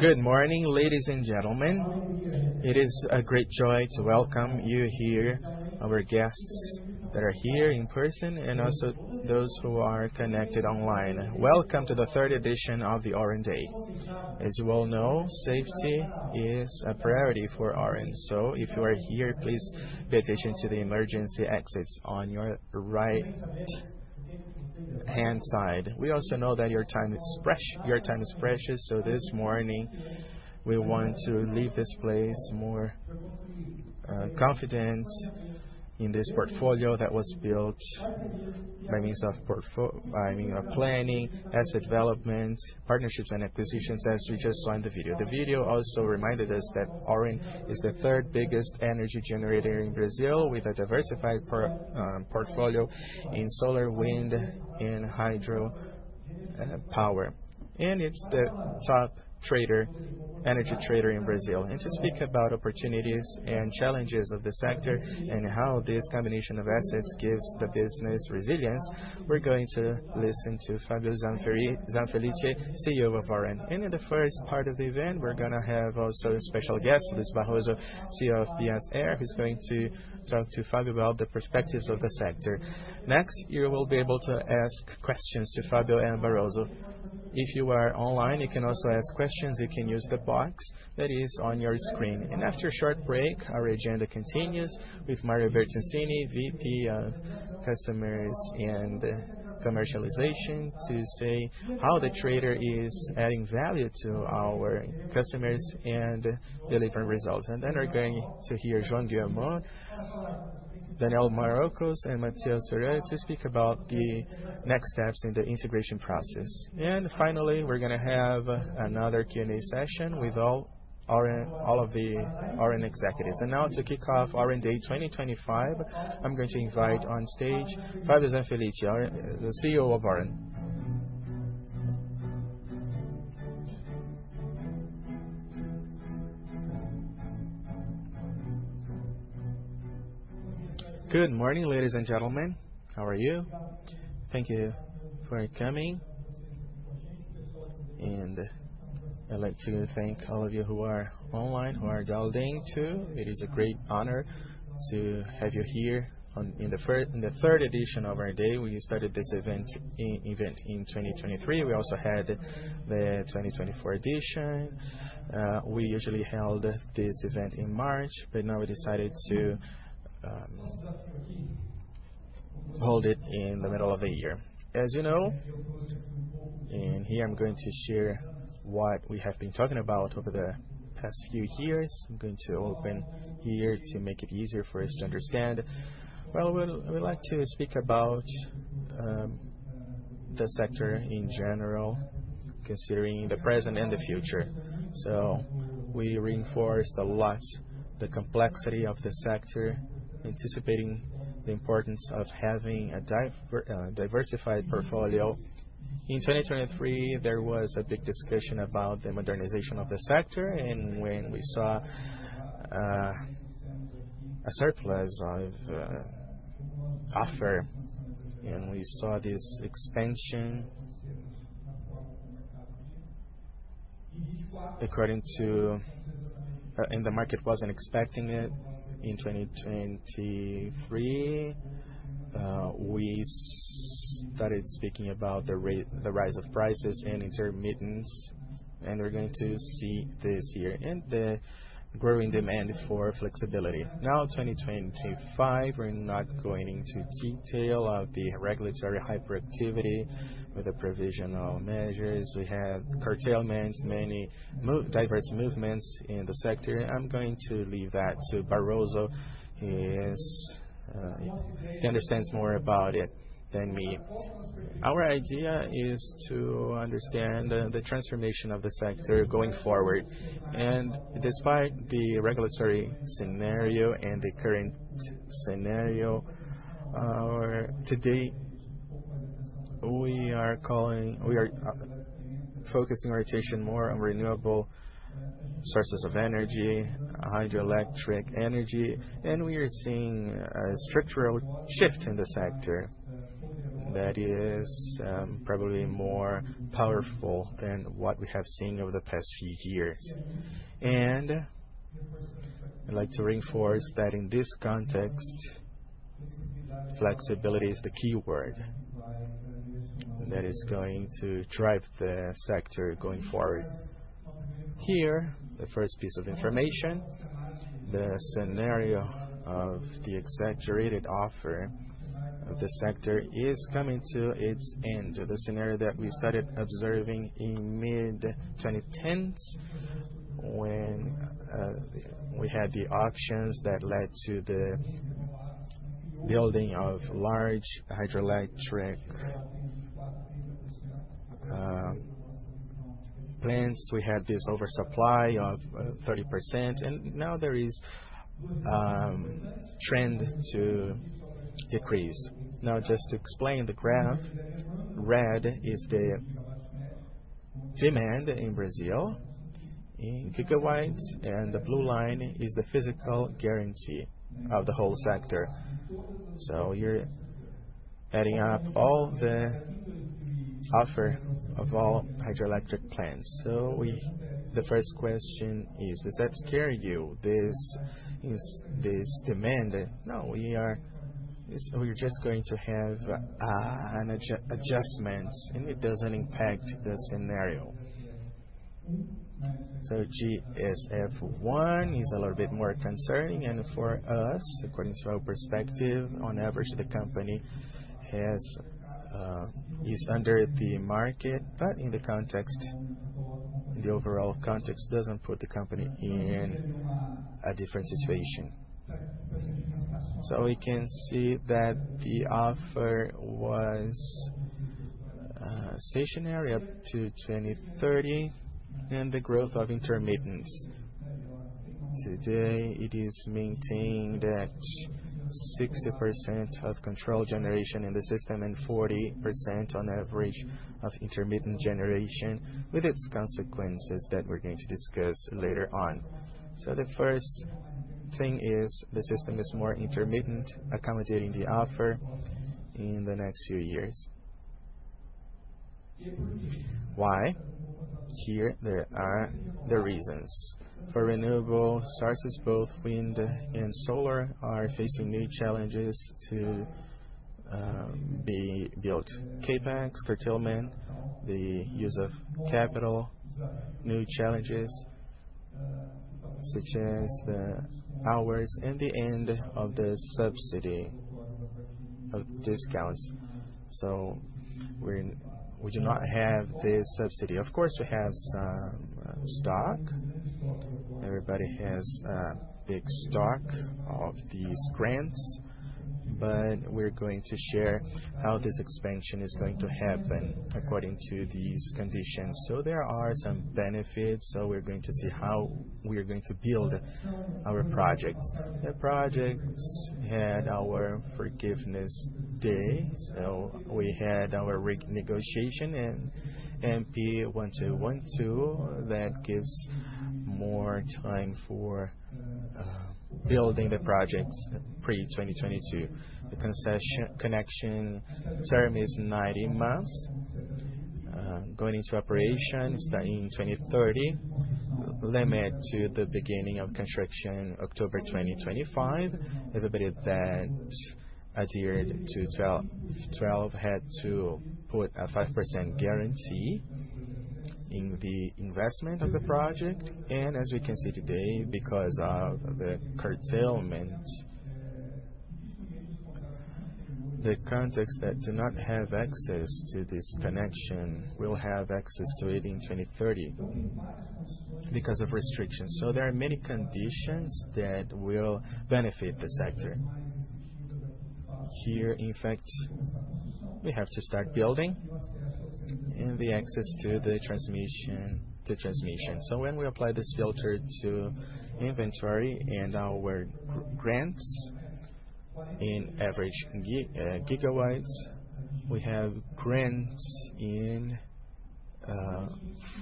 Good morning, ladies and gentlemen. It is a great joy to welcome you here. Our guests that are here in person, and also those who are connected online. Welcome to the third edition of the Auren Day. As you all know, safety is a priority for Auren. If you are here, please pay attention to the emergency exits on your right-hand side. We also know that your time is precious. This morning we want you to leave this place more confident in this portfolio that was built by means of planning, asset development, partnerships, and acquisitions, as you just saw in the video. The video also reminded us that Auren is the third biggest energy generator in Brazil, with a diversified portfolio in solar, wind, and hydropower. It is the top energy trader in Brazil. To speak about opportunities and challenges of the sector and how this combination of assets gives the business resilience, we're going to listen to Fábio Zanfelice, CEO of Auren. In the first part of the event, we're also going to have a special guest, Luiz Barroso, CEO of PSR, who's going to talk to Fábio about the perspectives of the sector. Next, you will be able to ask questions to Fábio and Barroso. If you are online, you can also ask questions. You can use the box that is on your screen. After a short break, our agenda continues with Mário Bertoncini, VP of Customers and Commercialization, to say how the Trader is adding value to our customers and delivering results. Then we're going to hear João Guillaumon, Daniel Marrocos, and Mateus Ferreira speak about the next steps in the integration process. Finally, we're going to have another Q&A session with all of the Auren executives. Now, to kick off Auren Day 2025, I'm going to invite on stage Fábio Zanfelice, the CEO of Auren. Good morning, ladies and gentlemen. How are you? Thank you for coming. I'd like to thank all of you who are online who are downloading too. It is a great honor to have you here in the third edition of our day. We started this event in 2023. We also had the 2024 edition. We usually held this event in March, but now we decided to hold it in the middle of the year, as you know. Here I'm going to share what we have been talking about over the past few years. I'm going to open here to make it easier for us to understand. We'd like to speak about the sector in general, considering the present and the future. We reinforced a lot the complexity of the sector, anticipating the importance of having a diversified portfolio. In 2023, there was a big discussion about the modernization of the sector. When we saw a surplus of offer and we saw this expansion according to and the market wasn't expecting it in 2023, we started speaking about the rise of prices and intermittency. We're going to see this year the growing demand for flexibility. Now, 2025, we're not going into detail of the regulatory hyperactivity with the provisional measures. We have curtailments, many diverse movements in the sector. I'm going to leave that to Barroso. He understands more about it than me. Our idea is to understand the transformation of the sector going forward. Despite the regulatory scenario and the current scenario, today we are focusing our attention more on renewable sources of energy, hydroelectric energy. We are seeing a structural shift in the sector that is probably more powerful than what we have seen over the past few years. I would like to reinforce that in this context, flexibility is the keyword that is going to drive the sector going forward. Here is the first piece of information: the scenario of the exaggerated offer of the sector is coming to its end. The scenario that we started observing in the mid-2010s when we had the auctions that led to the building of large hydroelectric plants, we had this oversupply of 30% and now there is a trend to decrease. Just to explain the graph, red is the demand in Brazil in GW and the blue line is the physical guarantee of the whole sector. You're adding up all the offer of all hydroelectric plants. The first question is, does that scare you? Is this demand? No, we're just going to have an adjustment and it doesn't impact the scenario. GSF is a little bit more concerning. For us, according to our perspective, on average the company is under the market. In the context, the overall context doesn't put the company in a different situation. We can see that the offer was stationary up to 2030 and the growth of intermittency. Today it is maintained at 60% of controlled generation in the system and 40% on average of intermittent generation with its consequences that we're going to discuss later on. The first thing is the system is more intermittent, accommodating the offer in the next few years. Here are the reasons for renewable sources. Both wind and solar are facing new challenges to be built: CapEx curtailment, the use of capital, and new challenges such as the hours and the end of the subsidy of discounts. We do not have this subsidy. Of course, we have some stock. Everybody has a big stock of these grants, but we're going to share how this expansion is going to happen according to these conditions. There are some benefits. We're going to see how we are going to build our project. The project had our forgiveness day. We had our renegotiation in MP 1.212 that gives more time for building the projects. Pre-2022, the connection term is 90 months, going into operations in 2030, with a limit to the beginning of construction in October 2025. Everybody that adhered to 12 had to put a 5% guarantee in the investment of the project. As we can see, because of the curtailment, the contacts that do not have access to this connection will have access to it in 2030 because of restrictions. There are many conditions that will benefit the sector here. In fact, we have to start building and the access to the transmission. When we apply this filter to inventory and our grants in average GW, we have grants in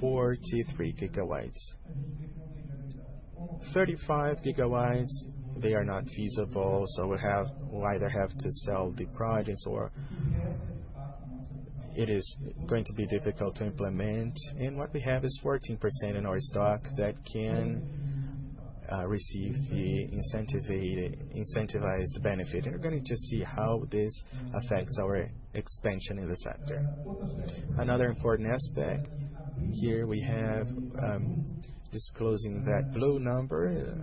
43 GW, 35 GW. They are not feasible. We either have to sell the projects or it is going to be difficult to implement. What we have is 14% in our stock that can receive the incentivized benefit. We're going to see how this affects our expansion in the sector. Another important aspect here is disclosing that blue number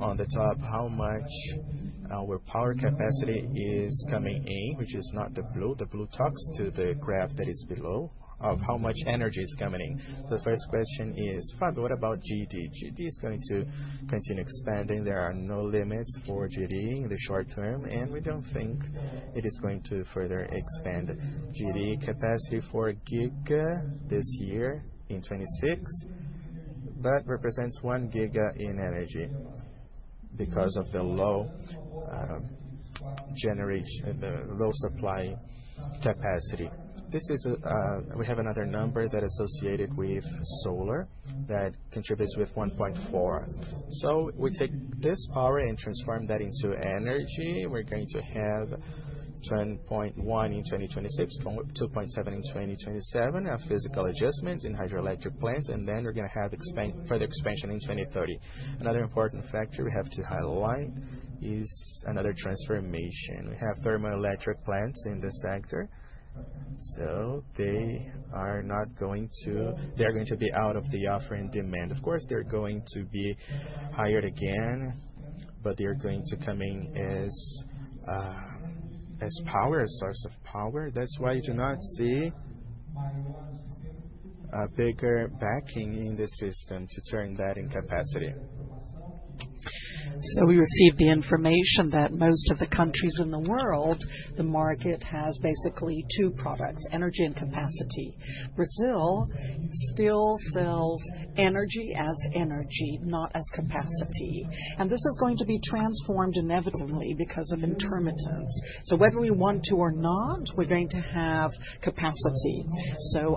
on the top, how much our power capacity is coming in, which is not the blue. The blue talks to the graph that is below of how much energy is coming in. The first question is, Fábio, what about GD? GD is going to continue expanding. There are no limits for GD in the short term, and we don't think it is going to further expand GD capacity 4 GW this year in 2026. That represents one GW in energy because of the low supply capacity. We have another number that is associated with solar that contributes with 1.4. We take this power and transform that into energy. We're going to have 10.1 in 2026, 2.7 in 2027, physical adjustments in hydroelectric plants, and then we're going to have further expansion in 2030. Another important factor we have to highlight is another transformation. We have thermoelectric plants in the sector. They are not going to be out of the offer and demand. Of course, they're going to be hired again, but they are going to come in as a power source of power. That's why you do not see a bigger backing in the system to turn that in capacity. We received the information that most of the countries in the world, the market has basically two products, energy and capacity. Brazil still sells energy as energy, not as capacity. This is going to be transformed inevitably because of intermittency. Whether we want to or not, we're going to have capacity.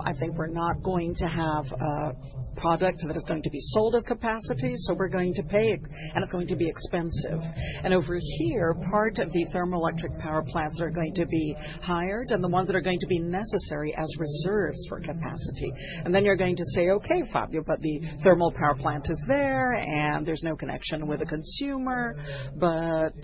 I think we're not going to have a product that is going to be sold as capacity. We're going to pay and it's going to be expensive. Over here, part of the thermoelectric power plants are going to be hired and the ones that are going to be necessary as reserves for capacity. You're going to say, okay, Fábio, but the thermal power plant is there and there's no connection with the consumer, but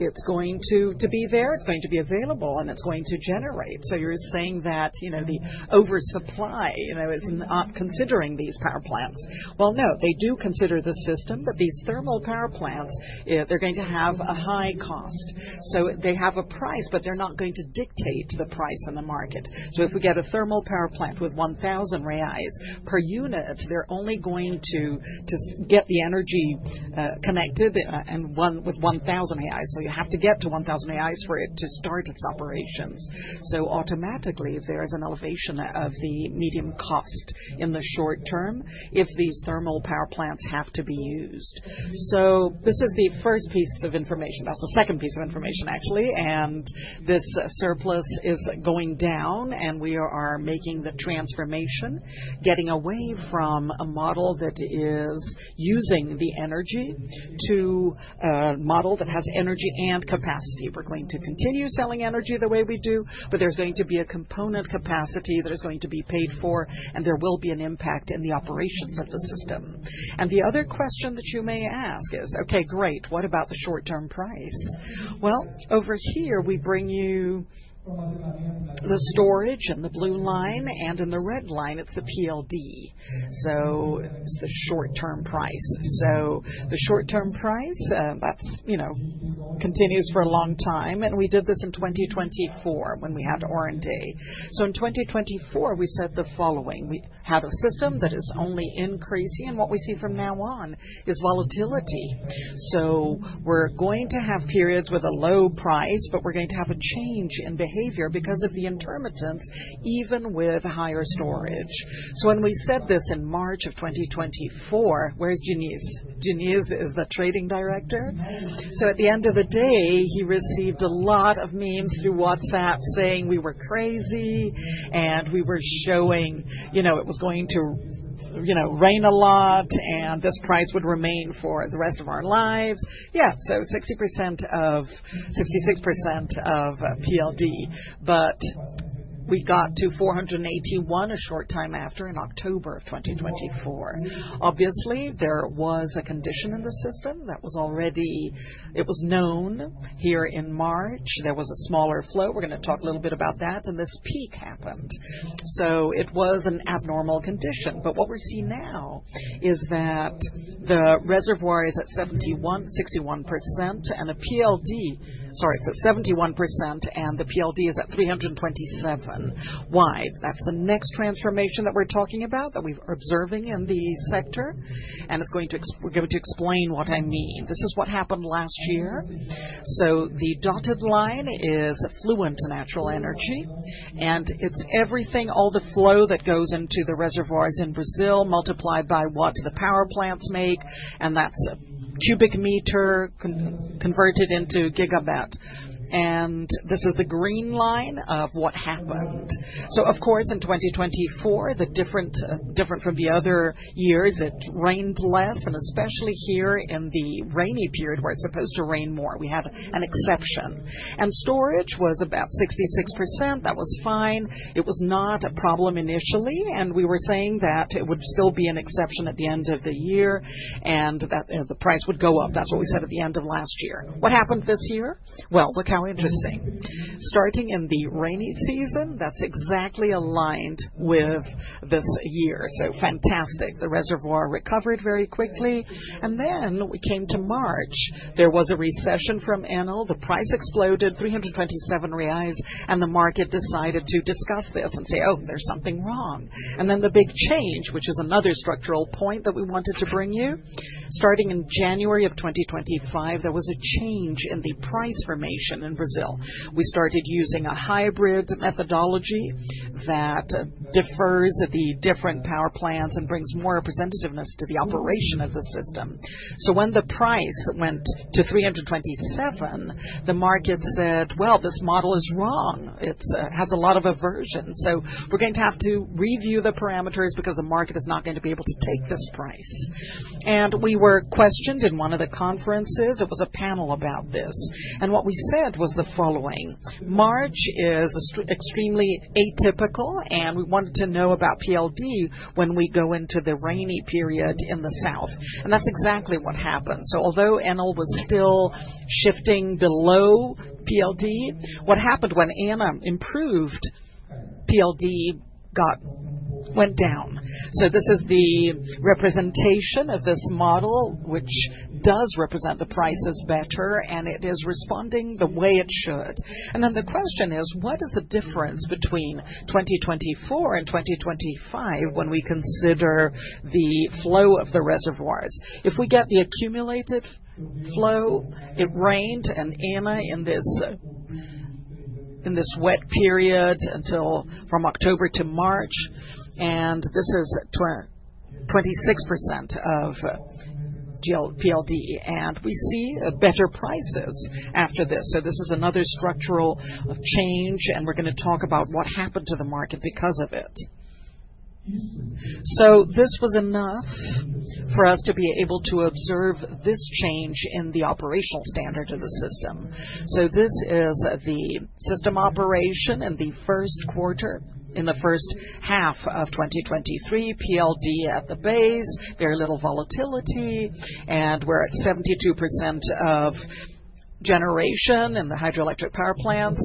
it's going to be there, it's going to be available and it's going to generate. You're saying that the oversupply is not considering these power? No, they do consider the system that these thermal power plants, they're going to have a high cost, so they have a price, but they're not going to dictate the price in the market. If we get a thermal power plant with 1,000 reais per unit, they're only going to get the energy connected with 1,000 reais. You have to get to 1,000 reais for it to start its operations. Automatically, if there is an elevation of the medium cost in the short term, if these thermal power plants have to be used. This is the first piece of information. That's the second piece of information actually. This surplus is going down and we are making the transformation, getting away from a model that is using the energy to a model that has energy and capacity. We're going to continue selling energy the way we do, but there's going to be a component capacity that is going to be paid for and there will be an impact in the operations of the system. The other question that you may ask is, okay, great, what about the short term price? Over here we bring you the storage and the blue line and in the red line it's the PLD. It's the short term price. The short term price continues for a long time. We did this in 2024 when we had Auren Day. In 2024 we said the following. We had a system that is only increasing and what we see from now on is volatility. We're going to have periods with a low price, but we're going to have a change in behavior because of the intermittency, even with higher storage. When we said this in March of 2024, where's Junior. Junior is the Trading Director. At the end of the day, he received a lot of memes through WhatsApp saying we were crazy and we were showing, you know, it was going to rain a lot and this price would remain for the rest of our lives. Yeah, so 60% or 66% of PLD. We got to 481 a short time after, in October of 2024. Obviously, there was a condition in the system that was already known. Here in March, there was a smaller flow. We're going to talk a little bit about that. This peak happened. It was an abnormal condition. What we see now is that the reservoir is at 61% and the PLD, sorry, it's at 71% and the PLD is at 327. Why? That's the next transformation that we're talking about, that we're observing in the sector. We're going to explain what I mean. This is what happened last year. The dotted line is fluent natural energy and it's everything, all the flow that goes into the reservoirs in Brazil multiplied by what the power plants make. That's cubic meter converted into GW. This is the green line of what happened. In 2024, different from the other years, it rained less, especially here in the rainy period, where it's supposed to rain more. We had an exception and storage was about 66%. That was fine. It was not a problem initially. We were saying that it would still be an exception at the end of the year and the price would go up. That's what we said at the end of last year. What happened this year? Look how interesting. Starting in the rainy season, that's exactly aligned with this year. Fantastic. The reservoir recovered very quickly. We came to March. There was a recession from ENA. The price exploded, 327 reais. The market decided to discuss this and say, oh, there's something wrong. The big change, which is another structural point that we wanted to bring you, starting in January of 2025, there was a change in the price formation in Brazil. We started using a hybrid methodology that defers the different power plants and brings more representativeness to the operation of the system. When the price went to 327, the market said this model is wrong. It has a lot of aversion. We're going to have to review the parameters because the market is not going to be able to take this price. We were questioned in one of the conferences. It was a panel about this. What we said was the following: March is extremely atypical. We wanted to know about PLD when we go into the rainy period in the south. That's exactly what happened. Although ENA was still shifting below PLD, what happened when EAR improved, PLD went down. This is the representation of this model, which does represent the prices better, and it is responding the way it should. The question is, what is the difference between 2024 and 2025 when we consider the flow of the reservoirs? If we get the accumulated flow, it rained, and ENA, in this wet period from October to March, and this is 26% of PLD. We see better prices after this. This is another structural change. We are going to talk about what happened to the market because of it. This was enough for us to be able to observe this change in the operational standard of the system. This is the system operation in the first quarter, in the first half of 2023, PLD at the base, very little volatility. We are at 72% of generation in the hydroelectric power plants,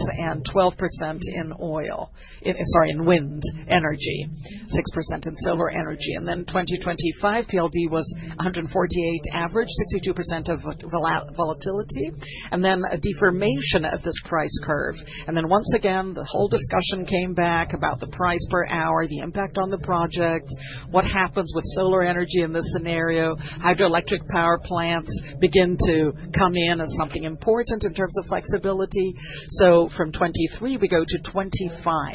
12% in wind energy, 6% in solar energy. In 2025, PLD was 148 average, 62% of 20 volatility, and then a deformation of this price curve. Once again, the whole discussion came back about the price per hour, the impact on the project, what happens with solar energy in this scenario. Hydroelectric power plants begin to come in as something important in terms of flexibility. From 2023 we go to 2025,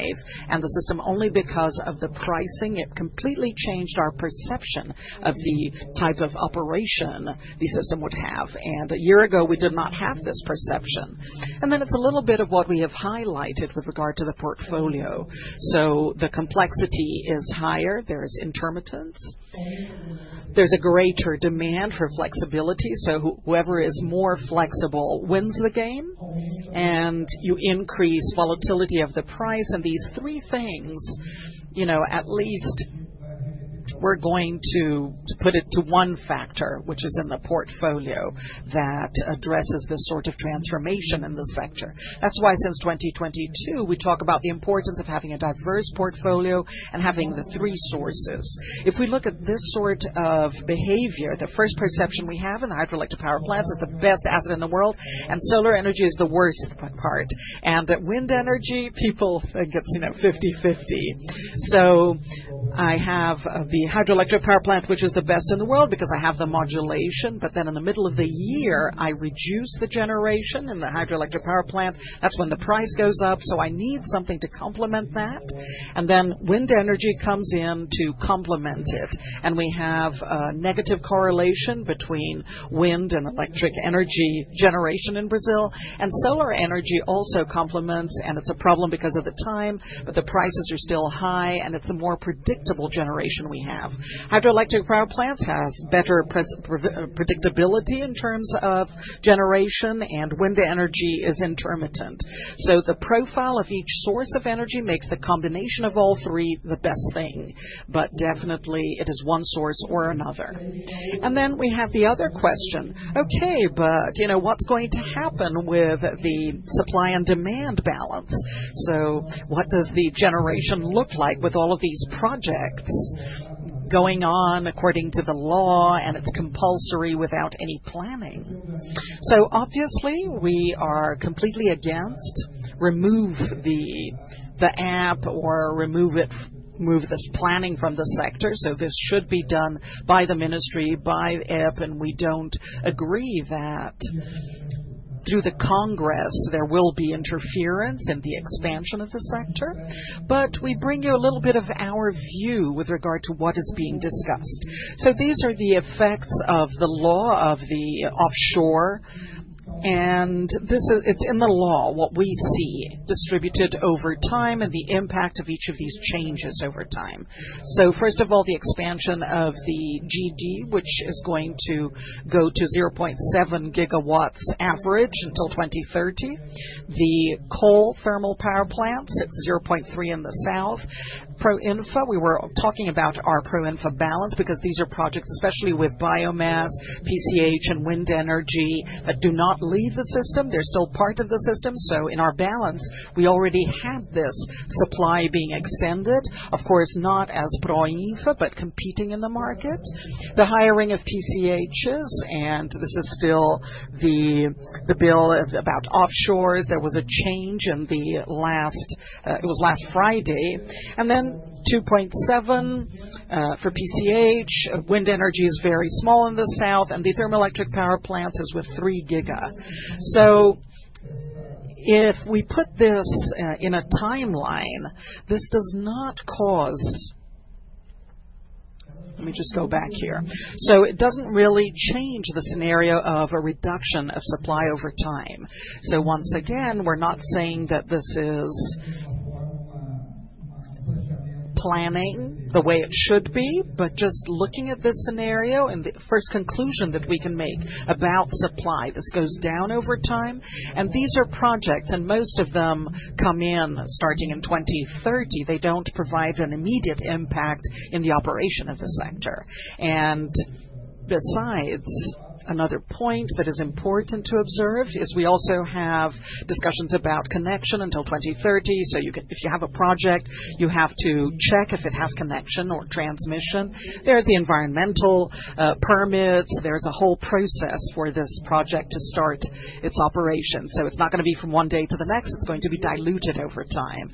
and the system, only because of the pricing, completely changed our perception of the type of operation the system would have. A year ago we did not have this. It's a little bit of what we have highlighted with regard to the portfolio. The complexity is higher, there's intermittency, there's a greater demand for flexibility. Whoever is more flexible wins the game. You increase volatility of the price, and these three things, at least, we are going to put it to one factor, which is in the portfolio that addresses this sort of transformation in the sector. That's why since 2022 we talk about the importance of having a diverse portfolio and having the three sources. If we look at this sort of behavior, the first perception we have in the hydroelectric power plants is the best asset in the world, and solar energy is the worst part. Wind energy, people think it's 50/50. I have the hydroelectric power plant, which is the best in the world because I have the modulation. In the middle of the year, I reduce the generation in the hydroelectric power plant. That's when the price goes up. I have to complement that, and then wind energy comes in to complement it. We have negative correlation between wind and electric energy generation in Brazil. Solar energy also complements, and it's a problem because of the time, but the prices are still high and it's a more predictable generation. We have hydroelectric power plants with better predictability in terms of generation, and wind energy is intermittent. The profile of each source of energy makes the combination of all three the best thing. It is not definitely one source or another. We have the other question: what's going to happen with the supply and demand balance? What does the generation look like with all of these projects going on according to the law? It's compulsory, without any planning. Obviously, we are completely against removing the EPE or removing this planning from the sector. This should be done by the Ministry, by EPE. We don't agree that through the Congress there will be interference in the expansion of the sector. We bring you a little bit of our view with regard to what is being discussed. These are the effects of the law of the offshore, and it's in the law what we see distributed over time and the impact of each of these changes over time. First of all, the expansion of the GD, which is going to go to 0.7 GW average until 2030. The coal thermal power plants at 0.3 in the south. PROINFA, we were talking about our PROINFA balance because these are projects, especially with biomass, PCH, and wind energy that do not leave the system. They're still part of the system. In our balance, we already had this supply being extended, of course not as PROINFA, but competing in the market, the hiring of PCHs. This is still the bill about offshores. There was a change last Friday, and then 2.7 for PCH. Wind energy is very small in the south, and the thermoelectric power plant is with three GW. If we put this in a timeline, this does not cause a change. It doesn't really change the scenario of a reduction of supply over time. Once again, we're not saying that. This is. Planning the way it should be, just looking at this scenario and the first conclusion that we can make about supply, this goes down over time. These are projects and most of them come in starting in 2030. They don't provide an immediate impact in the operation of the sector. Besides, another point that is important to observe is we also have discussions about connection until 2030. If you have a project, you have to check if it has connection or transmission. There are the environmental permits, there's a whole process for this project to start its operation. It's not going to be from one day to the next, it's going to be diluted over time.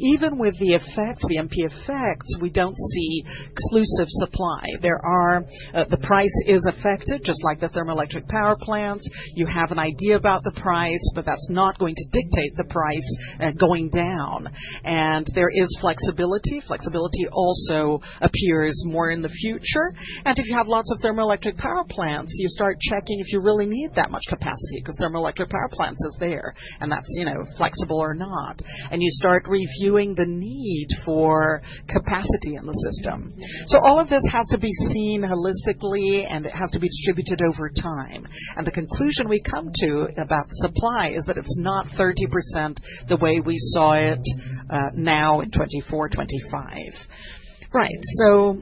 Even with the effects, the MP effects, we don't see exclusive supply. The price is affected, just like the thermoelectric power plants. You have an idea about the price, but that's not going to dictate the price going down. There is flexibility. Flexibility also appears more in the future. If you have lots of thermoelectric power plants, you start checking if you really need that much capacity, because thermoelectric power plants are there and that's, you know, flexible or not. You start reviewing the need for capacity in the system. All of this has to be seen holistically and it has to be distributed over time. The conclusion we come to about supply is that it's not 30% the way we saw it now in 2024, 2025. Right.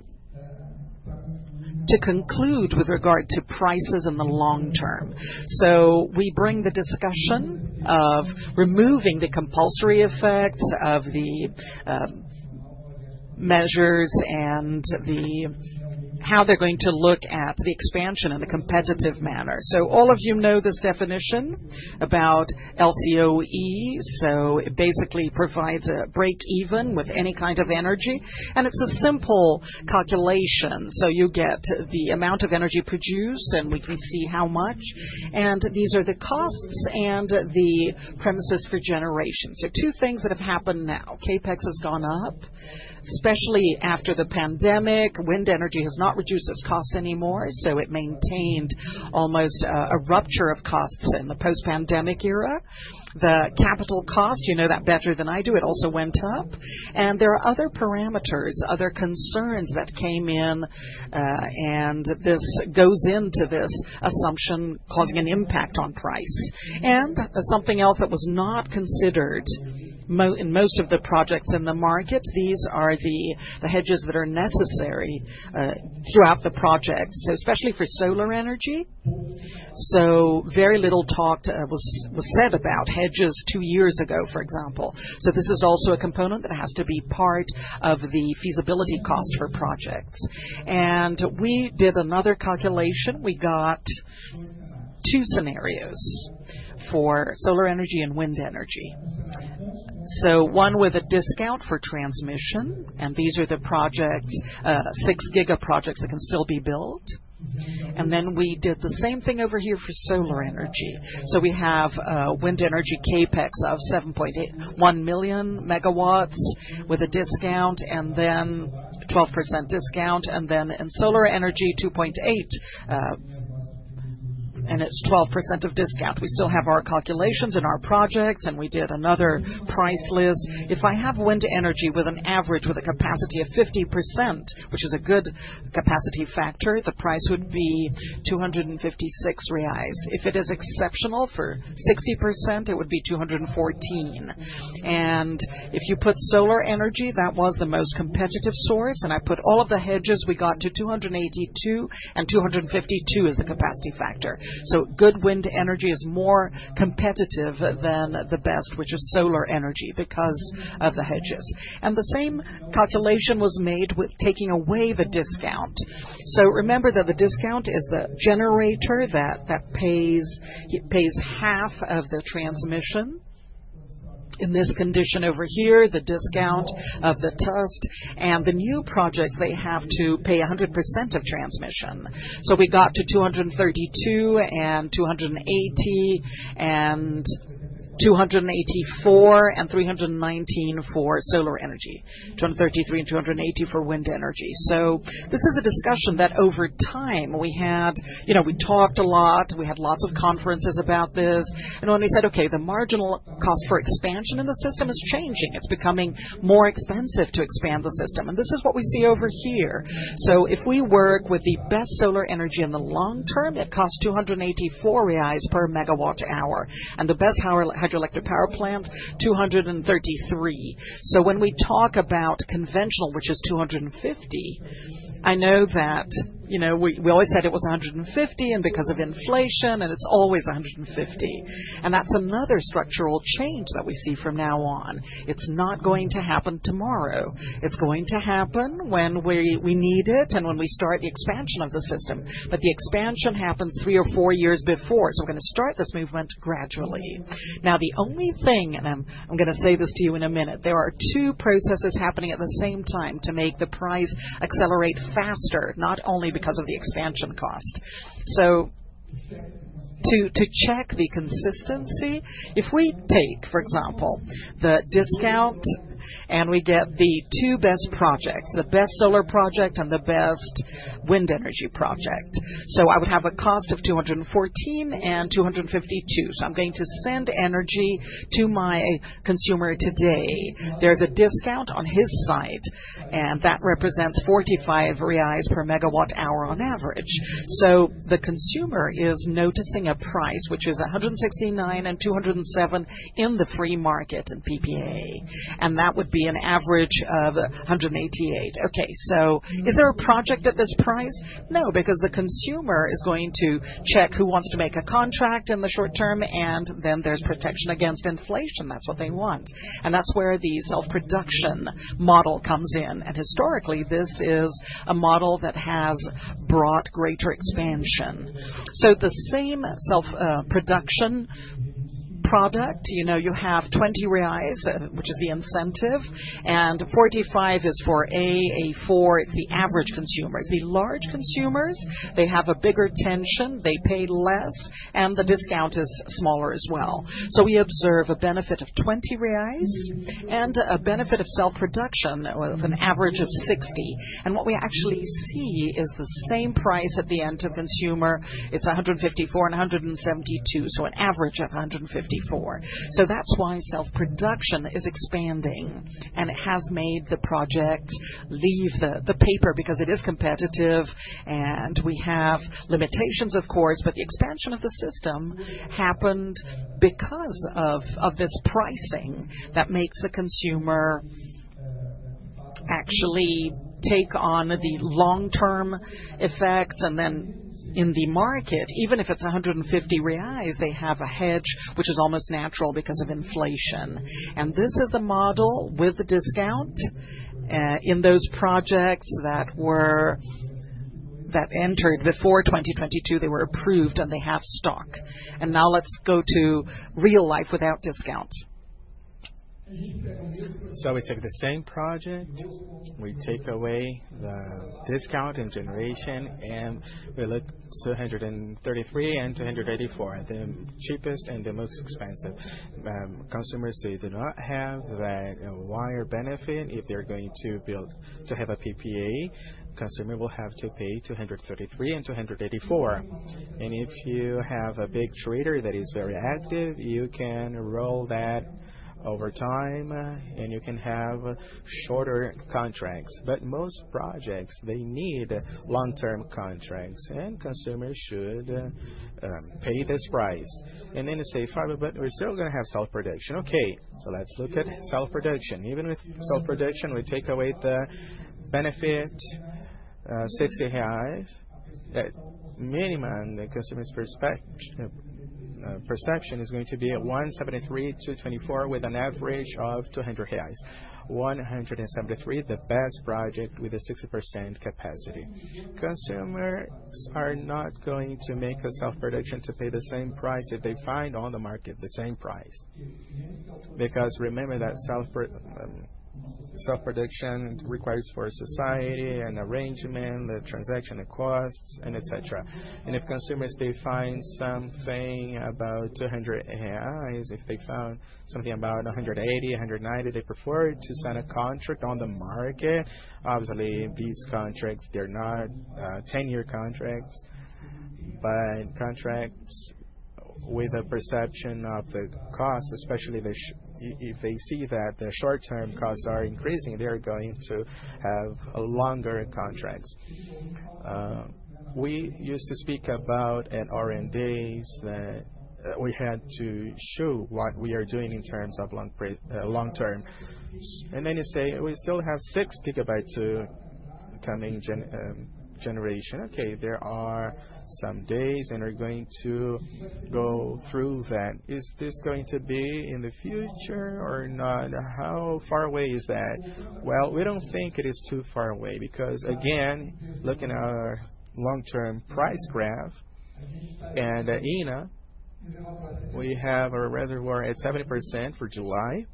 To conclude with regard to prices in the long term, we bring the discussion of removing the compulsory effects of the measures and how they're going to look at the expansion in a competitive manner. All of you know this definition about LCOE. It basically provides a break even with any kind of energy and it's a simple calculation. You get the amount of energy produced and we can see how much, and these are the costs and the premises for generations. Two things that have happened now, CapEx has gone up, especially after the pandemic. Wind energy has not reduced its cost anymore. It maintained almost a rupture of costs in the post-pandemic era. The capital cost, you know that better than I do, it also went up. There are other parameters, other concerns that came in. This goes into this assumption causing an impact on price and something else that was not considered in most of the projects in the market. These are the hedges that are necessary throughout the project, especially for solar energy. Very little talk was said about hedges two years ago, for example. This is also a component that has to be part of the feasibility cost for projects. We did another calculation. We got two scenarios for solar power generation and wind power assets. One with a discount for transmission, and these are the projects, six giga projects that can still be built. We did the same thing over here for solar power generation. We have wind power assets CapEx of 7.81 million MW with a discount and then 12% discount, and then in solar power generation 2.8 million and it's 12% of discount. We still have our calculations and our projects and we did another price list. If I have wind power assets with an average with a capacity of 50%, which is a good capacity factor, the price would be 256 reais. If it is exceptional for 60% it would be 214. If you put solar power generation, that was the most competitive source and I put all of the hedges, we got to 282 and 252 is the capacity factor. Good wind power assets are more competitive than the best, which is solar power generation because of the hedges. The same calculation was made with taking away the discount. Remember that the discount is the generator that pays half of the transmission. In this condition over here, the discount of the TUST and the new projects, they have to pay 100% of transmission. We got to 232 and 280 and 284 and 319 for solar power generation, 233 and 280 for wind power assets. This is a discussion that over time we had, you know, we talked a lot, we had lots of conferences about this. When we said, okay, the marginal cost for expansion in the system is changing, it's becoming more expensive to expand the system. This is what we see over here. If we work with the best solar power generation in the long term, it costs 284 reais per MWh. The best hydroelectric power plant, 233. When we talk about conventional, which is 250, I know that, you know, we always said it was 150 and because of inflation and it's always 150. That's another structural change that we see from now on. It's not going to happen tomorrow. It's going to happen when we need it and when we start the expansion of the system. The expansion happens three or four years before. We're going to start this movement gradually. The only thing, and I'm going to say this to you in a minute, there are two processes happening at the same time to make the price accelerate faster, not only because of the expansion cost. To check the consistency, if we take for example the discount and we get the two best projects, the best solar project and the best wind energy project, I would have a cost of 214 and 252. I'm going to send energy to my consumer today. There's a discount on his site and that represents 45 reais per MWh on average. The consumer is noticing a price which is 169 and 207 in the free market in PPA, and that would be an average of 188. Is there a project at this price? No, because the consumer is going to check who wants to make a contract in the short term. There's protection against inflation, that's what they want. That's where the self-production model comes in. Historically, this is a model that has brought greater expansion. The same self-production product, you have 20 reais which is the end incentive and 45 is for an A-4. It's the average consumers, the large consumers, they have a bigger tension, they pay less and the discount is smaller as well. We observe a benefit of 20 reais and a benefit of self-production of an average of 60. What we actually see is the same price at the end of consumer, it's 154 and 172, so an average of 100. That's why self-production is expanding and it has made the project leave the paper because it is competitive and we have limitations, of course, but the expansion of the system happened because of this pricing that makes the consumer actually take on the long-term effect. In the market, even if it's 150 reais, they have a hedge which is almost natural because of inflation. This is the model with the discount. In those projects that entered before 2022, they were approved and they have stock. Now let's go to real life without discount. We take the same project, we take away the discount in generation, and we look at 233 and 284, the cheapest and the most expensive consumers. They do not have that wire benefit. If they're going to build to have a PPA, the customer will have to pay 233 and 284. If you have a big trader that is very active, you can roll that over time and you can have shorter contracts. Most projects need long-term contracts, and consumers should pay this price in a safe harbor. We're still going to have self-production. Let's look at self-production. Even with self-production, we take away the benefit, 65 minimum. The customer's perception is going to be at 173, 224, with an average of 200 reais. 173 is the best project with a 60% capacity. Consumers are not going to make a self-production to pay the same price if they find on the market the same price. Remember that self-production requires for society an arrangement, the transaction, the costs, et cetera. If consumers find something about 200 reais, if they find something about BRL 180,BRL 190, they prefer to sign a contract on the market. Obviously, these contracts are not 10-year contracts, but contracts with a perception of the cost. Especially if they see that the short-term costs are increasing, they're going to have longer contracts. We used to speak about at Auren Days that we had to show what we are doing in terms of long-term. You say we still have six GW to coming generation. There are some days, and we're going to go through that. Is this going to be in the future or not? How far away is that? We don't think it is too far away because, again, looking at our long-term price graph and ENA, we have our reservoir at 70% for July.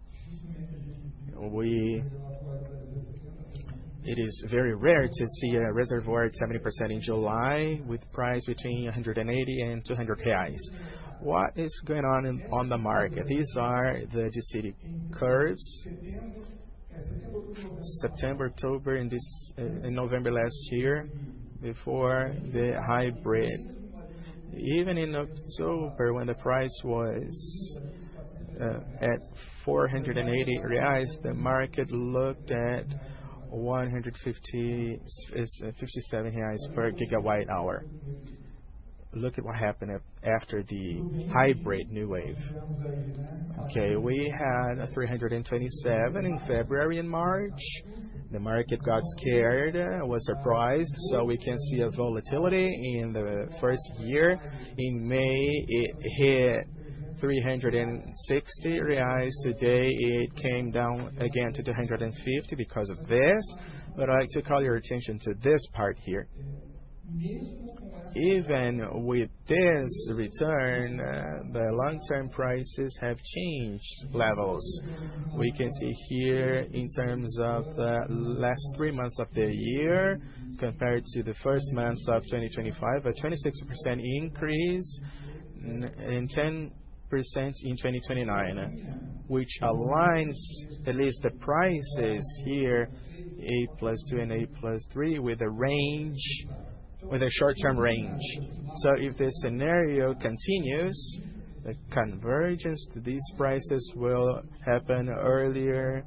It is very rare to see a reservoir at 70% in July with price between 180 and 200 reais. What is going on in the market? These are the GCD curves: September, October, and November. Last year, before the hybrid, even in October, when the price was at 480 reais, the market looked at 157 reais per GWh. Look at what happened after the hybrid NEWAVE. We had 327 in February and March. The market got scared, was surprised. We can see a volatility in the first year. In May, it hit 360 reais. Today, it came down again to 250 because of this. I like to call your attention to this part here. Even with this return, the long-term prices have changed levels. We can see here in terms of the last three months of the year compared to the first month of 2025, a 26% increase and 10% in 2029, which aligns at least the prices here, a plus two and a three with a range, with a short-term range. If this scenario continues, the convergence to these prices will happen earlier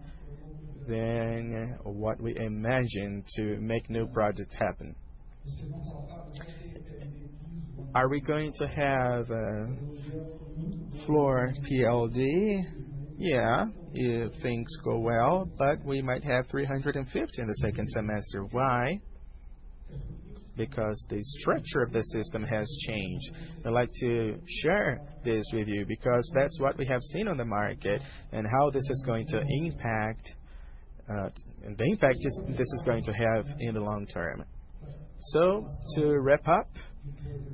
than what we imagine to make new projects happen. Are we going to have floor PLD? Yeah, if things go well. We might have 350 in the second semester. Why? Because the structure of the system has changed. I'd like to share this with you because that's what we have seen on the market and how this is going to impact the impact this is going to have in the long term. To wrap up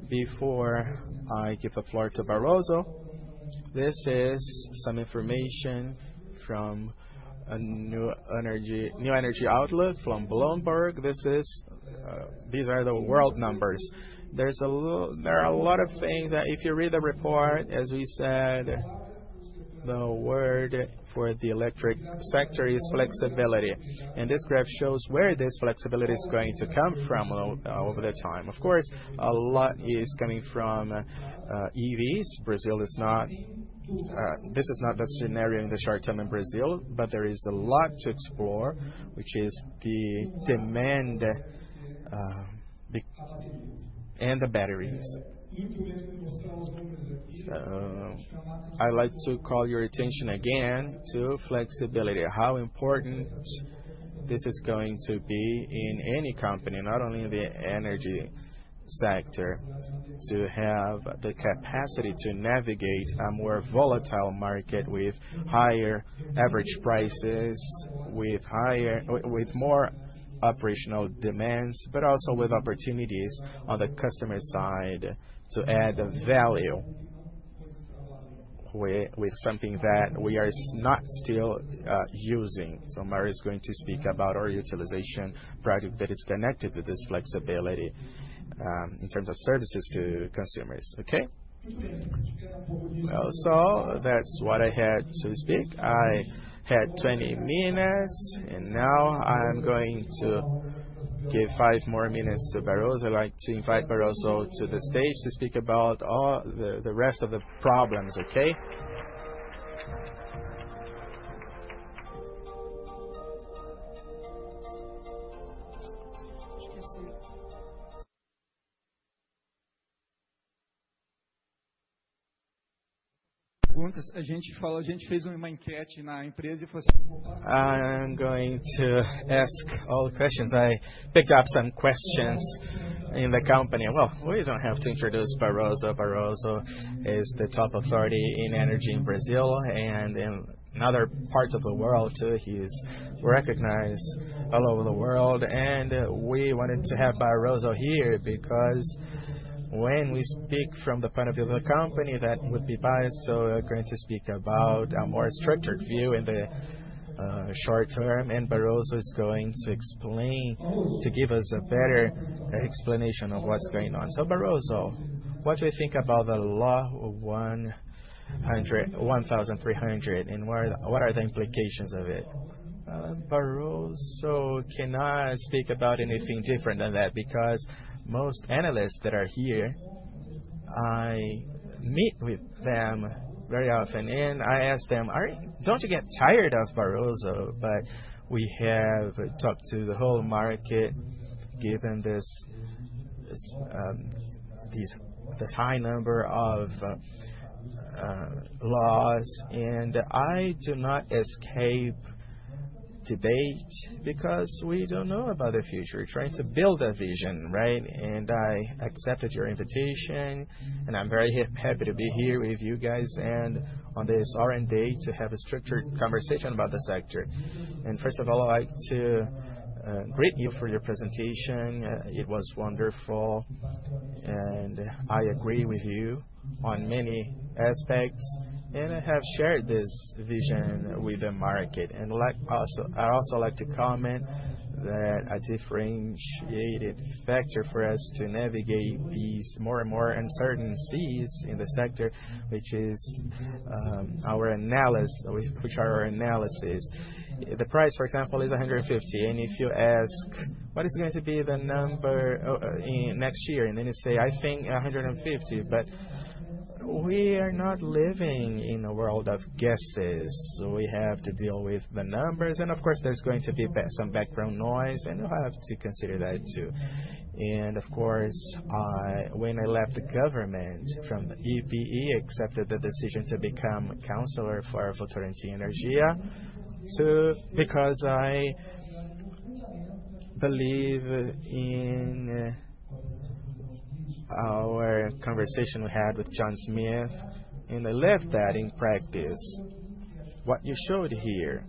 before I give the floor to Barroso, this is some information from a New Energy Outlook from Bloomberg. These are the world numbers. There are a lot of things, if you read the report, as we said, the word for the electric sector is flexibility. This graph shows where this flexibility is going to come from over the time. Of course, a lot is coming from EVs. Brazil is not. This is not the scenario in the short term in Brazil, but there is a lot to explore, which is the demand and the batteries. I'd like to call your attention again to flexibility. How important this is going to be in any company, not only in the energy sector, to have the capacity to navigate a more volatile market with higher average prices, with more operational demands, but also with opportunities on the customer side to add value with something that we are not still using. Mario is going to speak about our utilization product that is connected to this flexibility in terms of services to consumers. That's what I had to speak. I had 20 minutes and now I'm going to give five more minutes to Barroso. I'd like to invite Barroso to the stage to speak about the rest of the problems. I'm going to ask all the questions. I picked up some questions in the company. We don't have to introduce Barroso. Barroso is the top authority in energy in Brazil and in other parts of the world too. He is recognized all over the world. We wanted to have Barroso here because when we speak from the point of view of the company, that would be barren to speak about a more structured view in the short term. Barroso is going to explain, to give us a better explanation of what's going on. Barroso, what do you think about the law 1300 and what are the implications of it? Barroso cannot speak about anything different than that because most analysts that are here, I meet with them very often and I ask them, don't you get tired of Barroso? We have talked to the whole market, given this high number of laws. I do not escape debate, because we don't know about the future. Trying to build a vision, right? I accepted your invitation and I'm very happy to be here with you guys and on this Auren day to have a structured conversation about the sector. First of all, I'd like to greet you for your presentation. It was wonderful and I agree with you on many aspects. I have shared this vision with the market. I also like to comment that a differentiated factor for us to navigate these more and more uncertain seas in the sector, which is our analysis, which are our analysis. The price, for example, is 150. If you ask what is going to be the number next year, and then you say, I think 150. We are not living in a world of guesses. We have to deal with the numbers. Of course, there's going to be some background noise. You have to consider that too. Of course, when I left the government from the EPE, accepted the decision to become counselor for Votorantim Energia because I believe in our conversation we had with João Schmidt and I left that in practice, what you showed here,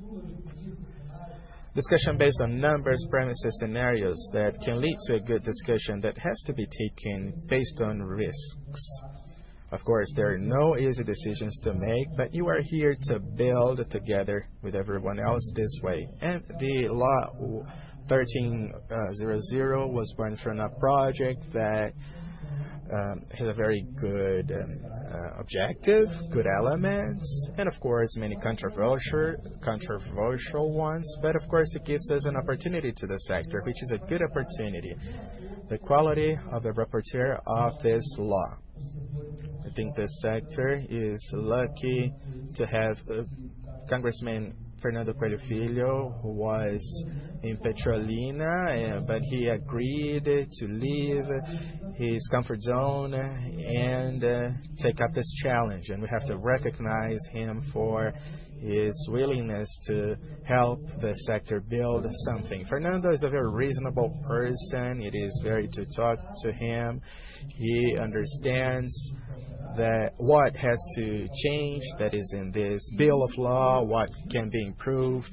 discussion based on numbers, premises, scenarios that can lead to a good discussion that has to be taken, based on risks. Of course, there are no easy decisions to make. You are here to build together with everyone else this way. The law 1300 was born from a project that has a very good objective, good elements, and of course, many controversial ones. It gives us an opportunity to the sector, which is a good opportunity, the quality of the rapporteur of this law. I think this sector is lucky to have Congressman Fernando Coelho Filho, who was in Petrolina. He agreed to leave his comfort zone and take up this challenge. We have to recognize him for his willingness to help the sector build something. Fernando is a very reasonable person. It is very easy to talk to him. He understands that what has to change that is in this bill of law, what can be improved.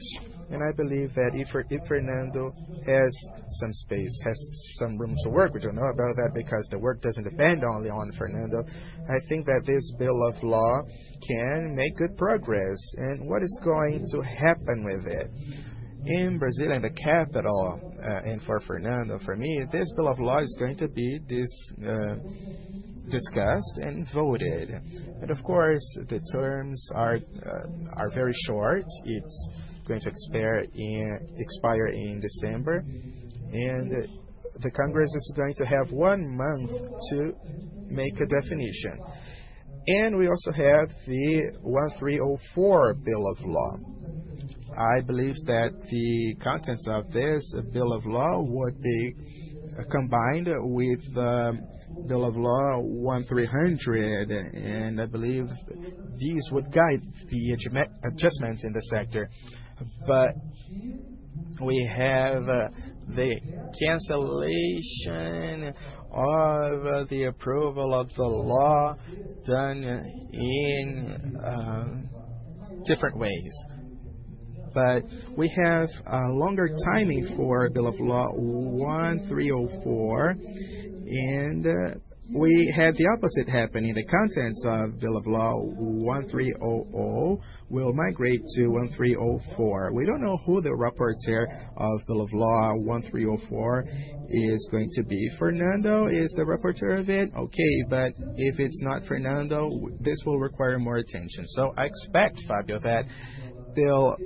I believe that if Fernando has some space, has some room to work, we don't know about that, because the work doesn't depend only on Fernando. I think that this bill of law can make good progress. What is going to happen with it in Brazil, in the capital. For Fernando, for me, this bill of law is going to be discussed and voted. The terms are very short. It's going to expire in December and the Congress is going to have one month to make a definition. We also have the 1304 bill of law. I believe that the contents of this bill of law, what they combined with the bill of law 1300, and I believe these would guide the adjustments in the sector. We have the cancellation of the approval of the law done in different ways. We have longer timing for bill of law 1304. We had the opposite happening. The contents of bill of law 1300 will migrate to 1304. We don't know who the rapporteur of bill of law 1304 is going to be. Fernando is the rapporteur of it. If it's not Fernando, this will require more attention. I expect, Fábio, that there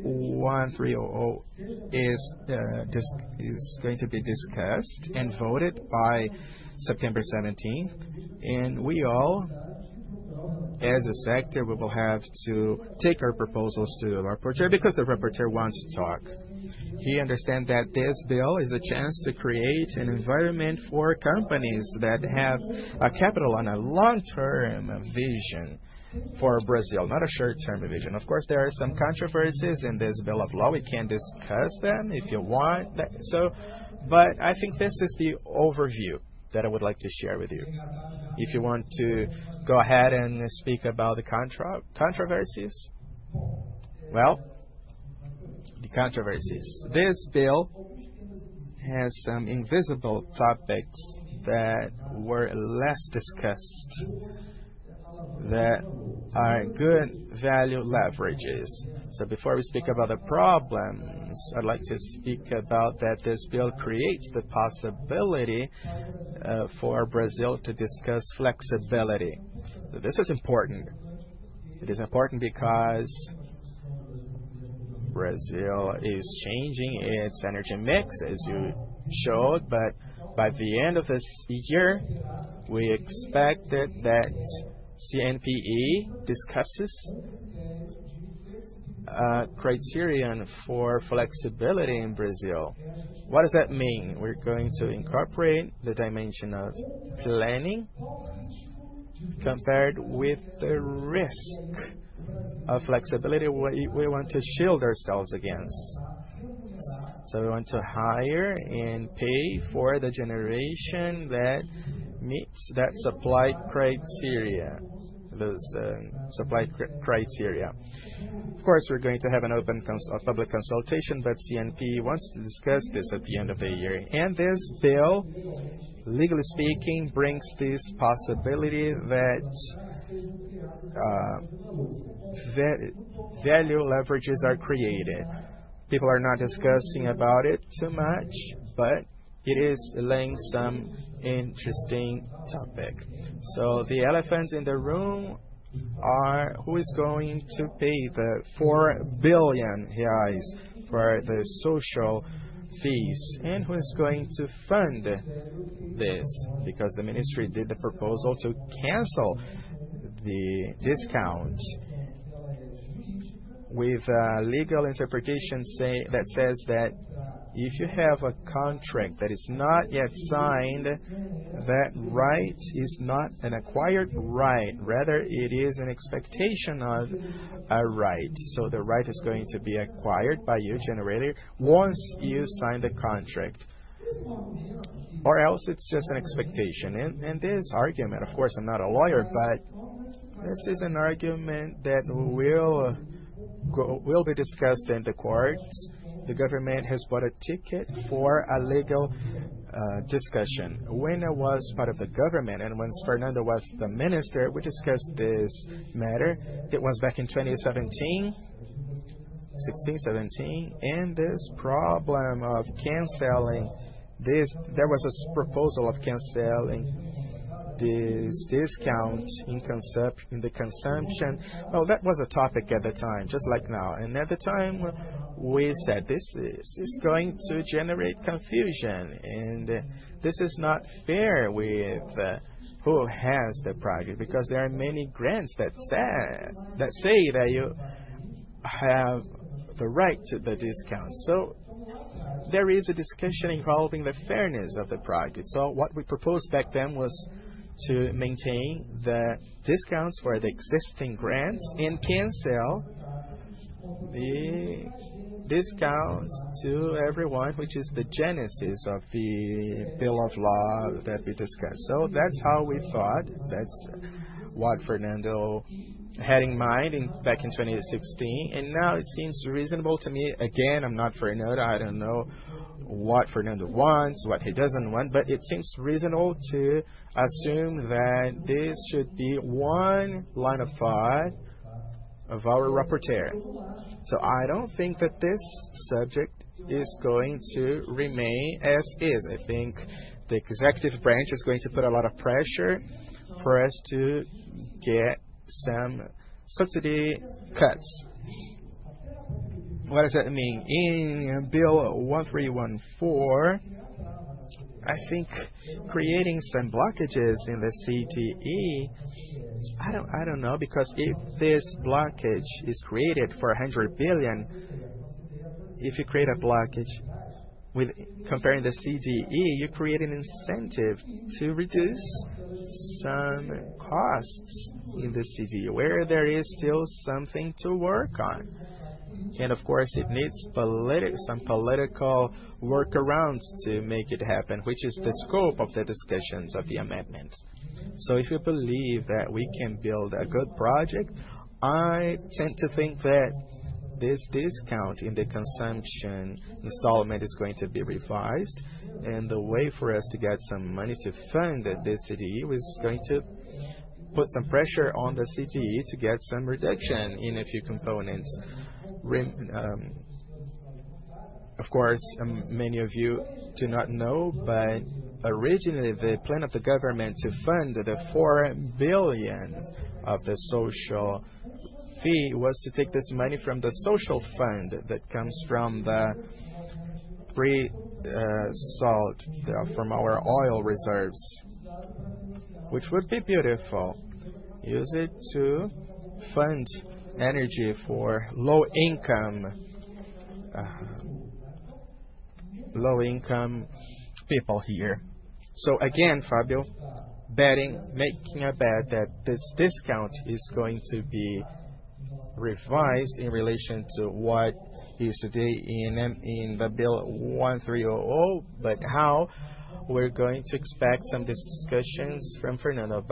is going to be discussed and voted by September 17th. We all, as a sector, will have to take our proposals to the rapporteur, because the rapporteur wants to talk. He understands that this bill is a chance to create an environment for companies that have a capital and a long-term vision for Brazil, not a short-term revision. There are some controversies in this bill of law. We can discuss them if you want. I think this is the overview that I would like to share with you. If you want to go ahead and speak about the controversies. The controversies, this bill has some invisible topics that were less discussed, that are good value leverages. Before we speak about the problems, I'd like to speak about that this bill creates the possibility for Brazil to discuss flexibility. This is important. It is important because Brazil is changing its energy mix, as you showed. By the end of this year, we expected that CNPE discusses criterion for flexibility in Brazil. What does that mean? We're going to incorporate the dimension of planning compared with the risk of flexibility. We want to shield ourselves again. We want to hire and pay for the generation that meets that supply criteria, those supply criteria. Of course, we're going to have an open public consultation, but CNPE wants to discuss this at the end of the year. This bill, legally speaking, brings this possibility that value leverages are created. People are not discussing about it too much, but it is laying some interesting topic. The elephants in the room are who is going to pay the 4 billion reais for the social fees and who is going to fund this? The Ministry did the proposal to cancel the discount with a legal interpretation that says that if you have a contract that is not yet signed, that right is not an acquired right, rather it is an expectation of a right. The right is going to be acquired by your generator once you sign the contract, or else it's just an expectation. This argument, of course I'm not a lawyer, but this is an argument that will be discussed in the courts. The government has bought a ticket for a legal discussion. When I was part of the government and once Fernando was the Minister, we discussed this matter. It was back in 2017, 2016-2017, and this problem of canceling, there was a proposal of canceling this discount in the consumption. That was a topic at the time, just like now. At the time we said this is going to generate confusion and this is not fair with who has the project, because there are many grants that say that you have the right to the discounts. There is a discussion involving the fairness of the project. What we proposed back then was to maintain the discounts for the existing grants and cancel the discounts to everyone, which is the genesis of the bill of law that we discussed. That's how we thought, that's what Fernando had in mind back in 2016. Now it seems reasonable to me, again, I'm not Fernando. I don't know what Fernando wants, what he doesn't want, but it seems reasonable to assume that this should be one line of thought of our rapporteur. I don't think that this subject is going to remain as is. I think the Executive Branch is going to put a lot of pressure for us to get some subsidy cuts. What does that mean in Bill 1314? I think creating some blockages in the CDE, I don't know. If this blockage is created for 100 billion, if you create a blockage comparing the CDE, you create an incentive to reduce some costs in the CDE where there is still something to work on. It needs some political workarounds to make it happen, which is the scope of the discussions of the amendments. If you believe that we can build a good project, I tend to think that this discount in the consumption installment is going to be revised. The way for us to get some money to fund this CDE was going to put some pressure on the CDE to get some reduction in a few components. Of course, many of you do not know, but originally the plan of the government to fund the 4 billion of the social fee was to take this money from the social fund that comes from the Pre-Salt from our oil reserves, which would be beautiful, use it to fund energy for low-income, low-income people here. Fábio, making a bet that this discount is going to be revised in relation to what is today in the Bill 1300, but how we're going to expect some discussions from Fernando.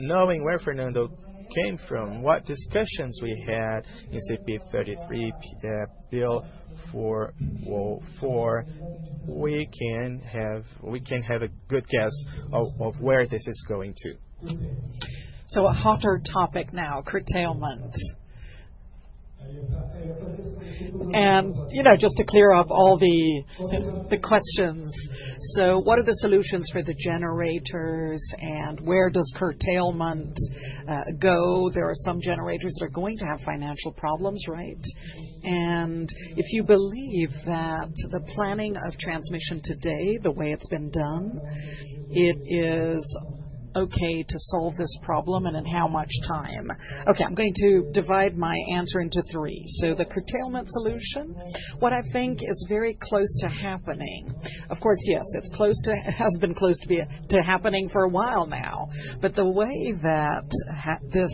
Knowing where Fernando came from, what discussions we had in CP 33 PL 414, we can have a good guess of where this is going to. A hotter topic now, curtailment. Just to clear up all the questions, what are the solutions for the generators and where does curtailment go? There are some generators that are going to have financial problems. Right. If you believe that the planning of transmission today, the way it's been done, it is okay to solve this problem and in how much time? I'm going to divide my answer into three. The curtailment solution, what I think is very close to happening. Of course, yes, it's close to, has been close to happening for a while now. The way that this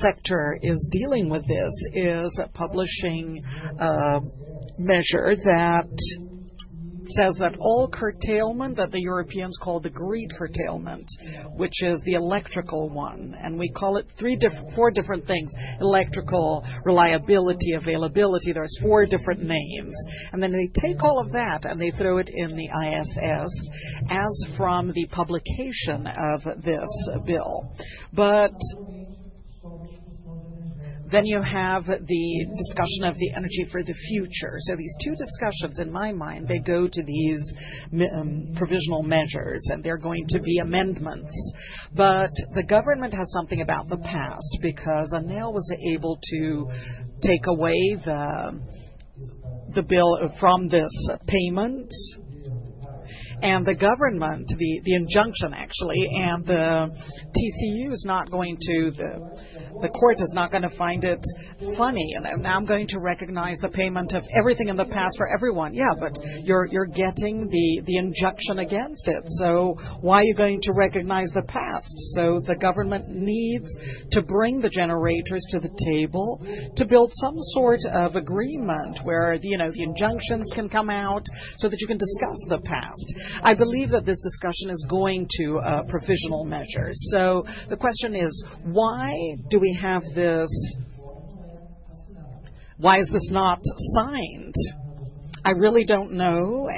sector is dealing with this is publishing a measure that says that all curtailment that the Europeans call the grid curtailment, which is the electrical one. We call it four different things: electrical, reliability, availability, there's four different names. They take all of that and they throw it in the image as from the publication of this bill. Then you have the discussion of the energy for the future. These two discussions, in my mind, go to these provisional measures and they're going to be amendments. The government has something about the past because ANEEL was able to take away the bill from this payment and the government, the injunction actually. The TCU is not going to, the court is not going to find it funny. I'm going to recognize the payment of everything in the past for everyone. Yeah, but you're getting the injunction against it, so why are you going to recognize the past? The government needs to bring the generators to the table to build some sort of agreement where the injunctions can come out so that you can discuss the past. I believe that this discussion is going to provisional measures. The question is why do we have this? Why is this not signed? I really don't know.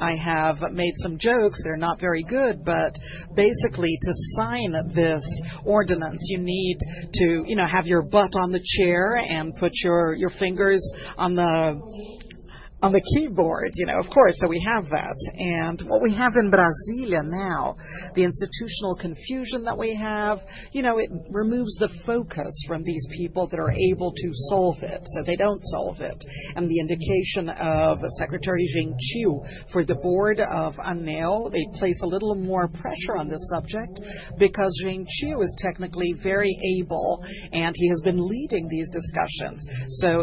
I have made some jokes, they're not very good. Basically, to sign this ordinance you need to have your butt on the chair and put your fingers on the keyboard, you know, of course. What we have in Brasilia now, the institutional confusion that we have, it removes the focus from these people that are able to solve it, so they don't solve it. The indication of Secretary Gentil for the board of ANEEL places a little more pressure on this subject, because Gentil is technically very able and he has been leading these discussions.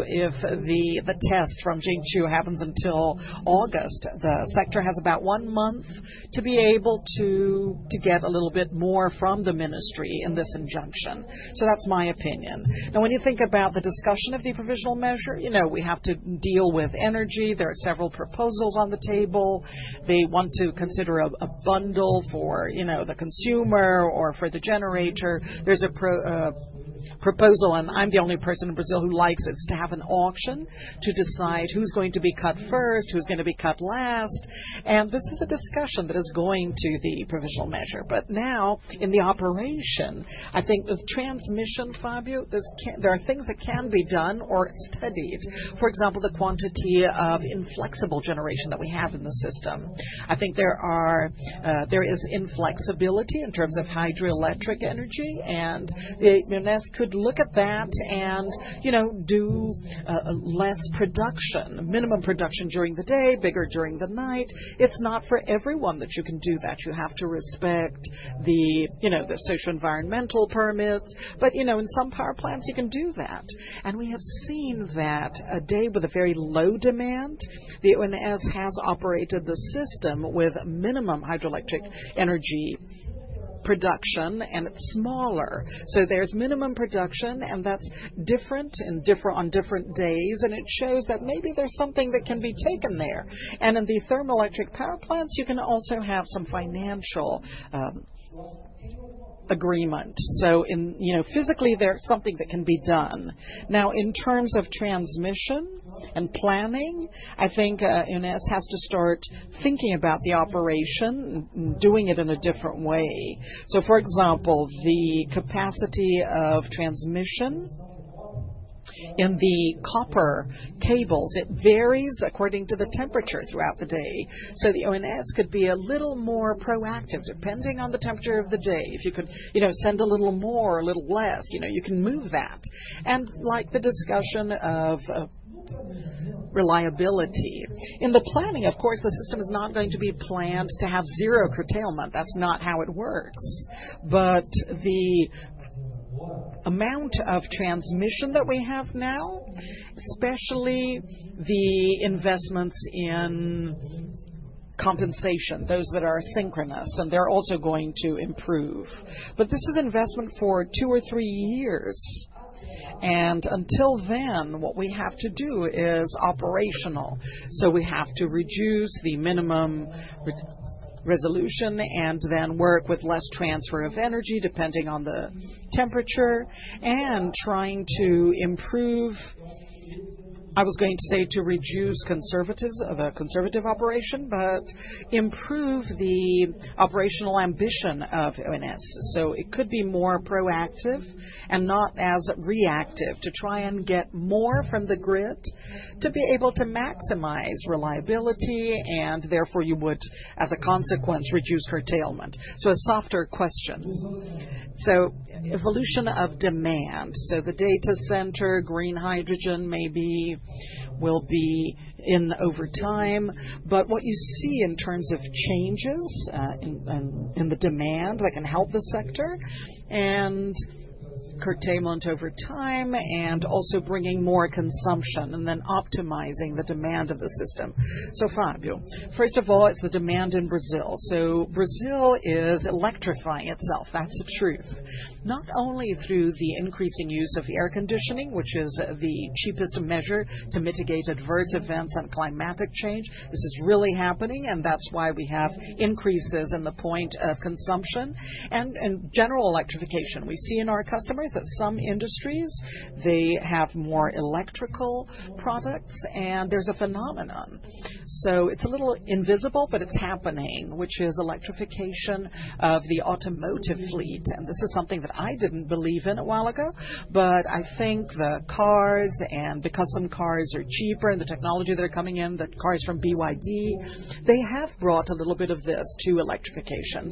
If the TUST from Gentil happens until August, the sector has about one month to be able to get a little bit more from the Ministry in this injunction. That's my opinion. Now, when you think about the discussion of the provisional measure, you know, we have to deal with energy. There are several proposals on the table. They want to consider a bundle for the consumer or for the generator. There's a proposal, and I'm the only person in Brazil who likes it, to have an auction to decide who's going to be cut first, who's going to be cut last. This is a discussion that is going to the provisional measure. Now in the operation, I think the transmission, Fábio, there are things that can be done or studied. For example, the quantity of inflexible generation that we have in the system. I think there is inflexibility in terms of hydroelectric energy. And could look at that and do less production, minimum production during the day, bigger during the night. It's not for everyone that you can do that. You have to respect the socio-environmental permit. In some power plants you can do that. We have seen that a day with a very low demand, the ONS has operated the system with minimum hydroelectric energy production. It's smaller, so there's minimum production. That's different and different on different days. It shows that maybe there's something that can be taken there. In the thermoelectric power plants, you can also have some financial agreement. Physically there's something that can be done now in terms of transmission and planning. I think ONS has to start thinking about the operation, doing it in a different way. For example, the capacity of transmission in the copper cables varies according to the temperature throughout the day. The ONS could be a little more proactive, depending on the temperature of the day. If you could send a little more, a little less, you can move that. Like the discussion of reliability in the planning, of course, the system is not going to be planned to have zero curtailment. That's not how it works. The amount of transmission that we have now, especially the investments in compensation, those that are synchronous, they're also going to improve, but this is investment for two or three years. Until then, what we have to do is operational. We have to reduce the minimum resolution and then work with less transfer of energy, depending on the temperature, and trying to improve, I was going to say to reduce conservative operation, but improve the operational ambition of ONS. It could be more proactive and not as reactive to try and get more from the grid to be able to maximize reliability. Therefore, you would as a consequence reduce curtailment. A softer question: evolution of demand. The data center, green hydrogen maybe will be in over time, but what you see in terms of changes in the demand that can help the sector and curtailment over time and also bringing more consumption and then optimizing the demand of the system. Fábio, first of all, it's the demand in Brazil. Brazil is electrifying itself, that's the truth. Not only through the increasing use of air conditioning, which is the cheapest measure to mitigate adverse events and climatic change. This is really happening, and that's why we have increases in the point of consumption and general electrification. We see in our customers that some industries have more electrical products. There's a phenomenon, so it's a little invisible, but it's happening, which is electrification of the automotive fleet. This is something that I didn't believe in a while ago, but I think the cars and the custom cars are cheaper. The technology that is coming in, the cars from BYD, they have brought a little bit of this to electrification.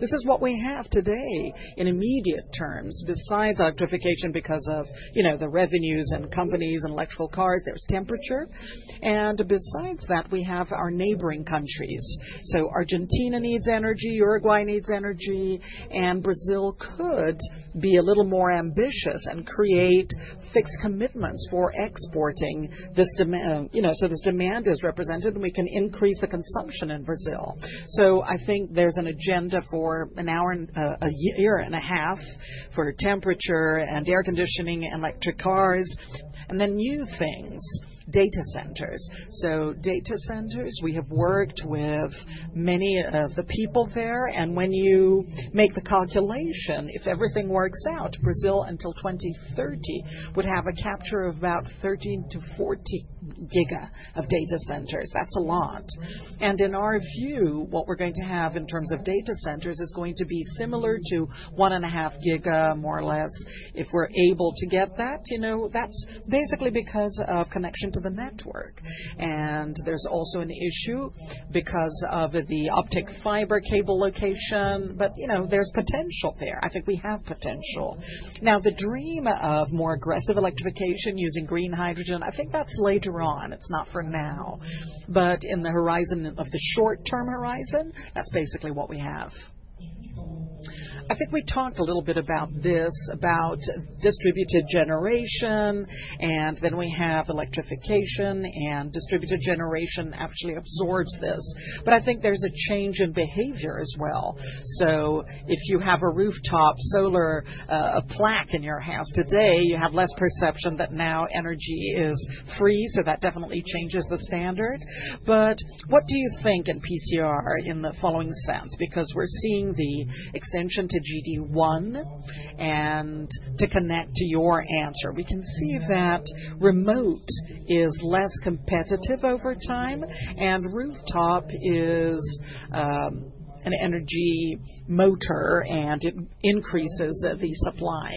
This is what we have today in immediate terms besides electrification, because of the revenues and companies and electrical cars, there's temperature. Besides that, we have our neighboring countries. Argentina needs energy, Uruguay needs energy, and Brazil could be a little more ambitious and create fixed commitments for exporting this demand. This demand is represented and we can increase the consumption in Brazil. I think there's an agenda for an hour, a year and a half for temperature and air conditioning, electric cars and then new things, data centers. Data centers, we have worked with many of the people there. When you make the calculation, if everything works out, Brazil until 2030 would have a capture of about 13 to 40 GW of data centers. That's a lot. In our view, what we're going to have in terms of data centers is going to be similar to 1.5 GW, more or less, if we're able to get that. You know, that's basically because of connection to the network. There's also an issue because of the optic fiber cable location. You know, there's potential there. I think we have potential. Now the dream of more aggressive electrification, you using green hydrogen, I think that's later on. It's not for now, but in the horizon of the short term horizon, that's basically what we have. I think we talked a little bit about this, about distributed generation, and then we have electrification and distributed generation actually absorbs this. I think there's a change in behavior as well. If you have a rooftop solar panel in your house today, you have less perception that now energy is free. That definitely changes the standard. What do you think in PSR in the following sense, because we're seeing the extension to GD1 and to connect to your answer, we can see that remote is less competitive over time. Rooftop is an energy motor and it increases the supply.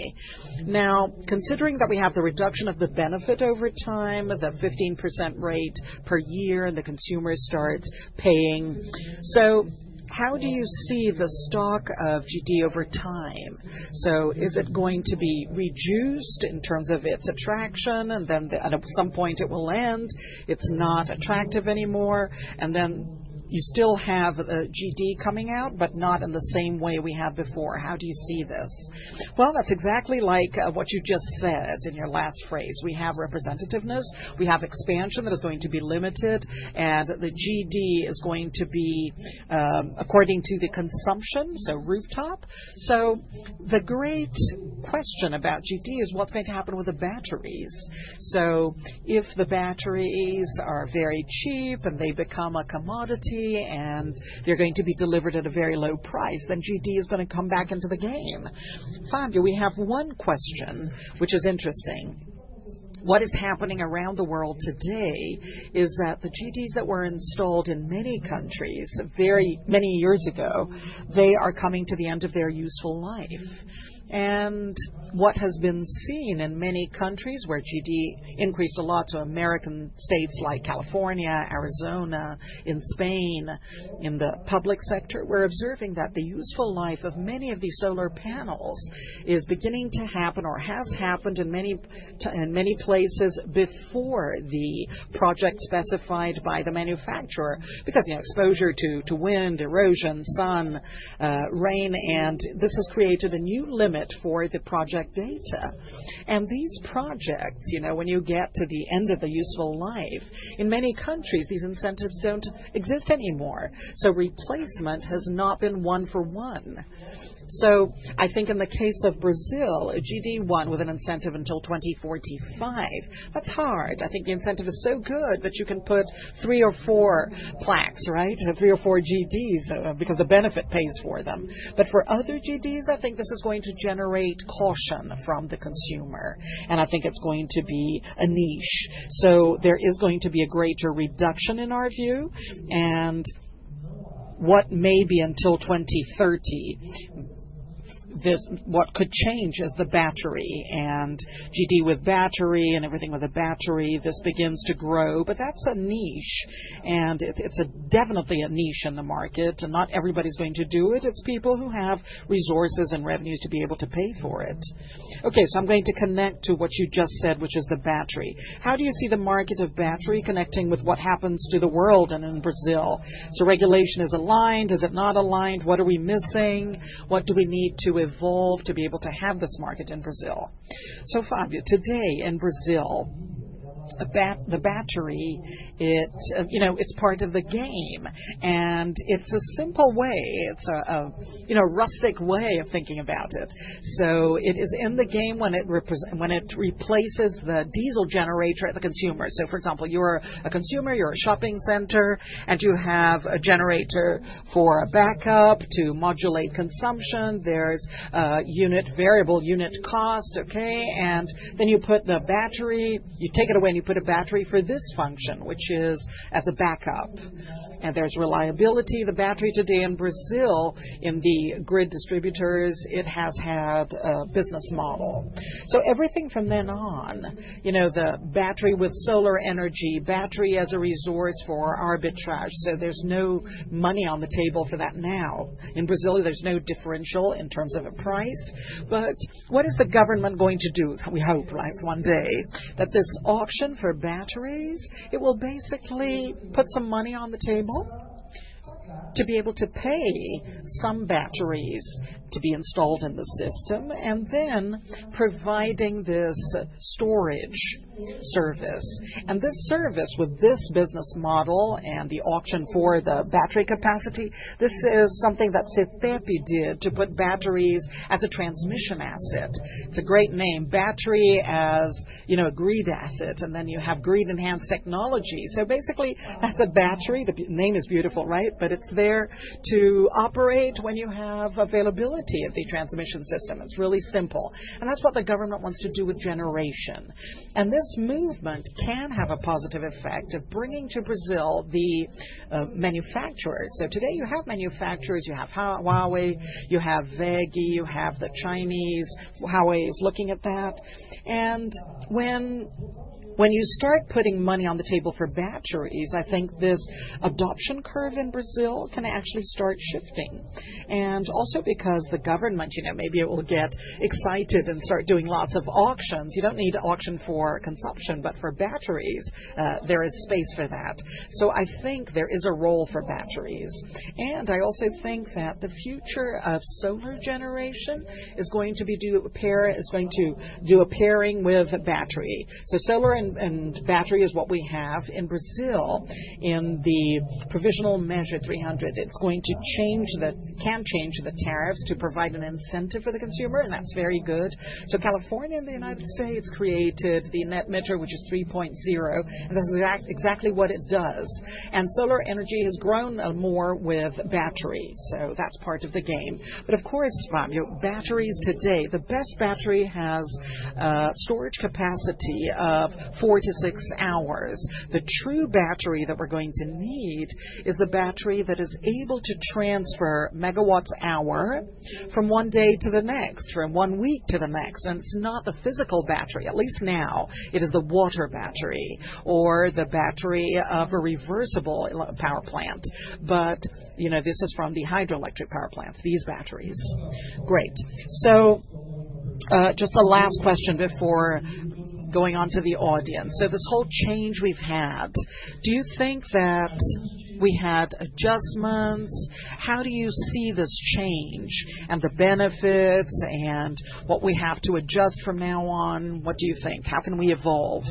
Now, considering that we have the reduction of the benefit over time, the 15% rate per year and the consumer starts paying. How do you see the stock of GD over time? Is it going to be reduced in terms of its attraction? At some point it will land, it's not attractive anymore. You still have GD coming out, but not in the same way we had before. How do you see this? That's exactly like what you just said in your last phrase. We have representativeness, we have expansion that is going to be limited. The GD is going to be according to the consumption, so rooftop. The great question about GD is what's going to happen with the batteries. If the batteries are very cheap and they become a commodity and they're going to be delivered at a very low price, then GD is going to come back into the game. Fábio, we have one question which is interesting. What is happening around the world today is that the GDs that were installed in many countries very many years ago, they are coming to the end of their useful life. What has been seen in many countries where GD increased a lot to American states like California, Arizona, in Spain, in the public sector, we're observing that the useful life of many of these solar panels is beginning to happen or has happened in many places before the project specified by the manufacturer, because exposure to wind, erosion, sun, rain, and this has created a new limit for the project data and these projects. You know, when you get to the end of the useful life in many countries, these incentives don't exist anymore. Replacement has not been one for one. I think in the case of Brazil, GD1 with an incentive until 2045, that's hard. I think incentive is so good that you can put three or four panels, right? Three or four GDs because the benefit pays for them. For other GDs, I think this is going to generate caution from the consumer and I think it's going to be a niche. There is going to be a greater reduction in our view. What may be until 2030, what could change is the battery and GD. With battery and everything, with a battery, this begins to grow. That's a niche and it's definitely a niche in the market. Not everybody's going to do it. It's people who have resources and revenues to be able to pay for it. Okay, I'm going to connect to what you just said, which is the battery. How do you see the market of battery connecting with what happens to the world and in Brazil? Regulation is aligned, is it not aligned? What are we missing? What do we need to evolve to be able to have this market in Brazil? Fábio, today in Brazil, the battery, you know, it's part of the game and it's a simple way, it's a rustic way of thinking about it. It is in the game when it replaces the diesel generator at the consumer. For example, you're a consumer, you're a shopping center and you have a generator for a backup to modulate consumption. There's unit, variable unit cost, okay? Then you put the battery, you take it away and you put a battery for this function, which is as a backup and there's reliability. The battery today in Brazil, in the grid distributors, it has had a business model. Everything from then on, you know, the battery with solar energy, battery as a resource for arbitrage. There's no money on the table for that. Now in Brazil, there's no differential in terms of a price. What is the government going to do? We hope one day that this auction for batteries, it will basically put some money on the table to be able to pay some batteries to be installed in the system. Then providing this storage service and this service with this business model and the auction for the battery capacity. This is something that CTEEP did to put batteries as a transmission asset. It's a great name, battery, as you know, grid assets. Then you have Grid Enhancing Technologies. Basically that's a battery. The name is beautiful, right? It's there to operate when you have availability of the transmission system. It's really simple. That's what the government wants to do with generation. This movement can have a positive effect of bringing to Brazil the manufacturers. Today you have manufacturers, you have Huawei, you have WEG, you have the Chinese. Huawei is looking at that. When you start putting money on the table for batteries, I think this adoption of curve in Brazil can actually start shifting. Also, because the government, you know, maybe it will get excited and start doing lots of auctions. You don't need auction for consumption, but for batteries there is space for that. I think there is a role for batteries. I also think that the future of solar power generation is going to do a pairing with battery. Solar and battery, and battery is what we have in Brazil in the Provisional Measure 300. It's going to change, can change the tariffs to provide an incentive for the consumer. That's very good. California and the United States created the Net Metering, which is 3.0. This is exactly what it does. Solar energy has grown more with batteries. That's part of the game. Of course, batteries today, the best batteries have storage capacity of four to six hours. The true battery that we're going to need is the battery that is able to transfer MWh from one day to the next, from one week to the next. It's not the physical battery, at least now, it is the water battery or the battery of a reversible power plant. This is from the hydroelectric power plants, these batteries. Great. Just the last question before going on to the audience. This whole change we've had, do you think that we had adjustments? How do you see this change and the benefits and what we have to adjust from now on? What do you think? How can we evolve?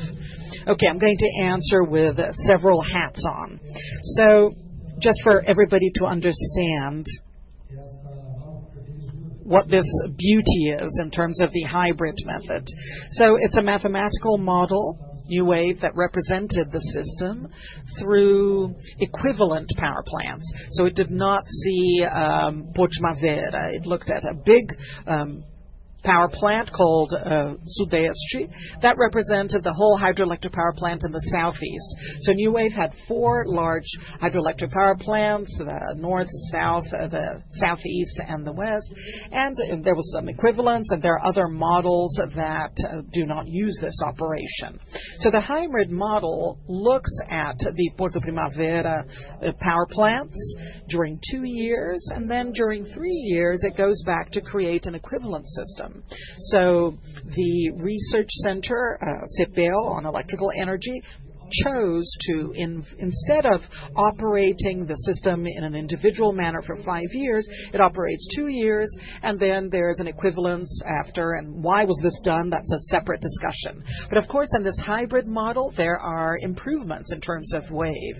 Okay, I'm going to answer with several hats on. Just for everybody to understand what this beauty is in terms of the hybrid method. It's a mathematical model, NEWAVE, that represented the system through equivalent power plants. It did not see Porto Primavera. It looked at a big power plant called Sudeste that represented the whole hydroelectric power plant in the Southeast. NEWAVE had four large hydroelectric power plants: North, South, Southeast, and West. There was some equivalence. There are other models that do not use this operation. The hybrid model looks at the Porto Primavera power plants during two years, and then during three years it goes back to create an equivalent system. The Research Center CEPEL on Electrical Energy chose to, instead of operating the system in an individual manner for five years, operate two years, and then there's an equivalence after. That is a separate discussion. Of course, in this hybrid model there are improvements in terms of wave.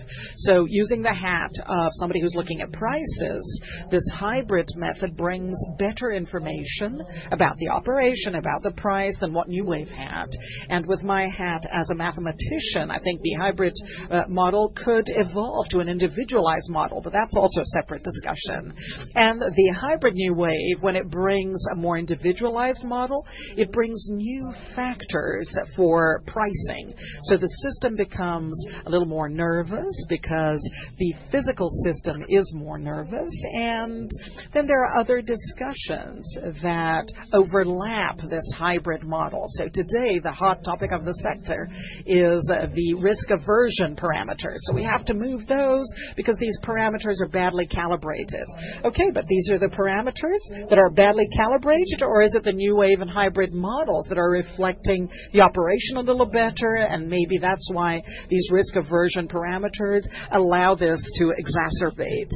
Using the hat of somebody who's looking at prices, this hybrid method brings better information about the operation, about the price, and what NEWAVE had. With my hat as a mathematician, I think the hybrid model could evolve to an individualized model. That is also a separate discussion. The hybrid NEWAVE, when it brings a more individualized model, brings new factors for pricing. The system becomes a little more nervous because the physical system is more nervous. There are other discussions that overlap this hybrid model. Today the hot topic of the sector is the risk aversion parameters. We have to move those because these parameters are badly calibrated. These are the parameters that are badly calibrated, or is it the NEWAVE and hybrid models that are reflecting the operation a little better? Maybe that's why these risk aversion parameters allow this to exacerbate.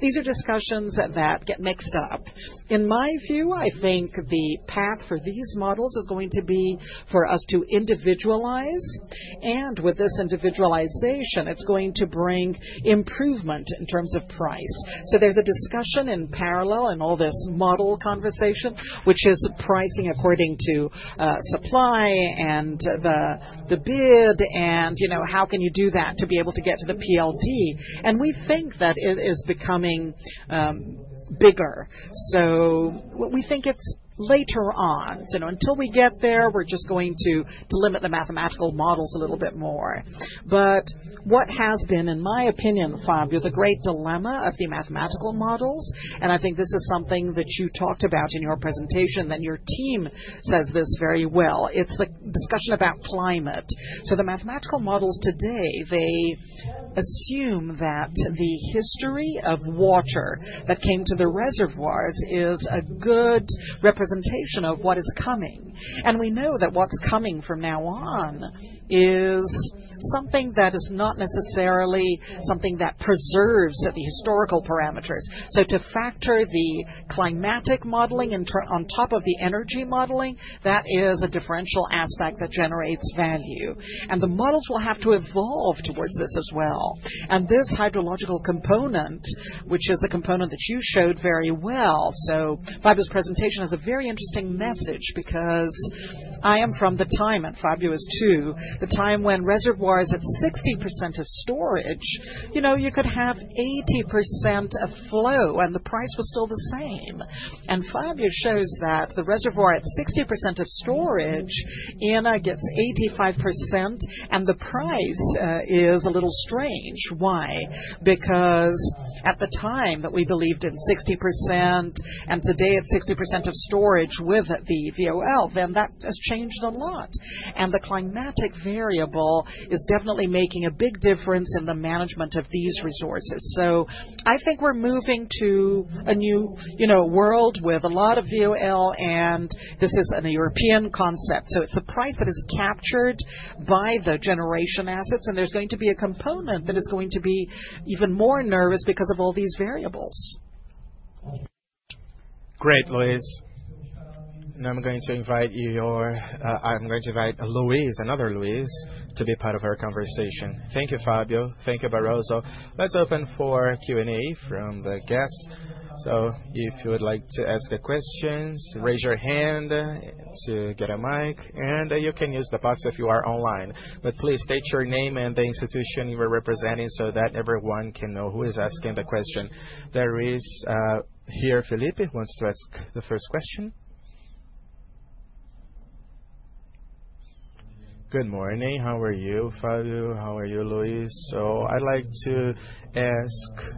These are discussions that get mixed up in my view. I think the path for these models is going to be for us to individualize, and with this individualization, it's going to bring improvement in terms of price. There is a discussion in parallel in all this model conversation, which is pricing according to supply and the bid, and how can you do that to be able to get to the PLD? We think that it is becoming bigger. We think it's later on, until we get there, we're just going to delimit the mathematical models a little bit more. What has been, in my opinion, Fábio, the great dilemma of the mathematical models, and I think this is something that you talked about in your presentation and your team says this very well, it's the discussion about climate. The mathematical models today assume that the history of water that came to the reservoirs is a good representation of what is coming. We know that what's coming from now on is something that is not necessarily something that preserves the historical parameters. To factor the climatic modeling on top of the energy modeling, that is a differential aspect that generates value. The models will have to evolve towards this as well. This hydrological component is the component that you showed very well. Fábio's presentation has a very interesting message, because I am from the time, and Fábio is from the time when the reservoir is at 60% of storage, you know, you could have 80% of flow and the price was still the same. Fábio shows that the reservoir at 60% of storage in Auren gets 85%, and the price is a little strange. Why? Because at the time that we believed in 60% and today it's 60% of storage. With the volatility, that has changed a lot. The climatic variable is definitely making a big difference in the management of these resources. I think we're moving to a new world with a lot of volatility. This is a European concept. It's the price that is captured by the generation assets. There's going to be a component that is going to be even more nervous because of all these variables. Great, Luiz. Now I'm going to invite you. I'm going to invite Luiz, another Luiz, to be part of our conversation. Thank you, Fábio. Thank you, Barroso. Let's open for Q&A from the guests. If you would like to ask a question, raise your hand to get a mic and you can use the box if you are online. Please state your name and the institution you are representing so that everyone can know who is asking the question. Here is Felipe, who wants to ask the first question. Good morning. How are you, Fábio? How are you, Luiz? I'd like to ask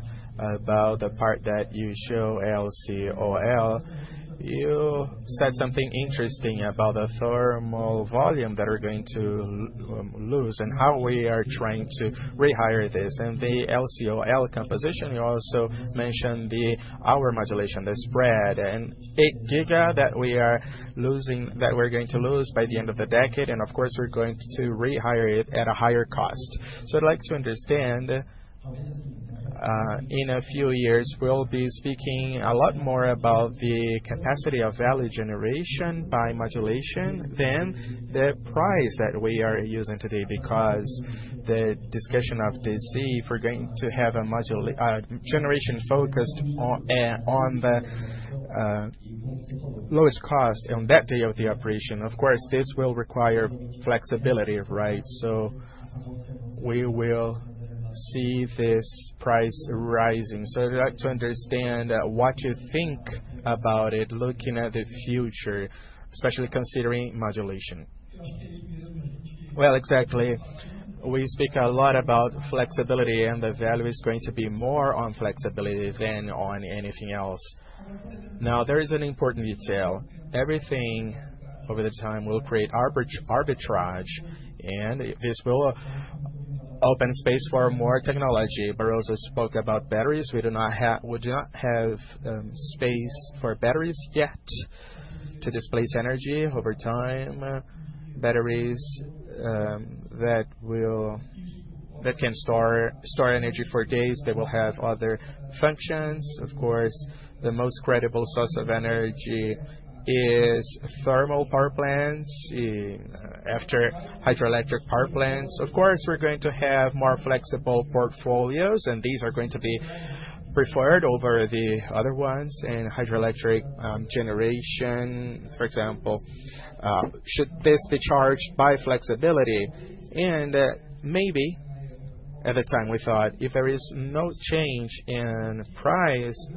about the part that you showed, LCOE. You said something interesting about the thermal volume that we are going to lose and how we are trying to rehire this and the LCOE composition. You also mentioned the hour modulation, the spread, and 8 GW that we are losing, that we're going to lose by the end of the decade. Of course, we're going to rehire it at a higher cost. I'd like to understand, in a few years, we'll be speaking a lot more about the capacity, capacity of value generation by modulation than the price that we are using today. The discussion of DC, if we're going to have a generation focused on the lowest cost on that day of the operation, of course, this will require flexibility, right? We will see this price rising. I'd like to understand what you think about it, looking at the future, especially considering modulation. Exactly. We speak a lot about flexibility and the value is going to be more on flexibility than on anything else. There is an important detail. Everything over time will create arbitrage and this will open space for more technology. Barroso spoke about batteries. We do not have space for batteries yet to displace energy over time. Batteries that can store energy for days will have other functions. Of course, the most credible source of energy is thermal power plants. After hydroelectric power plants, we are going to have more flexible portfolios and these are going to be preferred over the other ones in hydroelectric generation, for example. Should this be charged by flexibility? Maybe at the time we thought if there is no change in price,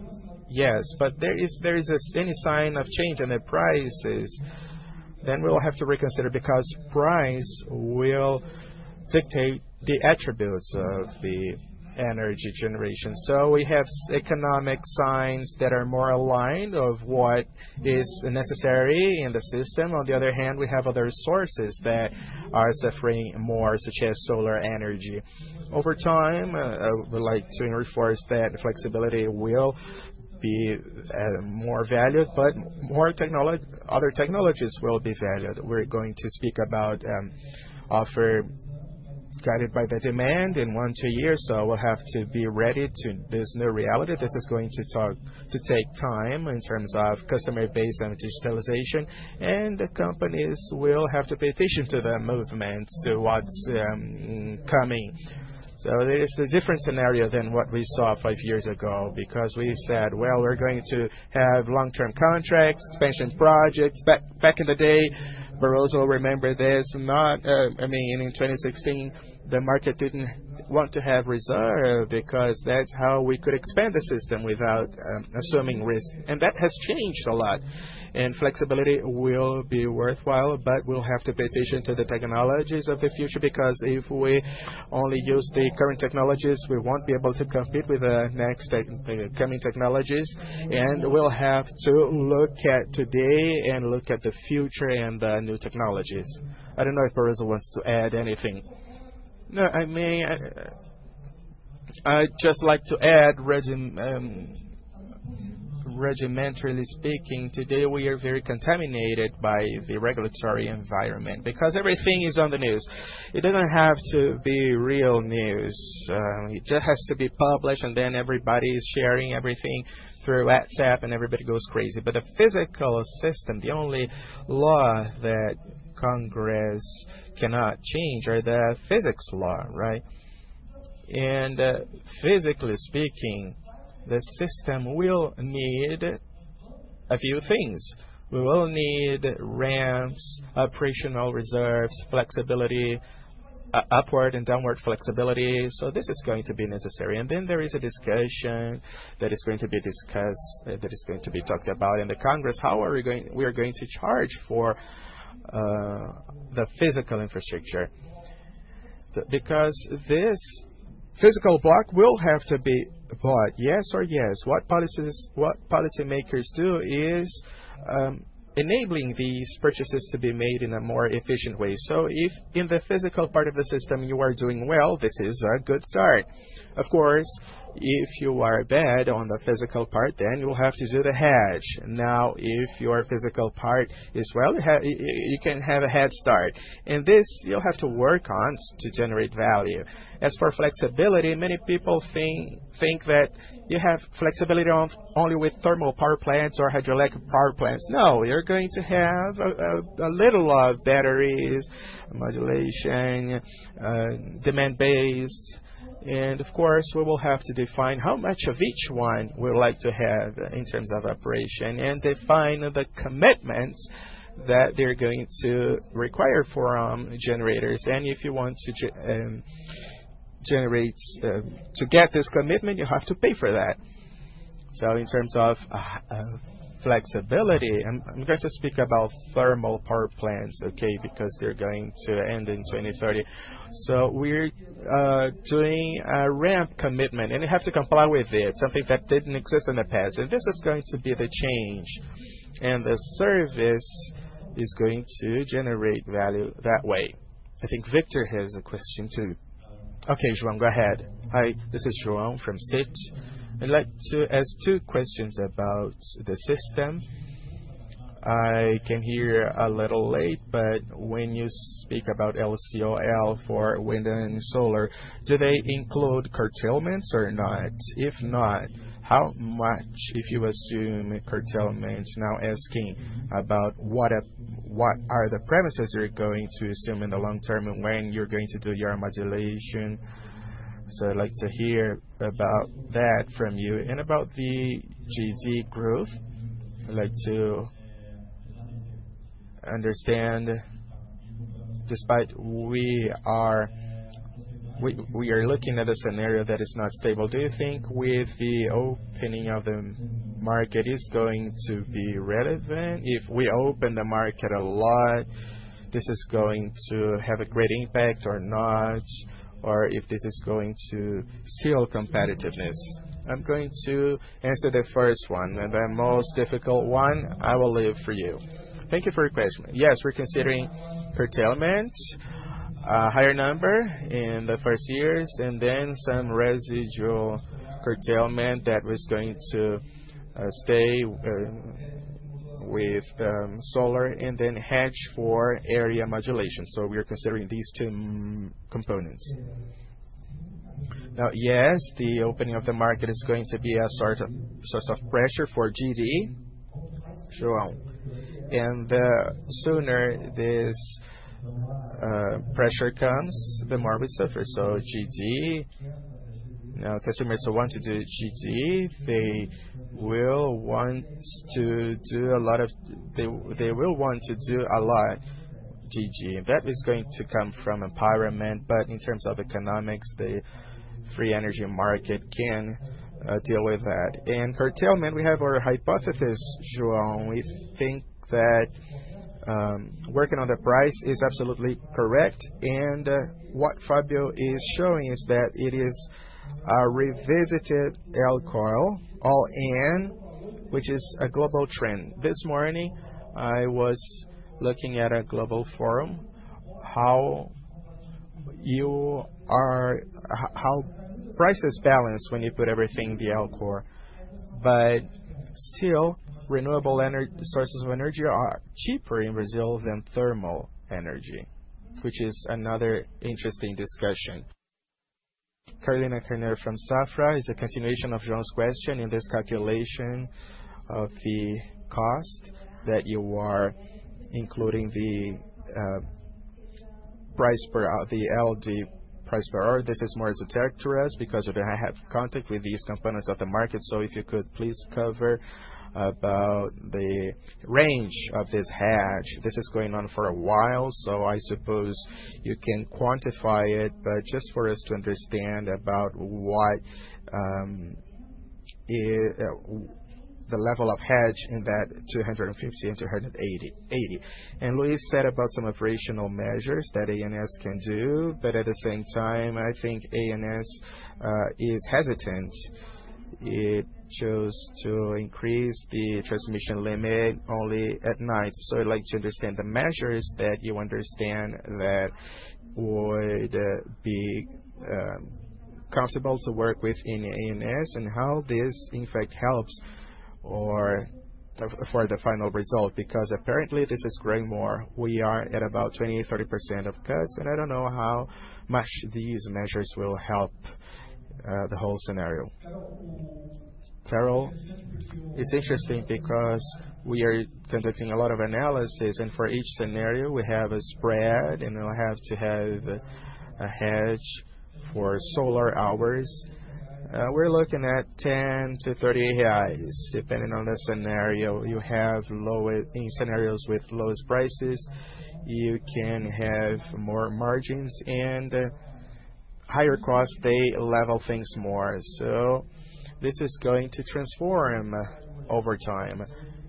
yes, but if there is any sign of change in the prices, then we will have to reconsider because price will dictate the attributes of the energy generation. We have economic signs that are more aligned with what is necessary in the system. On the other hand, we have other sources that are suffering more, such as solar power generation over time. I would like to reinforce that flexibility will be more valued, but more other technologies will be valued. We're going to speak about offer guided by the demand in one, two years. We'll have to be ready to this new reality. This is going to take time in terms of customer base and digitalization, and the companies will have to pay attention to the movements, to what's coming. It's a different scenario than what we saw five years ago because we said we're going to have long-term contracts, expansion projects back in the day. Barroso remembered this in 2016, the market didn't want to have reserve because that's how we could expand the system without assuming risk. That has changed a lot. Flexibility will be worthwhile, but we'll have to pay attention to the technologies of the future because if we only use the current technologies, we won't be able to compete with the next coming technologies. We'll have to look at today and look at the future and the new technologies. I don't know if Barroso wants to add anything. I mean. I'd just like to add, regulatorily speaking, today we are very contaminated by the regulatory environment because everything is on the news. It doesn't have to be real news, it just has to be published. Then everybody is sharing everything through WhatsApp and everybody goes crazy. The physical system, the only law that Congress cannot change are the physics law, right? Physically speaking, the system will need a few things. We will need ramps, operational reserves, flexibility, upward and downward flexibility. This is going to be necessary and there is a discussion that is going to be discussed, that is going to be talked about in Congress. How are we going to charge for the physical infrastructure? This physical block will have to be yes or yes. What policymakers do is enabling these purchases to be made in a more efficient way. If in the physical part of the system you are doing well, this is a good start. Of course, if you are bad on the physical part, then you will have to do the hedge. If your physical part is well, you can have a head start. This you'll have to work on to generate value. As for flexibility, many people think that you have flexibility only with thermal power plants or hydraulic power plants. No, you're going to have a little of batteries modulation, demand based. Of course, we will have to define how much of each one we'd like to have in terms of operation and define the commitments that they're going to require for generators. If you want a generator to get this commitment, you have to pay for that. In terms of flexibility, I'm going to speak about thermal power plants because they're going to end in 2030. We're doing a ramp commitment and you have to comply with it, something that didn't exist. This is going to be the change and the service is going to generate value that way. I think Victor has a question too. Okay, João, go ahead. Hi, this is João from Citi. I'd like to ask two questions about the system. I came here a little late, but when you speak about LCOE for wind and solar, do they include curtailments or not? If not, how much? If you assume curtailments, now asking about what are the premises you're going to assume in the long term and when you're going to do your modulation. I'd like to hear about that from you. About the GD growth, I'd like to understand despite we are looking at a scenario that is not stable. Do you think with the opening of the market is going to be relevant? If we open the market a lot, this is going to have a great impact or not. If this is going to seal competitiveness. I'm going to answer the first one, the most difficult one I will leave for you. Thank you for your question. Yes, we're considering curtailment, higher number in the first years and then some residual curtailment that was going to stay with solar and then hedge for area modulation. We are considering these two components now. Yes, the opening of the market is going to be a sort of source of pressure for GD. The sooner this pressure comes, the more we suffer. GD now, customers who want to do GD, they will want to do a lot of. They will want to do a lot GD. That is going to come from empowerment. In terms of economic, the free energy market can deal with that. Curtailment, we have our hypothesis. We think that working on the price is absolutely correct. What Fábio is showing is that it is a revisited all-in, which is a global trend. This morning I was looking at a global forum, how you are, how prices balance when you put everything in the all-in, but still renewable energy sources of energy are cheaper in Brazil than thermal energy, which is another interesting discussion. Carolina Carneiro from Safra, this is a continuation of João's question. In this calculation of the cost that you are including the price PLD price per hour, this is more esoteric to us because you don't have contact with these components of the market. If you could please cover about the range of this hedge. This is going on for a while, so I suppose you can quantify it. Just for us to understand about why the level of hedge in that 250 and 280. Luiz said about some operational measures that ONS can do. At the same time, I think ONS is hesitant. It chose to increase the transmission limit only at night. I'd like to understand the measures that you understand that would be comfortable to work with in ONS and how this in fact helps for the final result because apparently this is growing more. We are at about 20% to 30% of cuts and I don't know how much these measures will help the whole scenario. Carol, it's interesting because we are conducting a lot of analysis and for each scenario we have a spread and it'll have to have a hedge for solar hours. We're looking at 10 to 30 reais depending on the scenario you have low. In scenarios with lowest prices, you can have more margins and higher cost. They level things more. This is going to transform over time.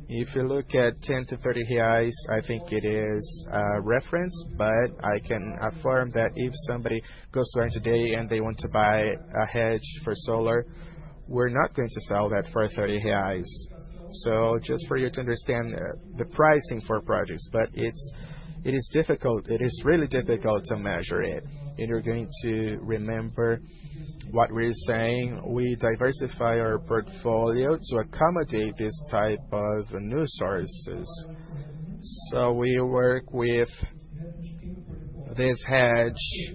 If you look at 10 to 30 reais, I think it is referenced. I can affirm that if somebody goes to Auren today and they want to buy a hedge for solar, we're not going to sell that for 30 reais. Just for you to understand the pricing for projects, it is difficult, it is really difficult to measure it. You're going to remember what we say. We diversify our portfolio to accommodate this type of new sources. We work with this hedge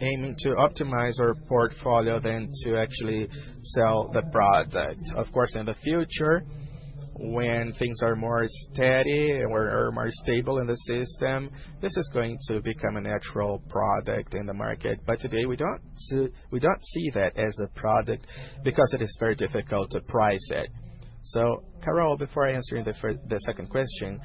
aiming to optimize our portfolio then to actually sell the product. Of course, in the future, when things are more steady and we're more stable in the system, this is going to become a natural product in the market. Today we don't see that as a product because it is very difficult to price it. Carol, before I answer the second question,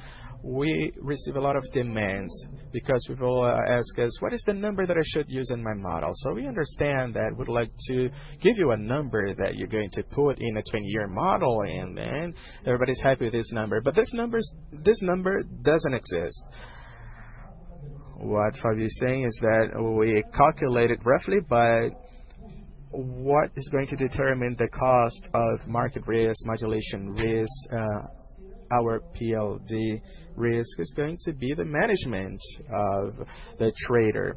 we receive a lot of demands because people ask us what is the number that I should use in my model. We understand that we'd like to give you a number that you're going to put in a 20-year model and then everybody's happy with this number. This number, this number doesn't exist. What Fábio is saying is that we calculated roughly. What is going to determine the cost of market risk, modulation risk, our PLD risk is going to be the management of the trader.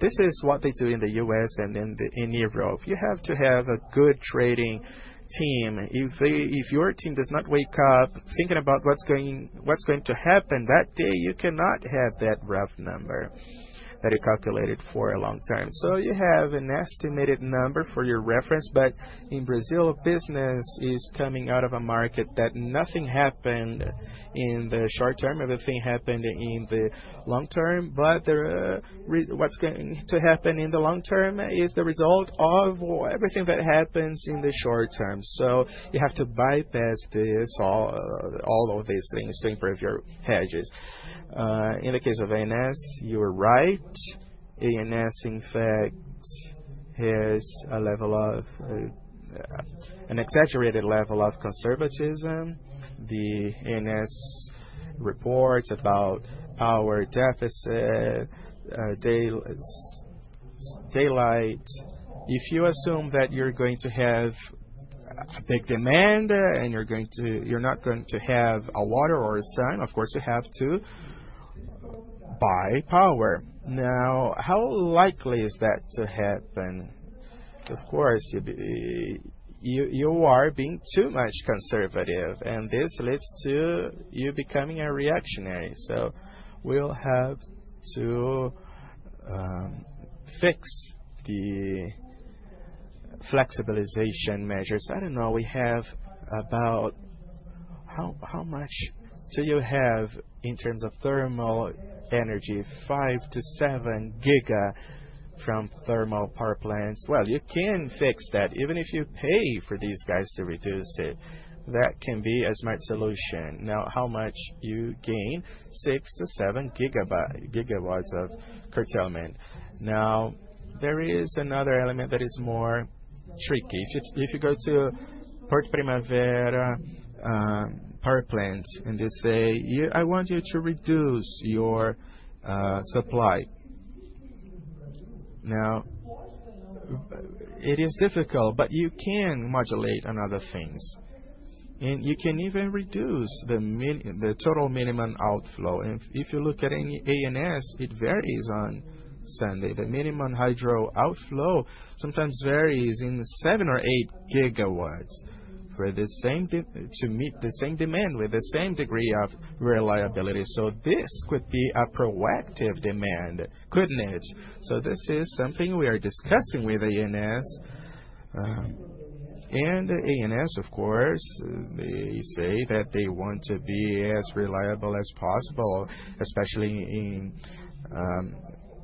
This is what they do in the U.S. and in Europe. You have to have a good trading team. If your team does not wake up thinking about what's going to happen that day, you cannot have that rough number that you calculated for a long time. You have an estimated number for your reference. In Brazil, business is coming out of a market that nothing happened in the short term. Everything happened in the long term. What's going on to happen in the long term is the result of everything that happens in the short term. You have to bypass all of these things to improve your hedges. In the case of ONS, you are right. ONS in fact has a level of, an exaggerated level of conservatism. The ONS report words about our deficit. Daylight. If you assume that you're going to have a big demand and you're not going to have water or sun, of course you have to buy power. How likely is that to happen? Of course you are being too much conservative and this leads to you becoming a reactionary. We'll have to fix the flexibilization measures. I don't know. We have about, how much do you have in terms of thermal energy? 5 to 7 GW from thermal power plants. You can fix that even if you pay for these guys to reduce it. That can be a smart solution. Now, how much do you gain? 6 to 7 GW of curtailment. There is another element that is more tricky. If you go to Porto Primavera power plant and they say, I want you to reduce your supply, it is difficult, but you can modulate on other things and you can even reduce the total minimum outflow. If you look at any ONS, it varies on Sunday. The minimum hydro outflow sometimes varies in 7 or 8 GW to meet the same demand with the same degree of reliability. This could be a proactive demand, couldn't it? This is something we are discussing with ONS. Of course, they say that they want to be as reliable as possible, especially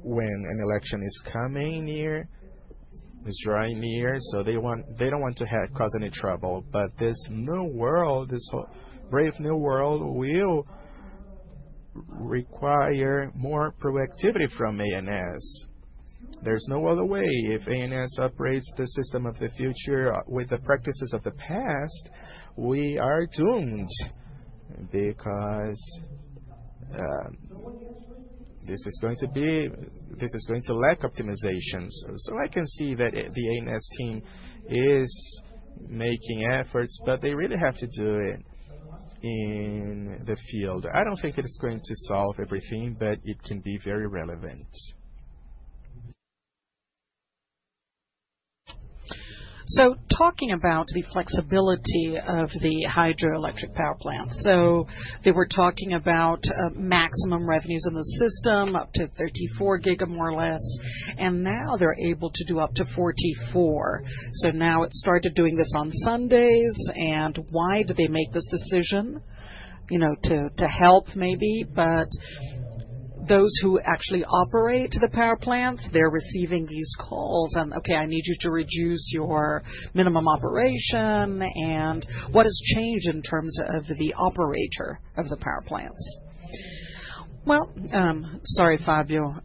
when an election is drawing near. They don't want to cause any trouble. This new world, this brave new world, will require more productivity from ONS. There's no other way. If ONS operates the system of the future with the practices of the past, we are doomed because this is going to lack optimizations. I can see that the ONS team is making efforts, but they really have to do it in the field. I don't think it's going to solve everything, but it can be very relevant. Talking about the flexibility of the hydroelectric power plant, they were talking about maximum revenues in the system up to 34 GW more or less. Now they're able to do up to 44. Now it started doing this on Sundays. Why did they make this decision? Maybe to help. Those who actually operate the power plants are receiving these calls and, okay, I need you to reduce your minimum operation. What has changed in terms of the operator of the power plant? Sorry, Fábio,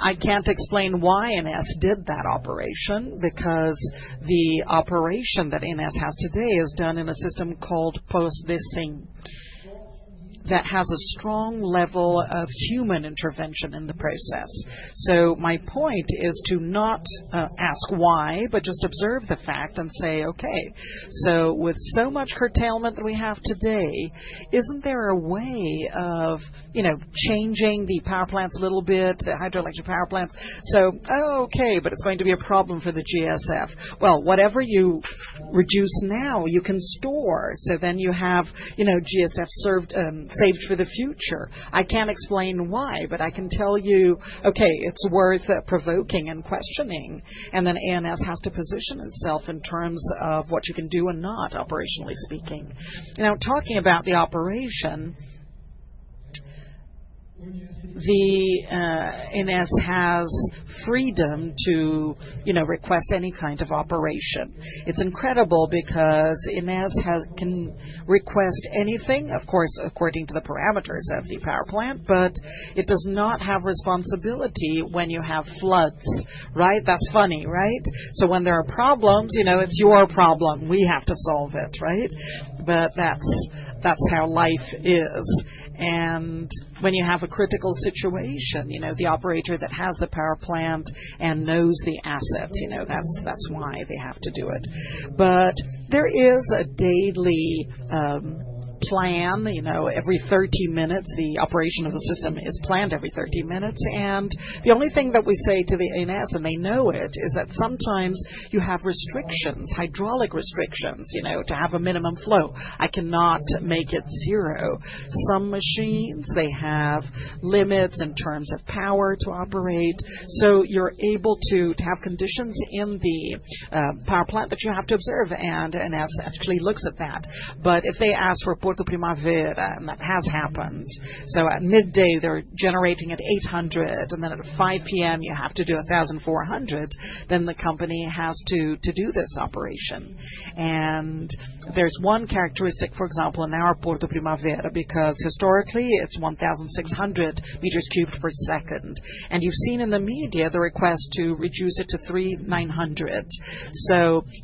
I can't explain why ONS did that operation, because the operation that ONS has today is done in a system called post-dispatch that has a strong level of human intervention in the process. My point is to not ask why, but just observe the fact and say, okay, with so much curtailment that we have today, isn't there a way of changing the power plants a little bit, the hydroelectric power plants? It's going to be a problem for the GSF. Whatever you reduce now, you can store. Then you have GSF saved for the future. I can't explain why, but I can tell you it's worth provoking and questioning. ONS has to position itself in terms of what you can do and not operationally speaking. Talking about the operation, ONS has freedom to request any kind of operation. It's incredible because ONS can request anything, of course, according to the parameters of the power plant. It does not have responsibility when you have floods, right? That's funny, right? When there are problems, it's your problem, we have to solve it, right? That's how life is. When you have a critical situation, the operator that has the power plant and knows the asset, that's why they have to do it. There is a daily plan every 30 minutes. The operation of the system is planned every 30 minutes. The only thing that we say to ONS, and they know it, is that sometimes you have restrictions, hydraulic restrictions, to have a minimum flow. I cannot make it zero. Some machines have limits in terms of power to operate. You're able to have conditions in the power plant that you have to observe, and ONS actually looks at that. If they ask for Porto Primavera, and that has happened, at midday they're generating at 800, and then at 5:00 P.M. you have to do 1,400, then the company has to do this operation. There's one characteristic, for example, in our Porto Primavera, because historically it's 1,600 meters cubed per second. You've seen in the media the request to reduce it to 3,900.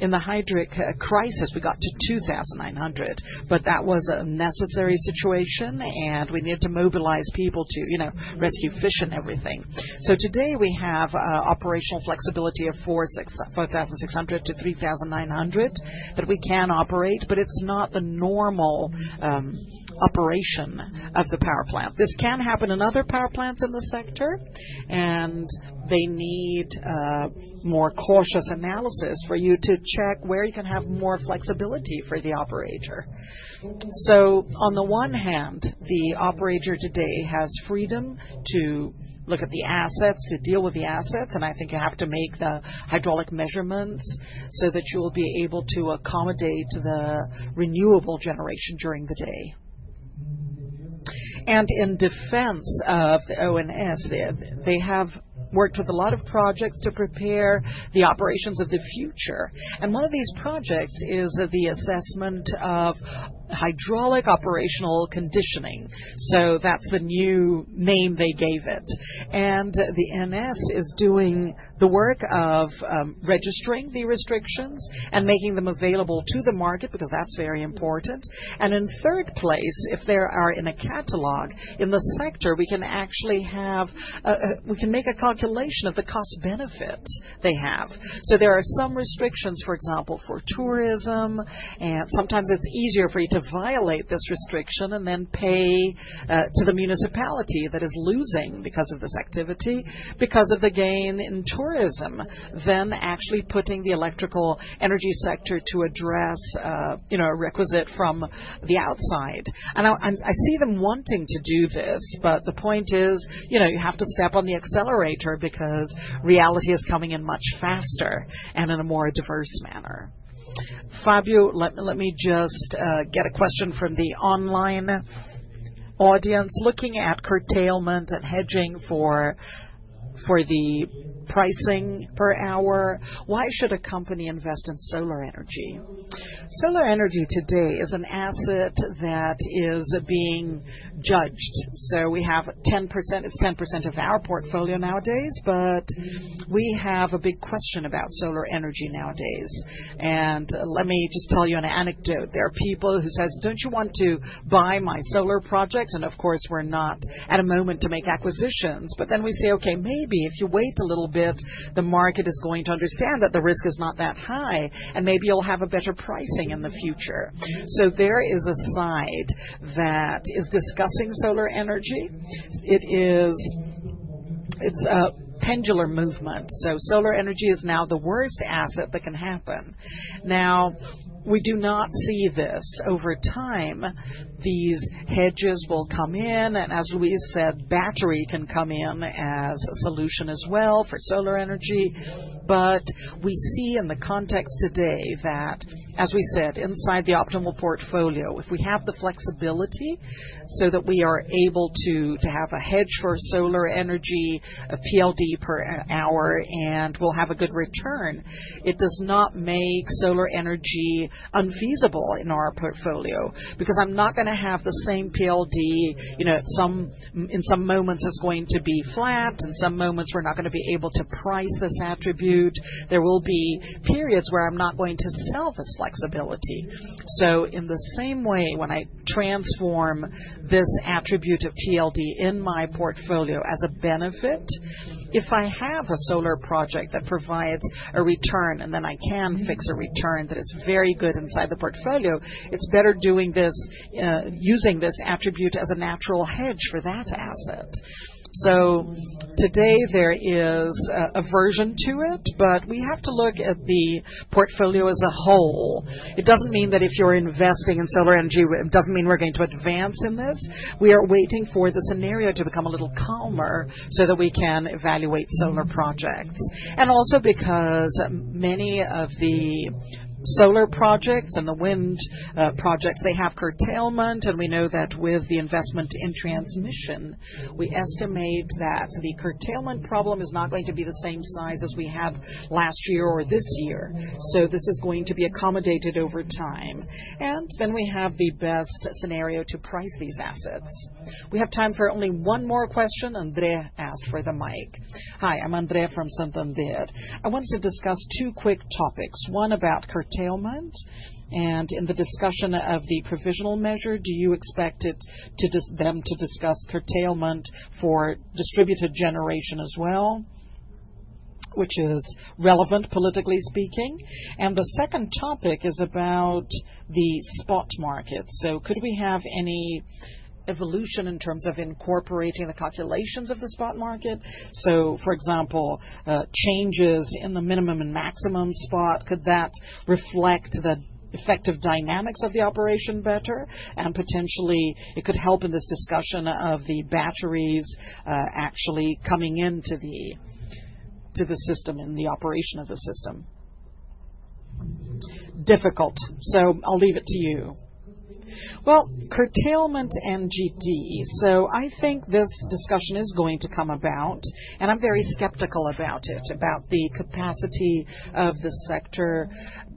In the hydric crisis we got to 2,900, but that was a necessary situation and we needed to mobilize people to rescue fish and everything. Today we have operational flexibility of 4,600 to 3,900 that we can operate, but it's not the normal operation of the power plant. This can happen in other power plants in the sector. They need more cautious analysis for you to check where you can have more flexibility for the operator. On the one hand, the operator today has freedom to look at the assets, to deal with the assets. I think you have to make the hydraulic measurements so that you will be able to accommodate day to the renewable generation during the day. In defense of the ONS, they have worked with a lot of projects to prepare the operations of the future. One of these projects is the assessment of hydraulic operational conditioning. That's the new name they gave it. The ONS is doing the work of registering the restrictions and making them available to the market, because that's very important. In third place, if there are in a catalog in the sector we can actually have, we can make a calculation of the cost benefit they have. There are some restrictions, for example, for tourism. Sometimes it's easier for you to violate this restriction and then pay to the municipality that is loose because of this activity, because of the gain in tourism, than actually putting the electrical energy sector to address a requisite from the outside. I see them wanting to do this, but the point is, you have to step on the accelerator because reality is coming in much faster and in a more diverse manner. Fábio, let me just get a question from the online audience looking at curtailment and hedging for the pricing per hour. Why should a company invest in solar energy? Solar energy today is an asset that is being judged. We have 10%, it's 10% of our portfolio nowadays. We have a big question about solar energy nowadays. Let me just tell you an anecdote. There are people who say, don't you want to buy my solar project? Of course we're not at a moment to make acquisitions. Then we say, okay, maybe if you wait a little bit, the market is going to understand that the risk is not that high and maybe you'll have a better pricing in the future. There is a side that is discussing solar energy. It is a pendular movement. Solar energy is now the worst asset that can happen. We do not see this. Over time, these hedges will come in and as Luiz said, battery can come in as a solution as well for solar energy. We see in the context today that, as we said, inside the optimal portfolio, if we have the flexibility so that we are able to have a hedge for solar energy, PLD per hour and will have a good return, it does not make solar energy unfeasible in our portfolio because I'm not going to have the same PLD. In some moments it's going to be flat. In some moments we're not going to be able to price this attribute. There will be periods where I'm not going to sell this flexibility. In the same way, when I transfer this attribute of PLD in my portfolio as a benefit, if I have a solar project that provides a return and then I can fix a return that is very good inside the portfolio, it's better doing this using this attribute as a natural hedge for that asset. Today there is aversion to it, but we have to look at the portfolio as a whole. It doesn't mean that if you're investing in solar energy, it doesn't mean we're going to advance in this. We are waiting for the scenario to become a little calmer so that we can evaluate solar projects. Also, because many of the solar projects and the wind projects, they have curtailment and we know that with the investment in transmission, we estimate that the curtailment problem is not going to be the same size as we had last year or this year. This is going to be accommodated over time and then we have the best scenario to price these assets. We have time for only one André Salles asked for the mic. André Salles from Santander. I wanted to discuss two quick topics. One about curtailment and in the discussion of the provisional measure, do you expect them to discuss curtailment for distributed generation as well, which is relevant politically speaking? The second topic is about the spot market. Could we have any evolution in terms of incorporating the calculations of the spot market? For example, changes in the minimum and maximum spot, could that reflect the effective dynamics of the operation better? Potentially, it could help in this discussion of the batteries actually coming into the system and the operation of the system being difficult. I'll leave it to you. Curtailment and GD. I think this discussion is going to come about and I'm very skeptical about it, about the capacity, the sector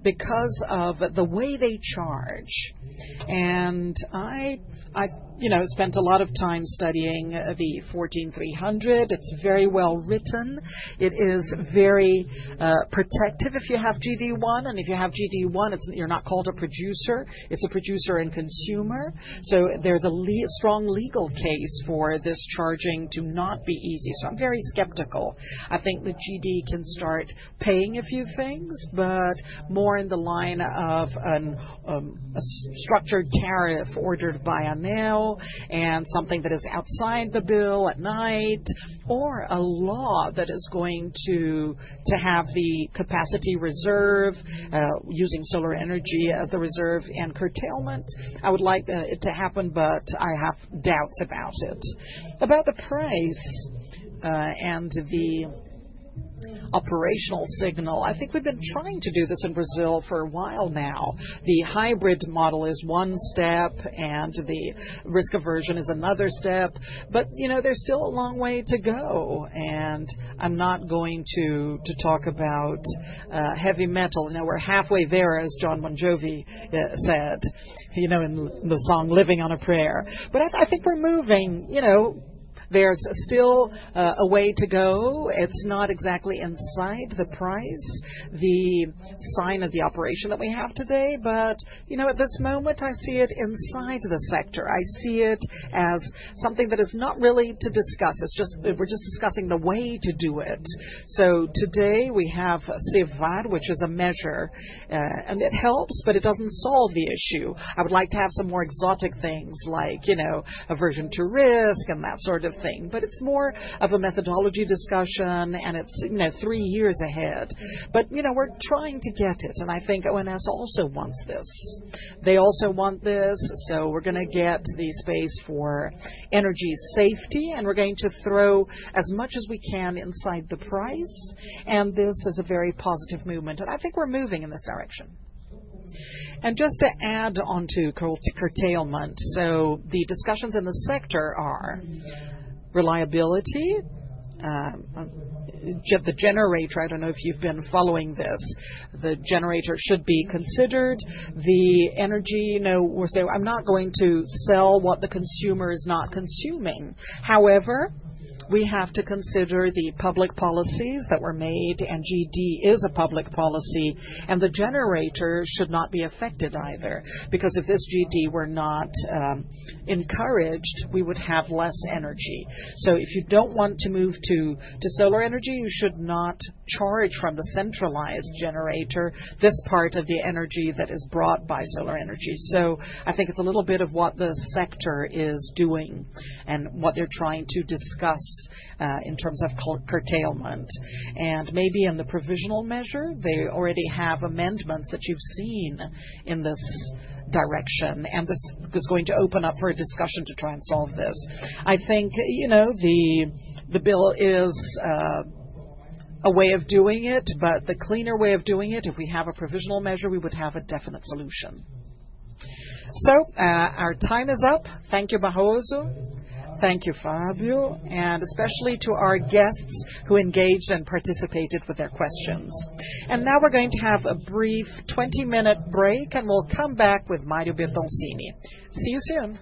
because of the way they charge. I spent a lot of time studying the 14,300. It's very well written. It is very protective if you have GD1, and if you have GD1, you're not called a producer. It's a producer and consumer. There's a strong legal case for this charging to not be easy. I'm very scared. I think the GD can start paying a few things, but more in the line of a structured tariff ordered by ANEEL and something that is outside the bill at night or a law that is going to have the capacity reserve using solar energy as the reserve and curtailment. I would like it to happen, but I have doubts about it, about the price and the operational signal. I think we've been trying to do this in Brazil for a while now. The hybrid model is one step and the risk aversion is another step. There's still a long way to go. I'm not going to talk about heavy metal now. We're halfway there. As Jon Bon Jovi said, you know, in the song "Livin' on a Prayer." I think we're moving, there's still a way to go. It's not exactly inside the price, the sign of the operation that we have today. At this moment, I see it inside the sector. I see it as something that is not really to discuss. We're just discussing the way to do it. Today, we have CVaR, which is a measure and it helps, but it doesn't solve the issue. I would like to have some more exotic things like aversion to risk and that sort of thing, but it's more of a methodology discussion and it's three years ahead. We're trying to get it. I think ONS also wants this. They also want this. We're going to get the space for energy safety and we're going to throw as much as we can inside the price. This is a very positive movement. I think we're moving in this direction. Just to add onto curtailment, the discussions in the sector are reliability, the generator. I don't know if you've been following this. The generator should be considered the energy. We're saying I'm not going to sell what the consumer is not consuming. However, we have to consider the public policies that were made, and GD is a public policy, and the generator should not be affected either because if this GD were not encouraged, we would have less energy. If you don't want to move to solar energy, you should not charge from the centralized generator this part of the energy that is brought by solar energy. I think it's a little bit of what the sector is doing and what they're trying to discuss in terms of curtailment, and maybe in the provisional measure they already have amendments that you've seen in this direction. This is going to open up for a discussion to try and solve this. I think the bill is a way of doing it, but the cleaner way of doing it. If we have a provisional measure, we would have a definite solution. Our time is up. Thank you, Barroso. Thank you, Fábio. And especially to our guests who engaged and participated with their questions. Now we're going to have a brief 20 minute break, and we'll come back with Mário Bertoncini. See you soon.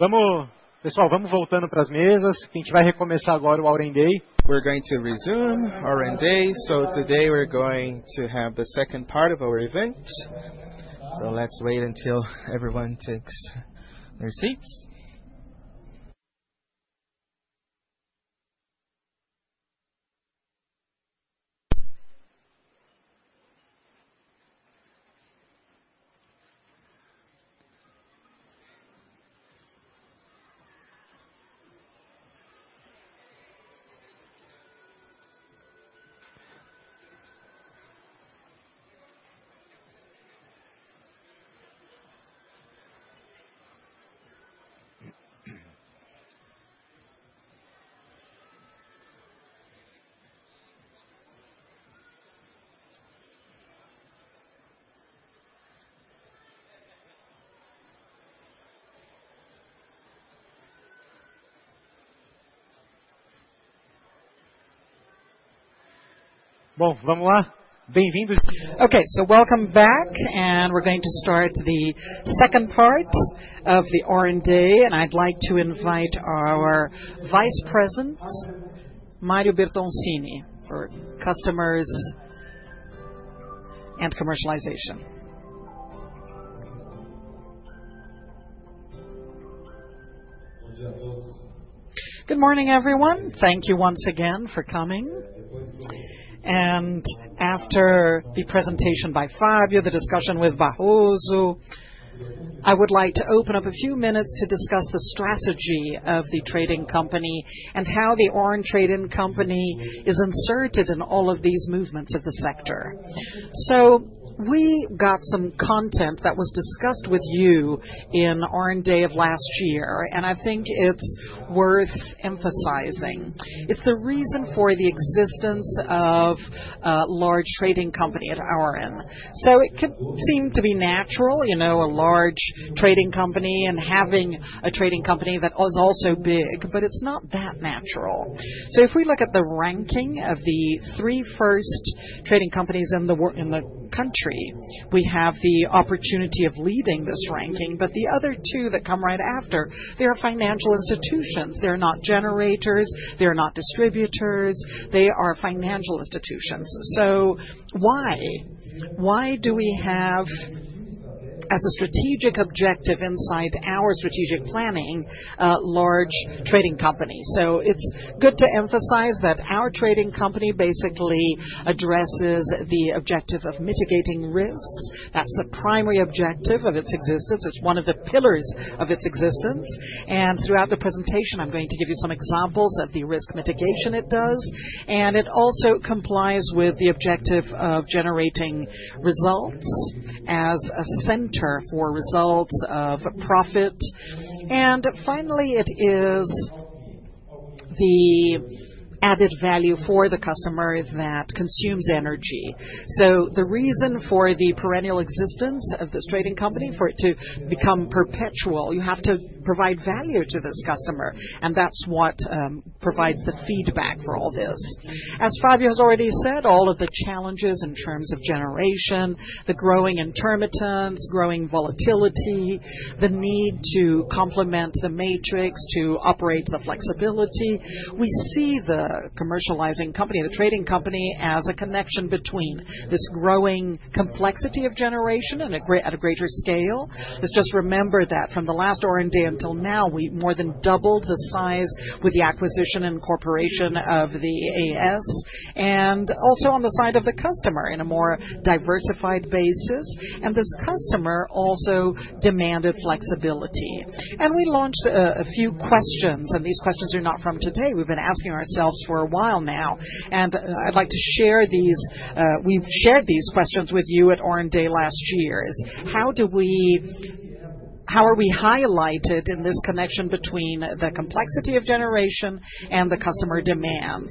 We're going to resume our rendezvous. Today we're going to have the second part of our event. Let's wait until everyone takes their seats. Okay, so welcome back. We're going to start the second part of the Auren Day and I'd like to invite our Vice President Mário Bertoncini for Customers and Commercialization. Good morning everyone. Thank you once again for coming. After the presentation by Fábio, the discussion with Barroso, I would like to open up a few minutes to discuss the strategy of the trading company and how the Auren trading company is inserted in all of these movements of the sector. We got some content that was discussed with you in Auren Day of last year. I think it's worth emphasizing it's the reason for the existence of a large trading company at Auren. It could seem to be natural, you know, a large trading company and having a trading company that is also big, but it's not that natural. If we look at the ranking of the three first trading companies in the country, we have the opportunity of leading this ranking. The other two that come right after, they are financial institutions. They're not generators. They are not distributors, they are financial institutions. Why do we have as a strategic objective inside our strategic planning a large trading company? It's good to emphasize that our trading company basically addresses the objective of mitigating risks. That's the primary objective of its existence. It's one of the pillars of its existence. Throughout the presentation, I'm going to give you some examples of the risk mitigation it does. It also complies with the objective of generating results as a center for results of profit. Finally, it is the added value for the customer that consumes energy. The reason for the perennial existence of this trading company, for it to become perpetual, you have to provide value to this customer. That's what provides the feedback for all this. As Fábio has already said, all of the challenges in terms of generation, the growing intermittency, growing volatility, the need to complement the matrix to operate the flexibility, we see the commercializing company, the trading company, in connection between this growing complexity of generation at a greater scale. Let's just remember that from the last Auren Day until now, we more than doubled the size with the acquisition and incorporation of AES and also on the side of the customer in a more diversified basis. This customer also demanded flexibility. We launched a few questions and these questions are not from today. We've been asking ourselves for a while now and I'd like to share these. We shared these questions with you at Auren Day last year. How are we highlighted in this connection between the complexity of generation and the customer demands?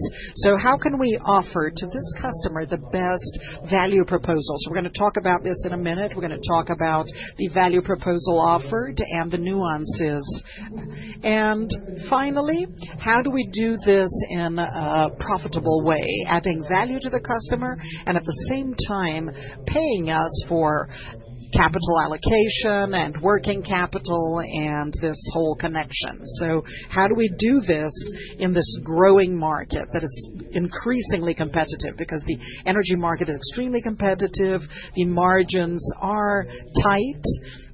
How can we offer to this customer the best value proposals? We're going to talk about this in a minute. We're going to talk about the value proposal offer and the nuances. Finally, how do we do this in a profitable way? Adding value to the customer and at the same time paying us for capital allocation and working capital and this whole connection. How do we do this in this growing market that is increasingly competitive? The energy market is extremely competitive, the margins are tight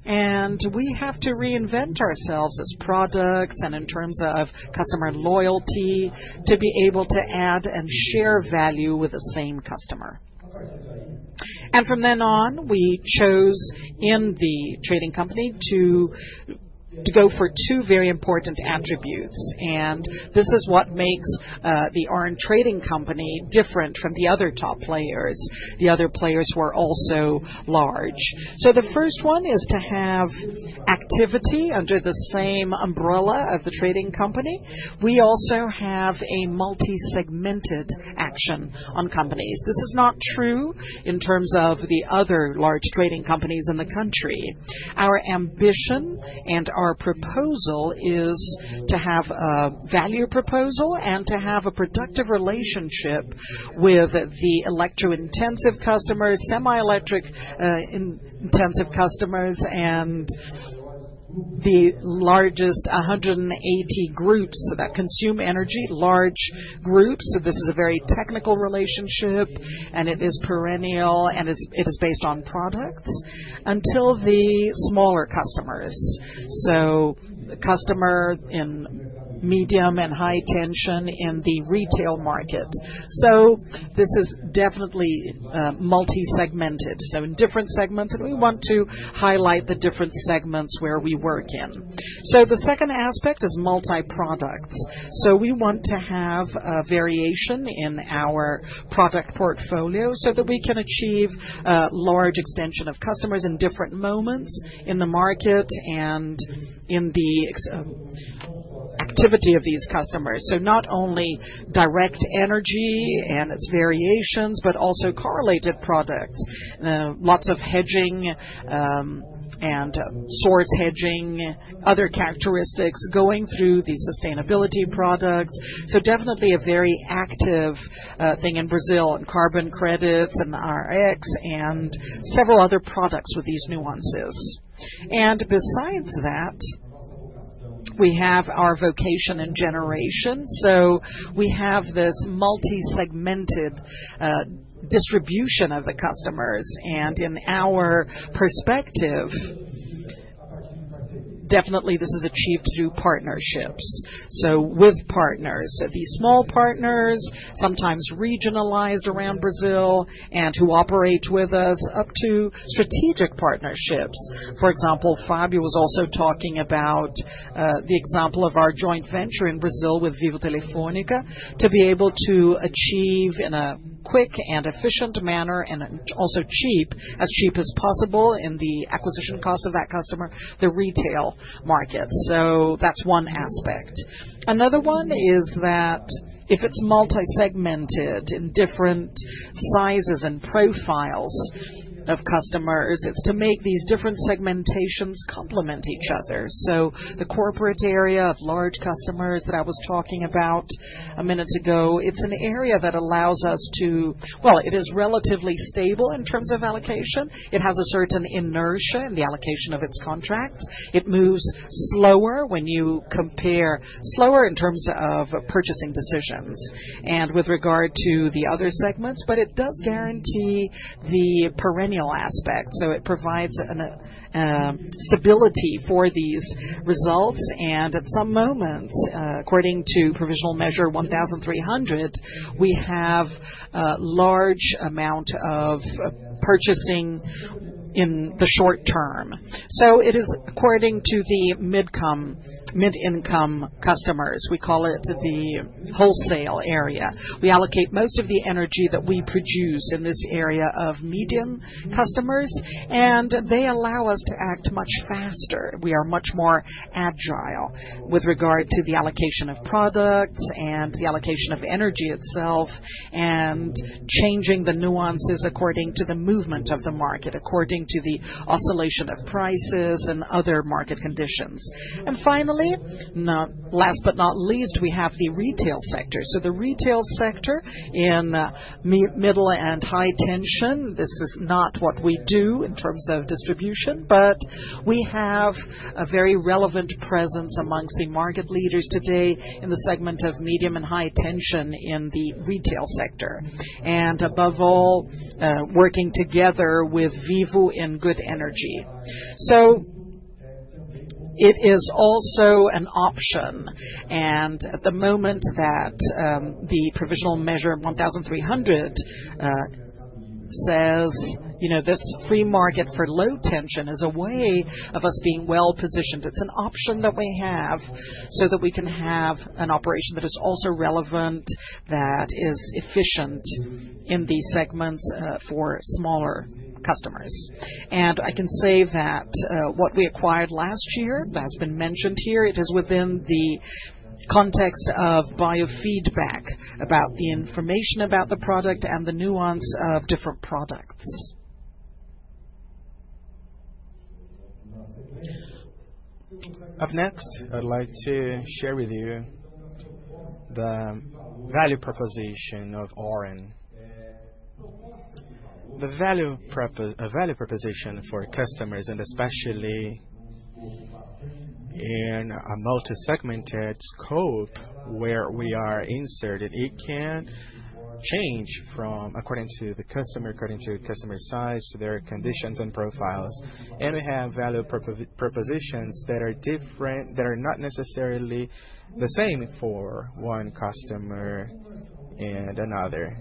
and we have to reinvent ourselves as products and in terms of customer loyalty to be able to add and share value with the same customer. From then on we chose in the trading company to go for two very important attributes. This is what makes the Auren Trading company different from the other top players. The other players were also large. The first one is to have activity under the same umbrella of the trading company. We also have a multi-segmented action on companies. This is not true in terms of the other large trading companies in the country. Our ambition and our proposal is to have a value proposal and to have a productive relationship with the electro-intensive customers, semi-electric intensive customers and the largest 180 groups that consume energy, large groups. This is a very technical relationship and it is perennial and it is based on products until the smaller customers. Customer in medium and high tension in the retail market. This is definitely multi-segmented, in different segments. We want to highlight the different segments where we work in. The second aspect is multi-products. We want to have a variation in our product portfolio so that we can achieve large extension of customers in different moments in the market and in the activity of these customers. Not only direct energy and its variations, but also correlated products, lots of hedging and source hedging, other characteristics going through the sustainability products. Definitely a very active thing in Brazil. Carbon credits and I-RECs and several other products with these nuances. Besides that, we have our vocation and generation. We have this multi-segmented distribution of the customers. In our perspective, definitely this is achieved through partnerships. With partners, these small partners, sometimes regionalized around Brazil and who operate with us up to strategic partnerships. For example, Fábio was also talking about the example of our joint venture in Brazil Vivo Telefônica to be able to achieve in a quick and efficient manner and also cheap, as cheap as possible, and the acquisition cost of that customer, the retail market. That's one aspect. Another one is that if it's multi-segmented in different sizes and profiles of customers, it's to make these different segmentations complement each other. The corporate area of large customers that I was talking about a minute ago, it's an area that allows us to. It is relatively stable in terms of allocation. It has a certain inertia in the allocation of its contracts. It moves slower when you compare slower in terms of purchasing decisions and with regard to the other segments. It does guarantee the perennial aspect. It provides stability for these results. At some moments, according to Provisional Measure 1300, we have large amount of purchasing in the short term. It is according to the mid income customers, we call it the wholesale area. We allocate most of the energy that we produce in this area of medium customers and they allow us to act much faster. We are much more agile with regard to the allocation of products and the allocation of energy itself, and changing the nuances according to the movement of the market, according to the oscillation of prices and other market conditions. Finally, last but not least, we have the retail sector. The retail sector in middle and high tension, this is not what we do in terms of distribution, but we have a very relevant presence amongst the market leaders today in the segment of medium and high tension in the retail sector and above all working together with Vivo in Gud Energia. It is also an option and at the moment that the Provisional Measure. 1300. This free market for low tension is a way of us being well positioned. It's an option that we have so that we can have an operation that is also relevant, that is efficient in these segments for smaller customers. I can say that what we acquired last year has been mentioned here. It is within the context of biofeedback, about the information about the product and the nuance of different products. Up next, I'd like to share with you the value proposition of Auren. The value proposition for customers, and especially in a multi-segmented scope where we are inserted, can change according to the customer, according to customer size, to their conditions and profiles. We have value propositions that are different, that are not necessarily the same for one customer and another.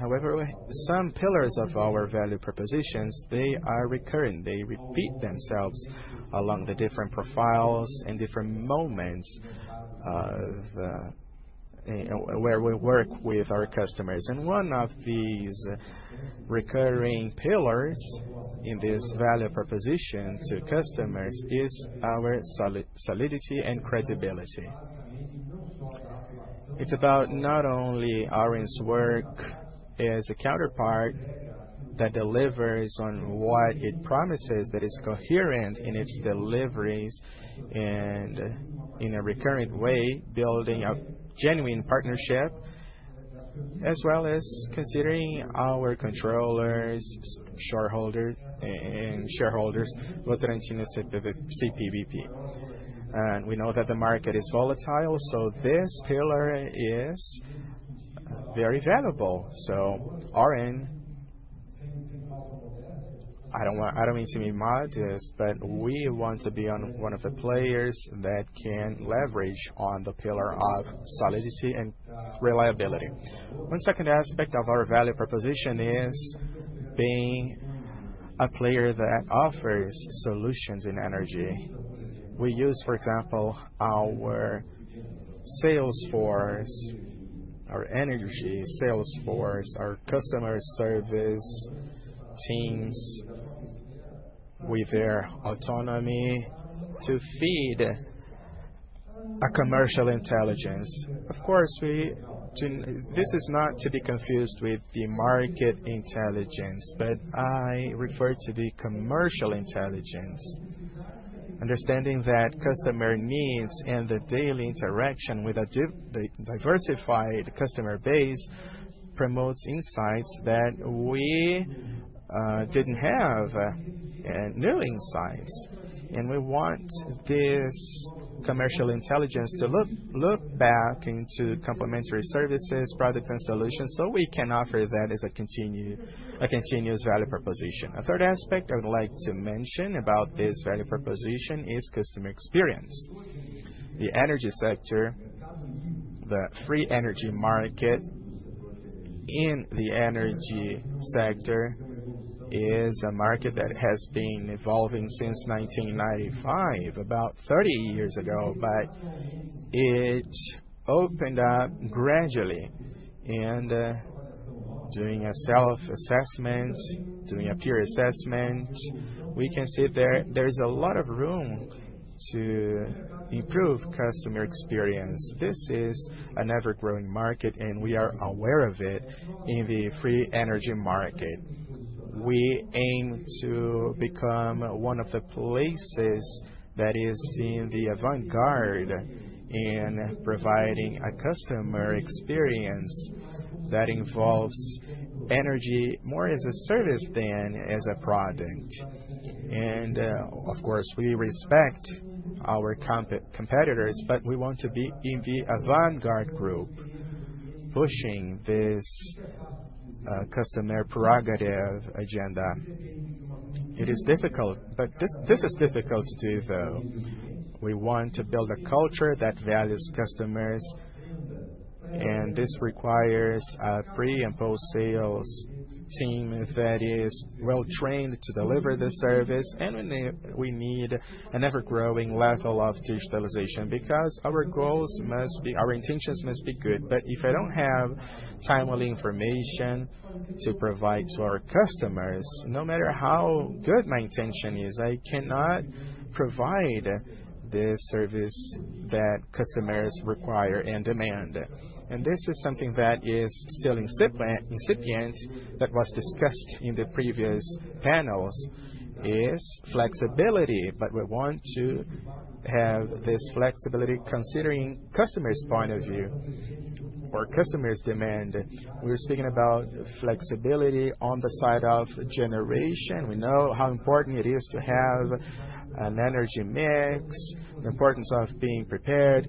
However, some pillars of our value propositions are recurring, they repeat themselves along the different profiles and different moments where we work with our customers. One of these recurring pillars in this value proposition to customers is our solidity and credibility. It's about not only Auren's work as a counterpart that delivers on what it promises, that is coherent in its deliveries, and in a recurrent way building a genuine partnership as well as considering our controllers and shareholders. We know that the market is falling, so this pillar is very valuable. Right now, I don't mean to be modest, but we want to be one of the players that can leverage on the pillar of solidity and reliability. One second aspect of our value proposition is being a player that offers solutions in energy. We use, for example, our sales force, our energy sales force, our customer service teams with their autonomy to feed a commercial intelligence. Of course, this is not to be confused with the market intelligence, but I refer to the commercial intelligence, understanding that customer needs and the daily interaction with a diversified customer base promotes insights that we didn't have, new insights. We want this commercial intelligence to look back into complementary services, products, and solutions so we can offer that as a continuous value proposition. A third aspect I would like to mention about this value proposition is customer experience. The energy sector, the free energy market in the energy sector, is a market that has been evolving since 1995, about 30 years ago. It opened up gradually and, doing a self-assessment, doing a peer assessment, we can see there's a lot of room to improve customer experience. This is an ever-growing market and we are aware of it. In the free energy market, we aim to become one of the places that is in the avant-garde in providing a customer experience that involves energy more as a service than as a product. Of course we respect our competitors, but we want to be in the avant-garde group pushing this customer prerogative agenda. It is difficult, this is difficult to do though. We want to build a culture that values customers, and this requires a pre and post sales team that is well trained to deliver the service. We need an ever-growing level of digitalization because our goals must be, our intentions must be good. If I don't have timely information to provide to our customers, no matter how good my intention is, I cannot provide the service that customers require and demand. This is something that is still incipient, that was discussed in the previous panels, flexibility. We want to have this flexibility considering customers' point of view or customers' demand. We're speaking about flexibility on the side of generation. We know how important it is to have an energy mix, the importance of being prepared,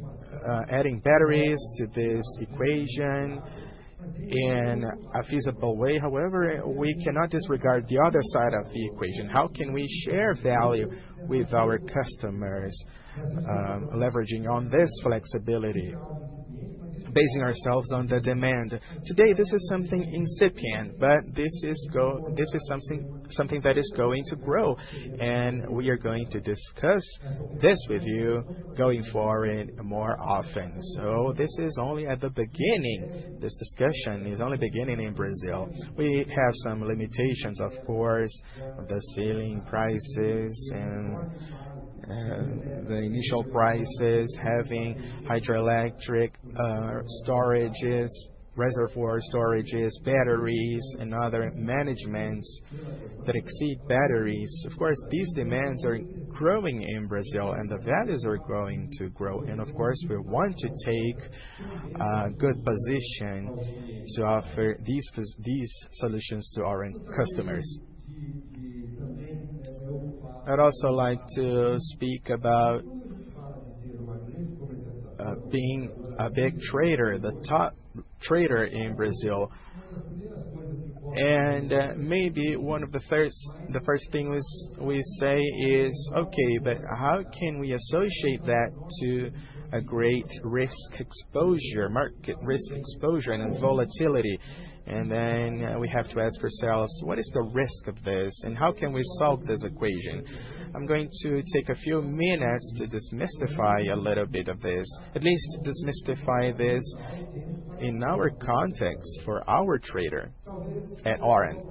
adding batteries to this equation in a feasible way. However, we cannot disregard the other side of the equation. How can we share value with our customers, leveraging on this flexibility, basing ourselves on the demand today? This is something incipient, but this is something that is going to grow. We are going to discuss this with you going forward more often. This is only at the beginning. This discussion is only beginning. In Brazil we have some limitations, of course, the ceiling prices and the initial prices, having hydroelectric storages, reservoir storages, batteries, and other managements that exceed batteries. These demands are growing in Brazil and the values are going to grow. We want to take good position to offer these solutions to our customers. I'd also like to speak about being a big trader, the top trader in Brazil and maybe one more. The first thing we say is okay, but how can we associate that to a great risk exposure, market risk exposure, and volatility. We have to ask ourselves what is the risk of this and how can we solve this equation? I'm going to take a few minutes to demystify a little bit of this, at least demystify this in our case context for our trader at Auren.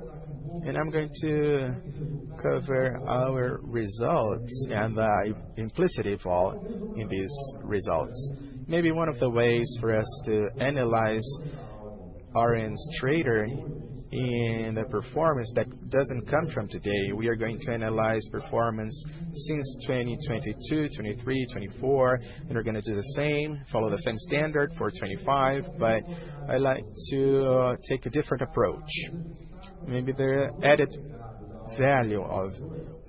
I'm going to cover our results and implicit evolve in these results. Maybe one of the ways for us to analyze Auren's trader and the performance that doesn't come from today, we are going to analyze performance since 2022, 2023, 2024, and are going to do the same, follow the same standard for 2025. I like to take a different approach. Maybe the added value of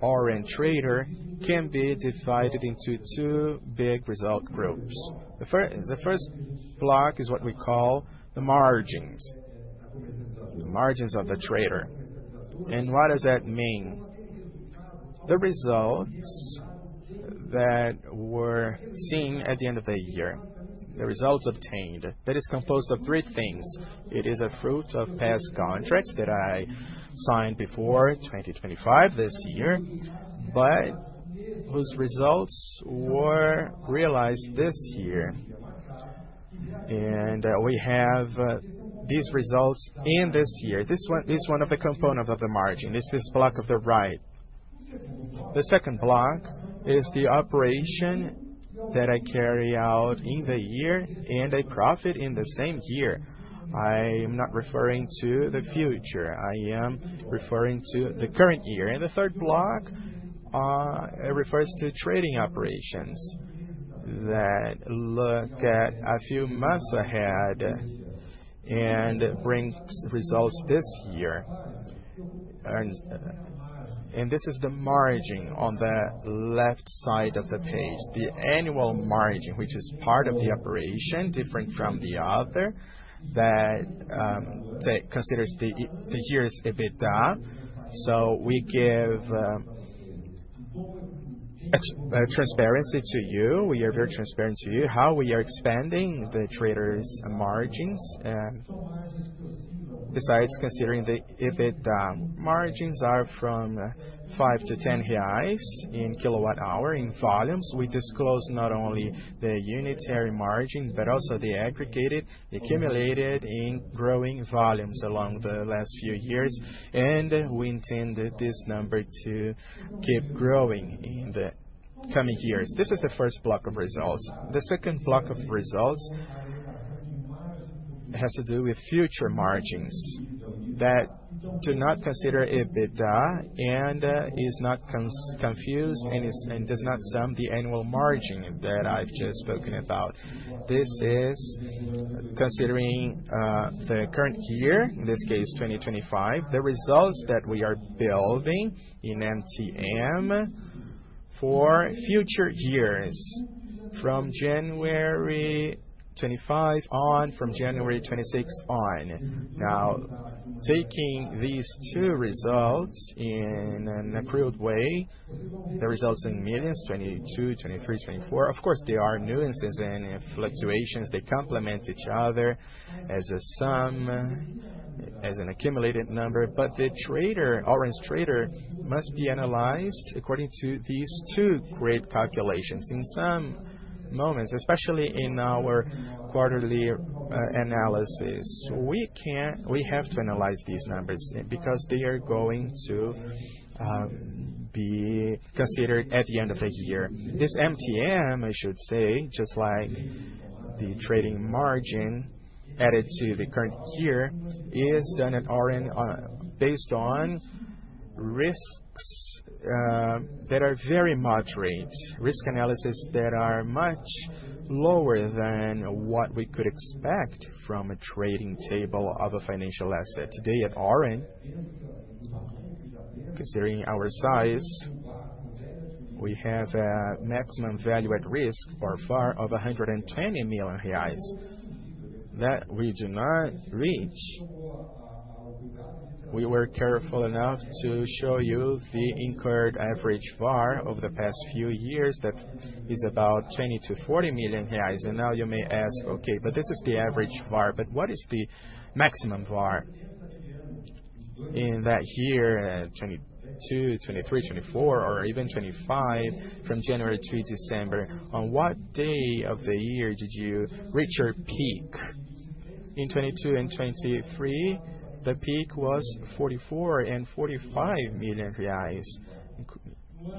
Auren Trader can be divided into two big result groups. The first block is what we call the margins, the margins of the trader. What does that mean? The results that were seen at the end of the year, the results obtained, that is composed of three. It is a fruit of past contracts that I signed before 2025 this year but whose results were realized this year. We have these results in this year. One of the components of the margin is this block on the right. The second block is the operation that I carry out in the year and a profit in the same year. I am not referring to the future, I am referring to the current year. The third block refers to trading operations that look at a few months ahead and bring results this year. This is the margin on the left side of the page, the annual margin which is part of the operation, different from the other that considers the year's EBITDA. We give transparency to you. We are very transparent to you how we are expanding the trader's margins. Besides considering the EBITDA margins are from 5 to 10 reais per kWh in volumes. We disclose not only the unitary margin but also the aggregated accumulated in growing volumes along the last few years. We intend this number to keep growing in the coming years. This is the first block of results. The second block of results has to do with future margins that do not consider EBITDA and is not confused and does not sum the annual margin that I've just spoken about. This is considering the current year, in this case 2025. The results that we are building in MtM for future years from January 25th on, from January 26th on. Now, taking these two results in an accrued way. The results in millions, 2022, 2023, 2024, of course they are millions and 15 fluctuations. They complement each other as a sum, as an accumulated number. The trader, Auren Trader, must be analyzed according to these two great calculations. In some moments, especially in our quarterly analysis, we have to analyze these numbers because they are going to be considered at the end of the year. This MtM, I should say, just like the trading margin added to the current year, is done at Auren based on risks that are very moderate, risk analysis that are much lower than what we could expect from a trading table of a financial asset today at Auren. Considering our size, we have a maximum value at risk, VaR, of 120 million reais that we do not reach. We were careful enough to show you the incurred average VaR over the past few years. That is about 20 to 40 million reais. You may ask, okay, but this is the average VaR. What is the maximum VaR in that year, 2022, 2023, 2024, or even 2025 from January to December? On what day of the year did you reach your peak? In 2022 and 2023, the peak was 44 and 45 million reais.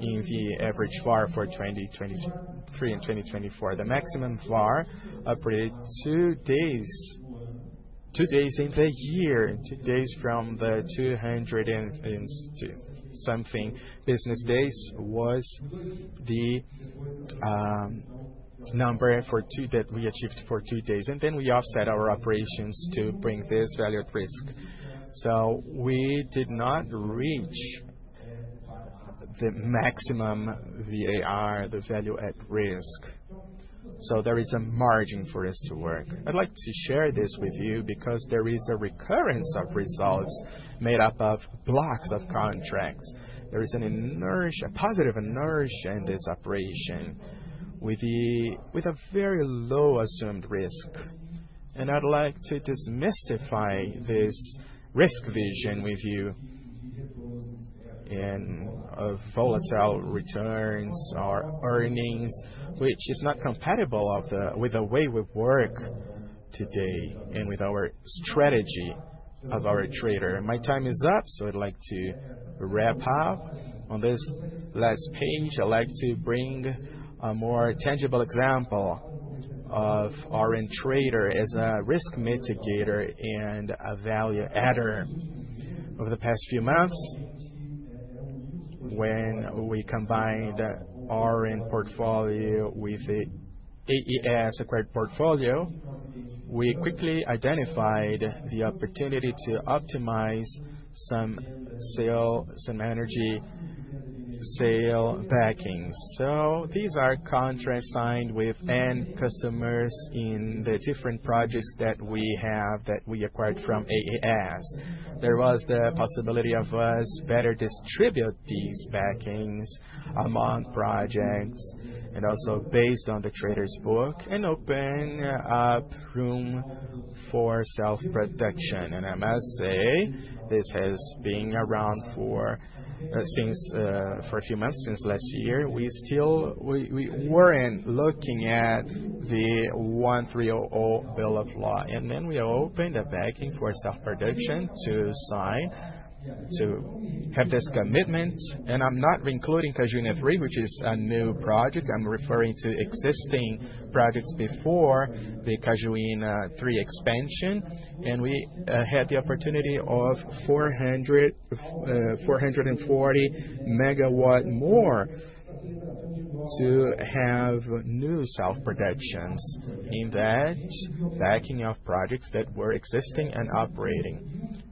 In the average VaR for 2023 and 2024, the maximum VaR was for two days. Two days in the year, two days from the 200-something business days, was the number for which we achieved that for two days. We offset our operations to bring this value at risk down, so we did not reach the maximum VaR, the value at risk. There is a margin for us to work. I'd like to share this with you because there is a recurrence of results made up of blocks of contracts. There is a positive inertia in this operation with a very low assumed risk. I'd like to demystify this risk vision with you and volatile returns or earnings, which is not compatible with the way we work today and with our strategy of our trader. My time is up, so I'd like to wrap up on this last page. I'd like to bring a more tangible example of Auren Trader as a risk mitigator and value adder. Over the past few months, when we combined Auren portfolio with AES acquired portfolio, we quickly identified the opportunity to optimize some energy sale backing. These are contracts with end customers in the different projects that we have that we acquired from AES. There was the possibility of us better distributing these backings among projects and also based on the trader's book and opening up room for self-production. I must say this has been around for a few months since last year. We were looking at the 1300 Bill of Law, and then we opened a backing for self-production to sign, to have this commitment. I'm not including Cajuína 3, which is a new project. I'm referring to existing projects before the Cajuína 3 expansion. We had the opportunity of 440 MW more to have new self-productions in that backing of projects that were existing and operating.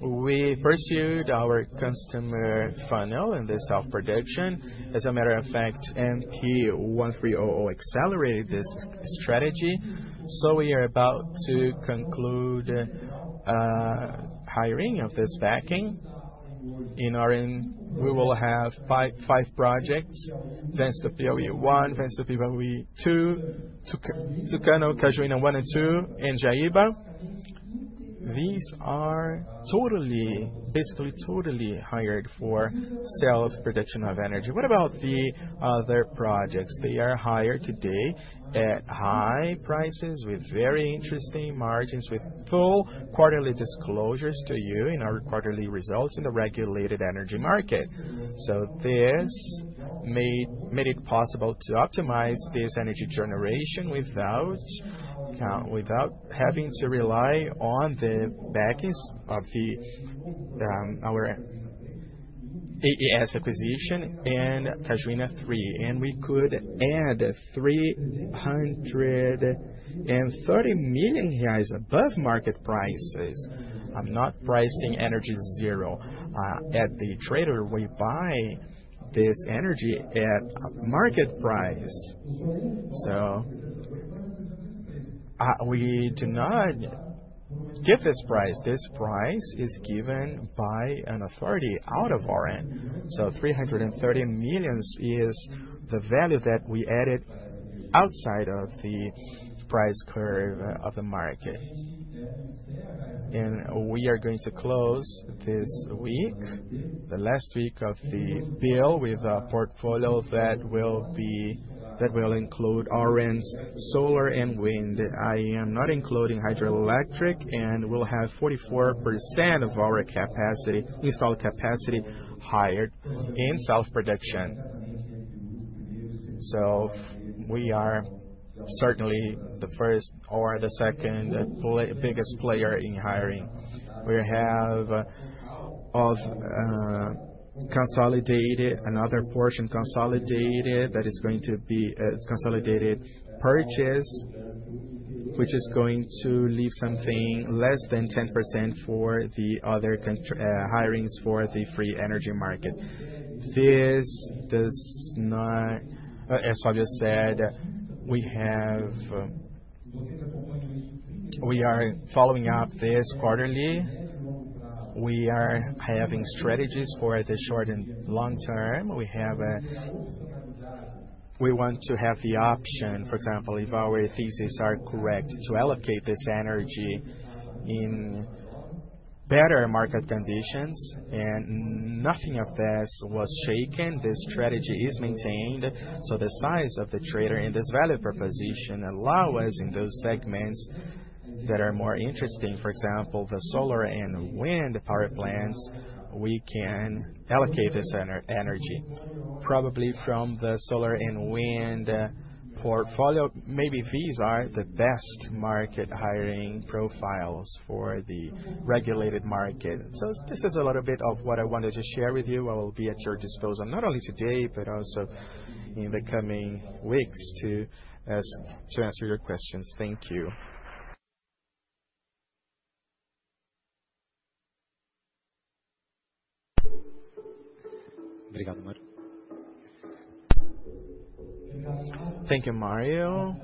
We pursued our customer funnel in the self-production. As a matter of fact, MP 1300 accelerated this strategy. We are about to conclude hiring of this backing. In our end, Ventos do Piauí 1, Ventos do Piauí 2, Tucano, Cajuína 1 and 2, and Jaíba. These are basically totally hired for self-production of energy. What about the other projects? They are hired today at high prices with very interesting margins with full quarterly disclosures to you in our quarterly results in the regulated energy market. This made it possible to optimize this energy generation without having to rely on the backing system of our AES acquisition and Cajuína 3, and we could add 330 million above market prices. I'm not pricing energy zero at the trader. We buy this energy at market price. We do not give this price. This price is given by an authority out of Auren. 330 million is the value that we added outside of the price curve of the market. We are going to close this week, the last week of the deal, with a portfolio that will include Auren, solar, and wind. I am not including hydroelectric and will have 44% of our installed capacity hired in self-production. We are certainly the first or the second biggest player in hiring. We have also consolidated another portion, consolidated that is going to be consolidated purchase, which is going to leave something less than 10% for the other hirings for the free energy market. As Luiz said, we are following up this quarterly. We are having strategies for the short and long term. We want to have the option, for example, if our theses are correct, to allocate this energy in better market conditions and nothing of this was shaken. This strategy is maintained. The size of the trader in this value proposition allows us in those segments that are more interesting, for example, the solar and wind power plants. We can allocate this energy probably from the solar and wind portfolio. Maybe these are the best market hiring profiles for the regulated market. This is a little bit of what I wanted to share with you. I will be at your disposal not only today but also in the coming weeks to answer your questions. Thank you. Thank you, Mario.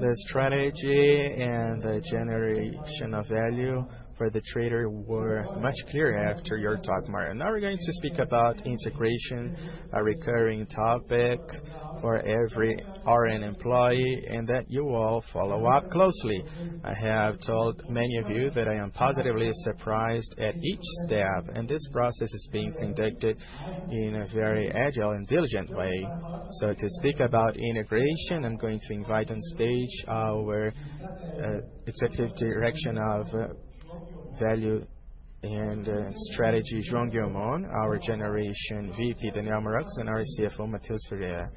The strategy and the generation of value for the trader were much clearer after your talk, Mario. Now we're going to speak about integration, a recurring topic for every Auren employee and that you all follow up closely. I have told many of you that I am positively surprised at each step and this process is being conducted in a very agile and diligent way, to speak about integration. I'm going to invite on stage our Executive Director of Value and Strategy, João Guillaumon, our Generation VP Daniel Marrocos, and our CFO Mateus Ferreira.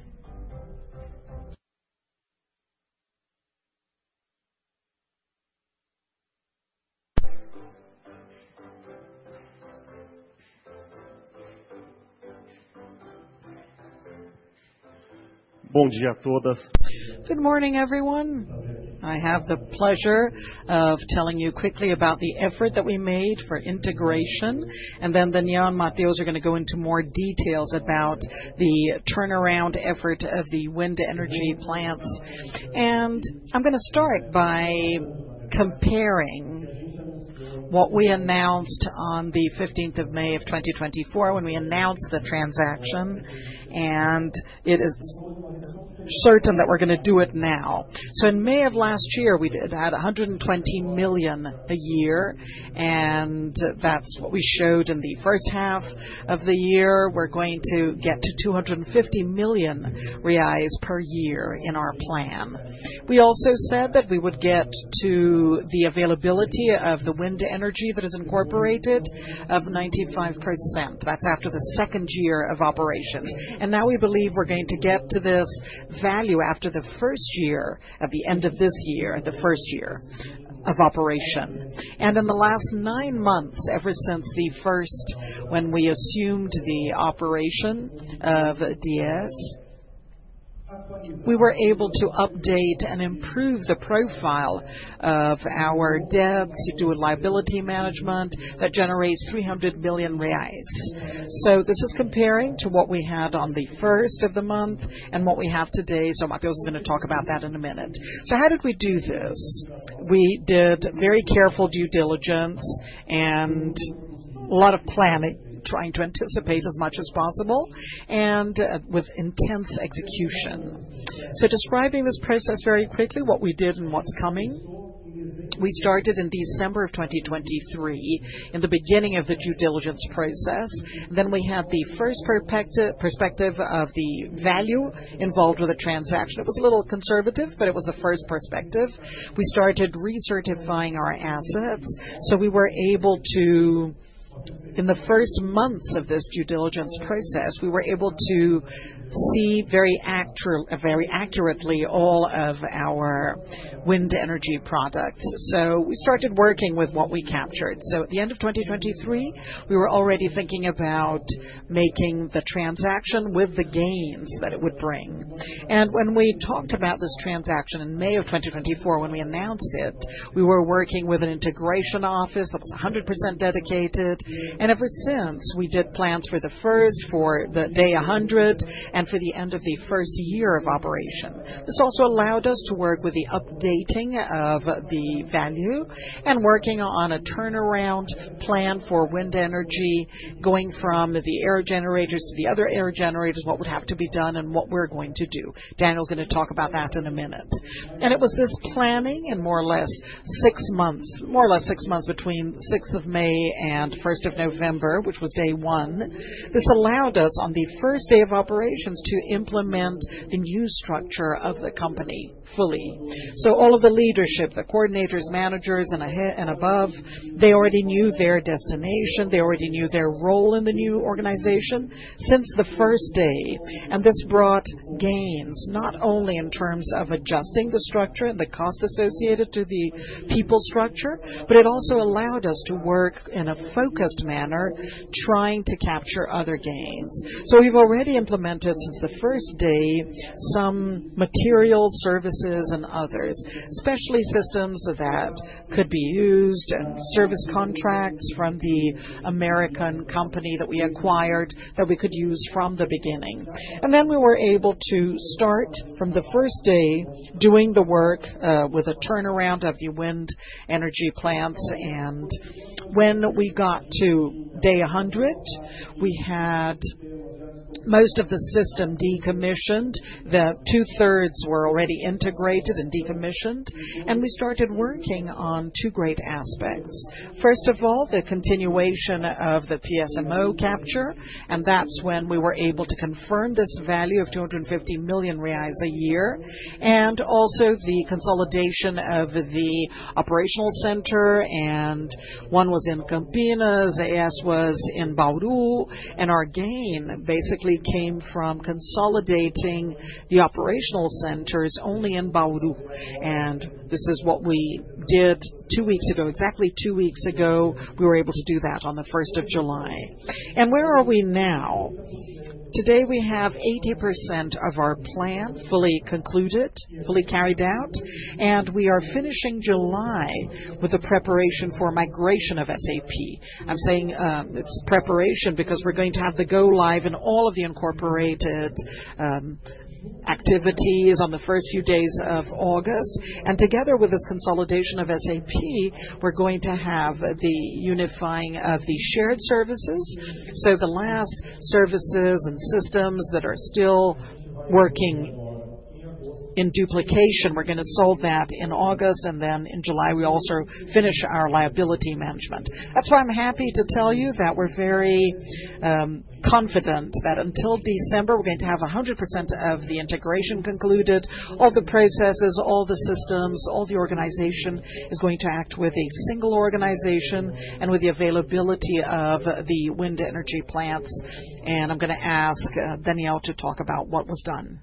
Good morning everyone. I have the pleasure of telling you quickly about the effort that we made for integration. Daniel, Mateus Ferreira, are going to go into more details about the turnaround effort of the wind energy plants. I'm going to start by comparing what we announced on the 15th of May 2024, when we announced the transition transaction, and it is certain that we're going to do it now. In May of last year we had 120 million a year and that's what we showed in the first half of the year. We're going to get to 250 million reais per year in our plan. We also said that we would get to the availability of the wind energy that is incorporated of 95%. That's after the second year of operations. Now we believe we're going to get to this value after the first year, at the end of this year, the first year of operation. In the last nine months, ever since the first, when we assumed the operation of AES, we were able to update and improve the profile of our debts. You do a liability management that generates 300 million reais. This is comparing to what we had on the 1st of the month and what we have today. Mateus is going to talk about that in a minute. How did we do this? We did very careful due diligence and a lot of planning, trying to anticipate as much as possible and with intense execution. Describing this process very quickly, what we did and what's coming, we started in December 2023, in the beginning of the due diligence process. We had the first perspective of the value involved with the transaction. It was a little conservative, but it was the first perspective. We started recertifying our assets. In the first months of this due diligence, we were able to see very accurately all of our wind energy products. We started working with what we captured. At the end of 2023, we were already thinking about making the transaction with the gains that it would bring. When we talked about this transaction in May 2024, when we announced it, we were working with an integration office that was highly dedicated. Ever since, we did plans for the first, for day 100, and for the end of the first year of operation. This also allowed us to work with the updating of the value and working on a turnaround plan for wind energy, going from the air generators to the other air generators, what would have to be done and what we're going Daniel Marrocos is going to talk about that in a minute. It was planned in more or less six months, between May 6 and November 1, which was day one. This allowed us, on the first day of operations, to implement the new structure of the company fully. All of the leadership, the coordinators, managers and above already knew their destination, they already knew their role in the new organization since the first day. This brought gains not only in terms of adjusting the structure and the cost associated to the people structure, but it also allowed us to work in a focused manner trying to capture other gains. We've already implemented since the first day some material services and others, especially systems that could be used and service contracts from the American company that we acquired that we could use from the beginning. We were able to start from the first day doing the work with a turnaround of the wind energy plants. When we got to day 100, we had most of the system decommissioned. Two thirds were already integrated and decommissioned. We started working on two or three great aspects. First of all, the continuation of the synergy capture. That's when we were able to confirm this value of 250 million reais a year. Also, the consolidation of the operational center. One was in Campinas, one was in Bauru. Our gain basically came from consolidating the operational centers only in one. This is what we did two weeks ago, exactly two weeks ago we were able to do that on July 1. Where are we now? Today we have 80% of our plan fully concluded, fully carried out. We are finishing July with a preparation for migration of SAP. I'm saying it's preparation because we're going to have the go live in all of the information incorporated activities on the first few days of August. Together with this consolidation of SAP, we're going to have the unifying of the shared services. The last services and systems that are still working in duplication, we're going to solve that in August. In July we also finish our liability management. That's why I'm happy to tell you that we're very confident that until December we're going to have 100% of the integration concluded. All the processes, all the systems, all the organization is going to act with a single organization and with the availability of the wind energy plants. I'm going to ask Daniel to talk about what was done.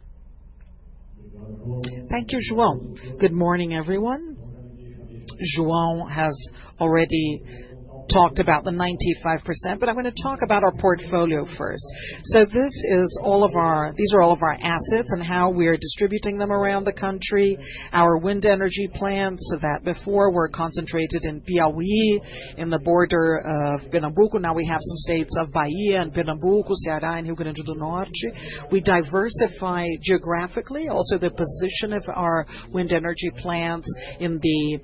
Thank you, João. Good morning everyone. João has already talked about the 95%, but I'm going to talk about our portfolio first. These are all of our assets and how we are distributing them around the country. Our wind energy plants that before were concentrated in Piauí, in the border of Pernambuco, now we have some states of Bahia and Pernambuco, Ceará, and Rio Grande do Norte. We diversified geographically, also the position of our wind energy plants in the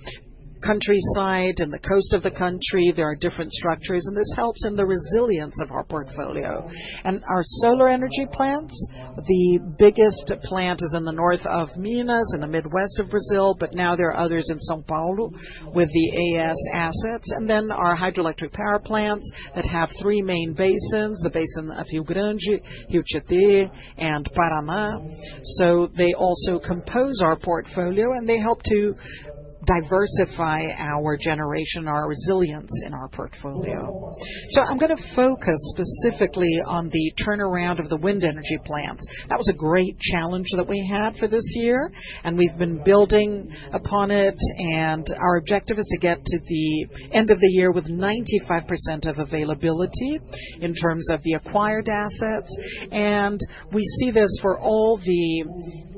countryside and the coast of the country. There are different structures and this helps in the resilience of our portfolio. Our solar energy plants, the biggest plant is in the north of Minas in the Midwest of Brazil, but now there are others in São Paulo with the AES assets. Then our hydroelectric power plants that have three main basins, the basin of Rio Grande, Rio Jequitinhonha, and Paraná. They also compose our portfolio and they help to diversify our generation, our resilience in our portfolio. I'm going to focus specifically on the turnaround of the wind energy plants. That was a great challenge that we had for this year and we've been building upon it. Our objective is to get to the end of the year with 95% of availability in terms of the acquired assets. We see this for all the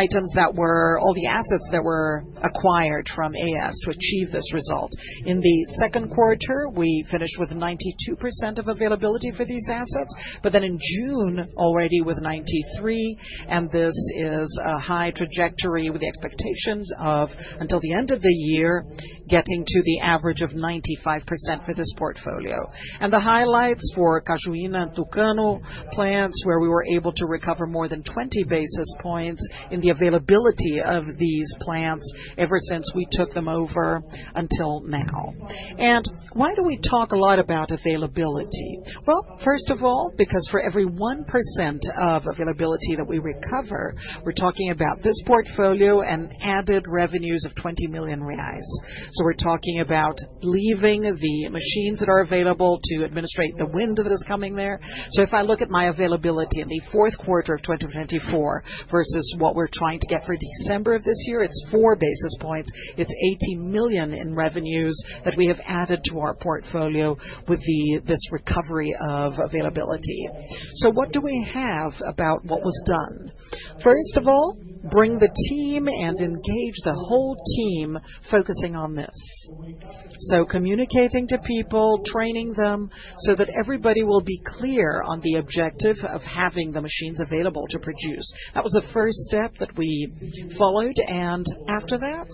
items that were all the assets that were acquired from AES to achieve this result. In the second quarter, we finished with 92% of availability for these assets, but then in June already with 93%. This is a high trajectory with the expectations of until the end of the year getting to the average of 95% for this portfolio. The highlights for Cajuína and Tucano plants, where we were able to recover more than 20 basis points in the availability of these plants ever since we took them over until now. Why do we talk a lot about availability? First of all, because for every 1% of availability that we recover, we're talking about this portfolio and added revenues of 20 million reais. We're talking about leaving the machines that are available to administrate the wind that is coming there. If I look at my availability in the fourth quarter of 2024 versus what we're trying to get for December of this year, it's 4 basis points, it's 80 million in revenues that we have added to our portfolio with this recovery of availability. What do we have about what was done? First of all, bring the team and engage the whole team focusing on this. Communicating to people, training them so that everybody will be clear on the objective of having the machines available to produce was the first step that we followed. After that,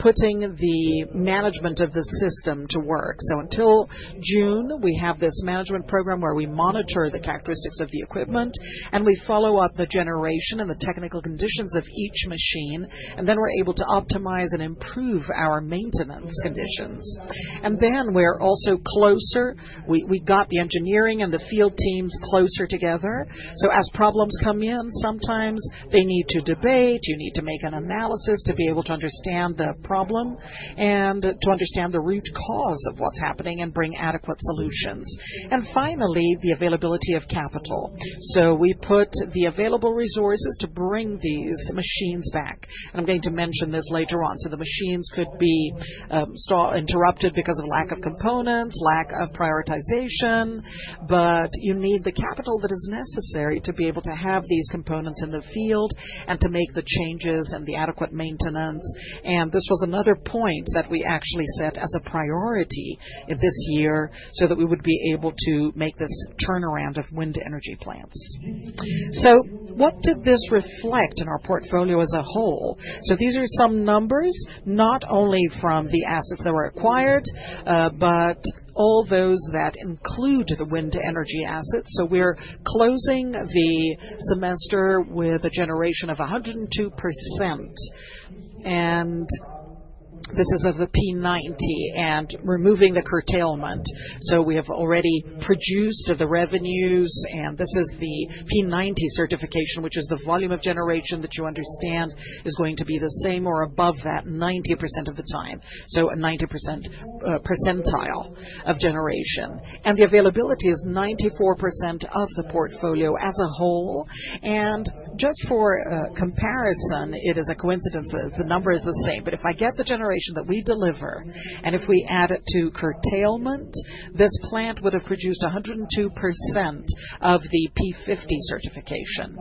putting the management of the system to work. Until June, we have this management program where we monitor the characteristics of the equipment and we follow up the generation and the technical conditions of each machine. We are able to optimize and improve our maintenance conditions. We also got the engineering and the field teams closer together. As problems come in, sometimes they need to debate. You need to make an analysis to be able to understand the problem and to understand the root cause of what's happening and bring adequate solutions. Finally, the availability of capital. We put the available resources to bring these machines back. I'm going to mention this later on. The machines could be interrupted because of lack of components, lack of prioritization. You need the capital that is necessary to be able to have these components in the field and to make the changes and the adequate maintenance. This was another point that we actually set as a priority this year so that we would be able to make this turnaround of wind energy plants. What did this reflect in our portfolio as a whole? These are some numbers, not only from the assets that were acquired, but all those that include the wind energy assets. We are closing the semester with a generation of 102%. This is of the P90 and removing the curtailment. We have already produced the revenues. This is the P90 certification, which is the volume of generation that you want to understand is going to be the same or above that 90% of the time, so 90% percentile of generation. The availability is 94% of the portfolio as a whole. Just for comparison, it is a coincidence the number is the same, but if I get the generation that we deliver and if we add it to curtailment, this plant would have produced 102% of the P50 certification.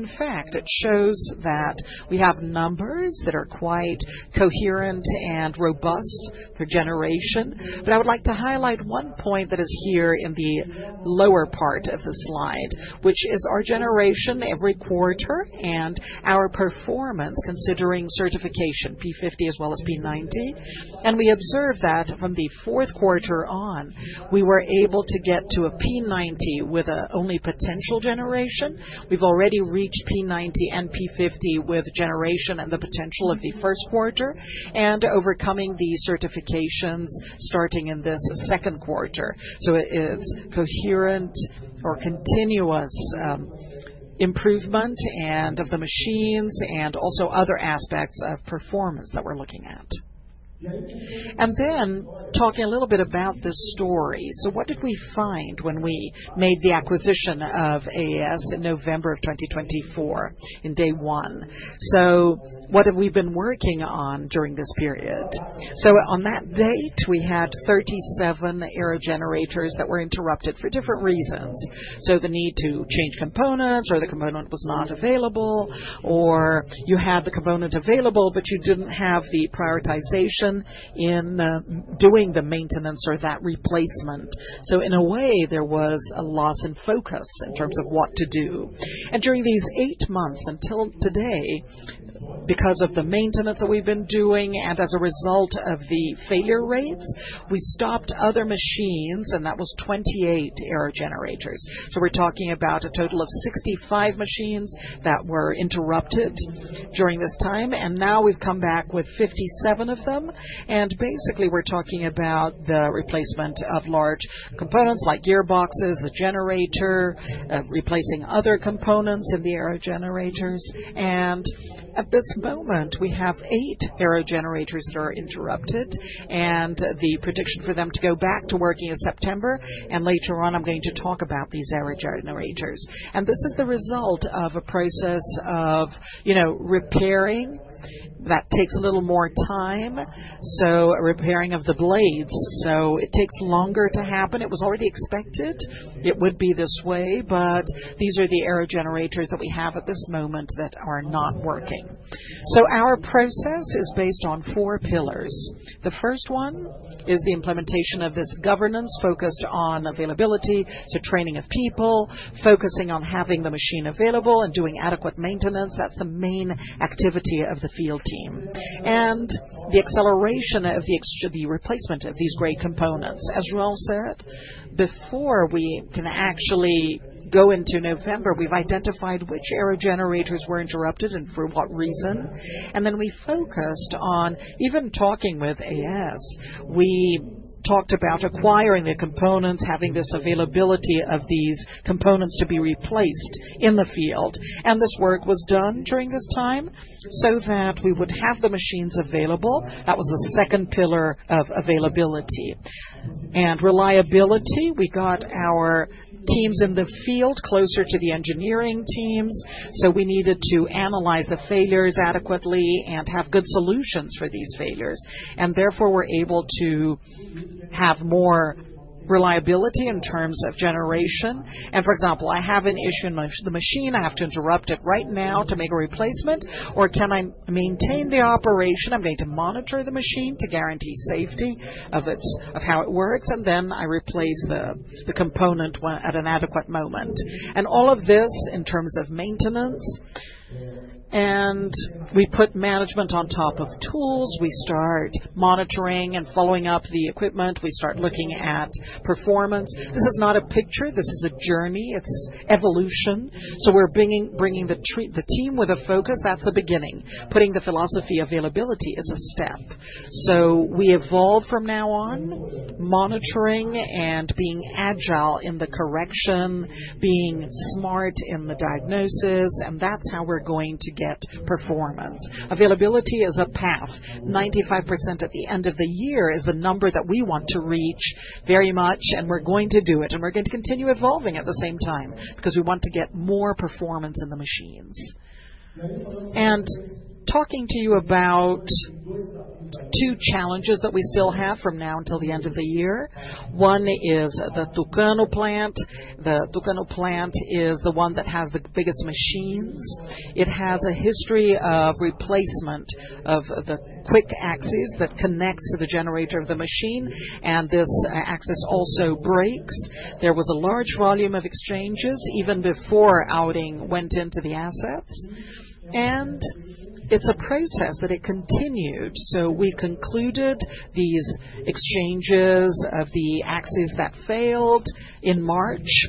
In fact, it shows that we have numbers that are quite coherent and robust for generation. I would like to highlight one point that is here in the lower part of the slide, which is our generation every quarter and our performance considering certification P50 as well as P90. We observe that from the fourth quarter on, we were able to get to a P90 with only potential generation. We've already reached P90 and P50 with generation and the potential of the first quarter and overcoming the certifications starting in this second quarter. It's coherent or continuous improvement of the machines and also other aspects of performance that we're looking at. Talking a little bit about this story, what did we find when we made the acquisition of AES in November 2024, on day one? What have we been working on during this period? On that date, we had 37 aerogenerators that were interrupted for different reasons: the need to change components, or the component was not available, or you had the component available but you didn't have the prioritization in doing the maintenance or that replacement. In a way, there was a loss in focus in terms of what to do. During these eight months until today, because of the maintenance that we've been doing and as a result of the failure rates, we stopped other machines. That was 28 aerogenerators. We're talking about a total of 65 machines that were interrupted during this time. Now we've come back with 57 of them. Basically, we're talking about the replacement of large components like gearboxes, the generator, replacing other components in the aerogenerators. At this moment, we have eight aerogenerators that are interrupted, and the prediction for them to go back to working is September. Later on, I'm going to talk about these aerogenerators. This is the result of a process of repairing that takes a little more time, so repairing of the blades, so it takes longer to happen. It was already expected it would be this way. These are the aerogenerators that we have at this moment that are not working. Our process is based on four pillars. The first one is the implementation of this governance focused on availability, training of people, focusing on having the machine available and doing adequate maintenance. That's the main activity of the field team and the acceleration of the replacement of these great components. As João said before, we can actually go into November, we've identified which aerogenerators were interrupted and for what reason. We focused on even talking with, as we talked about acquiring the components, having this availability of these components to be replaced in the field. This work was done during this time so that we would have the machines available. That was the second pillar of availability and reliability. We got our teams in the field closer to the engineering teams. We needed to analyze the failures adequately and have good solutions for these failures. Therefore, we're able to have more reliability in terms of generation. For example, I have an issue in the machine. I have to interrupt it right now to make a replacement or can I maintain the operation? I'm going to monitor the machine to guarantee safety of how it works. Then I replace the component at an adequate moment. All of this is in terms of maintenance. We put management on top of tools. We start monitoring and following up the equipment. We start looking at performance. This is not a picture, this is a journey. It's evolution. We're bringing the team with a focus. That's the beginning. Putting the philosophy of availability is a step. We evolve from now on monitoring and being agile in the correction, being smart in the diagnosis, and that's how we're going to get performance. Availability is a path. 95% at the end of the year is the number that we want to reach very much. We're going to do it. We're going to continue evolving at the same time because we want to get more performance in the machines. Talking to you about two challenges that we still have from now until the end of the year. One is the Tucano plant. The Tucano plant is the one that has the biggest machines. It has a history of replacement of the quick axis that connects to the generator of the machine. This axis also breaks. There was a large volume of exchanges even before Auren went into the assets. It's a process that continued. We concluded these exchanges of the axes that failed in March.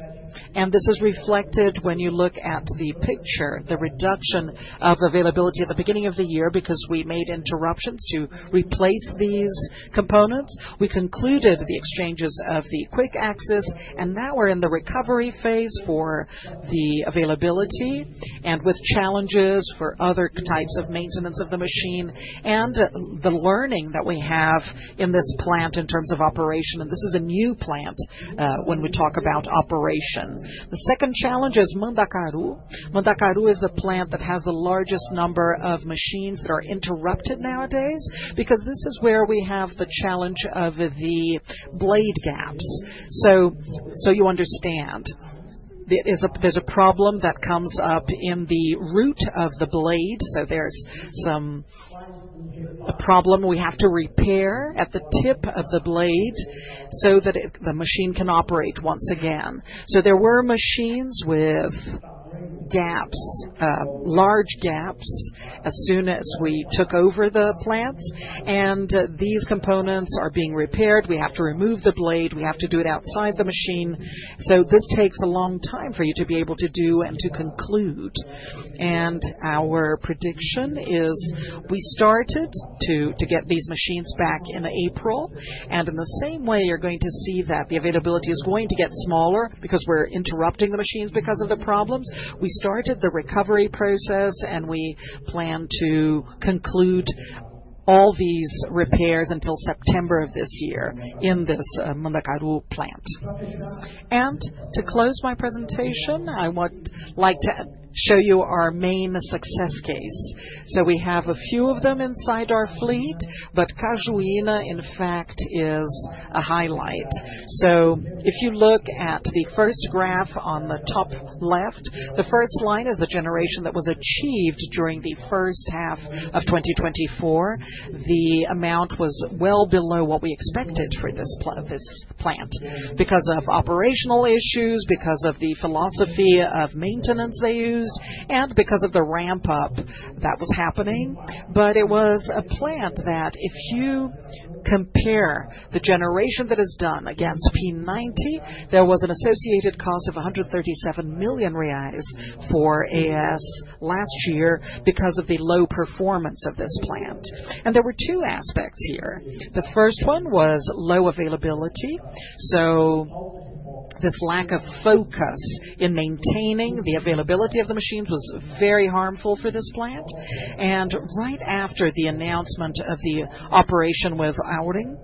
This is reflected when you look at the picture, the reduction of availability at the beginning of the year, because we made interruptions to replace these components. We concluded the exchanges of the quick axis. Now we're in the recovery phase for the availability and with challenges for other types of maintenance of the machine and the learning that we have in this plant in terms of operation. This is a new plant when we talk about operation. The second challenge is Mandacaru. Mandacaru is the plant that has the largest number of machines that are interrupted nowadays because this is where we have the challenge of the blade gaps. You understand there's a problem that comes up in the root of the blade. There's some problem we have to repair at the tip of the blade so that the machine can operate once again. There were machines with gaps, large gaps. As soon as we took over the plants and these components are being repaired, we have to remove the blade. We have to do it outside the machine. This takes a long time for you to be able to do and to conclude. Our prediction is we started to get these machines back in April. In the same way, you're going to see that the availability is going to get smaller because we're interrupting the machines because of the problems. We started the recovery process and we plan to conclude all these repairs until September of this year in this plant. To close my presentation, I would like to show you our main success case. We have a few of them inside our fleet, but Cajuína, in fact, is a highlight. If you look at the first graph on the top left, the first line is the generation that was achieved during the first half of 2024. The amount was well below what we expected for this plant because of operational issues, because of the philosophy of maintenance they used, and because of the ramp up that was happening. It was a plant that if you compare the generation that is done against P90, there was an associated cost of 137 million reais for AES last year because of the low performance of this plant. There were two aspects here. The first one was low availability. This lack of focus in maintaining the availability of the machines was very harmful for this plant. Right after the announcement of the operation, with Auren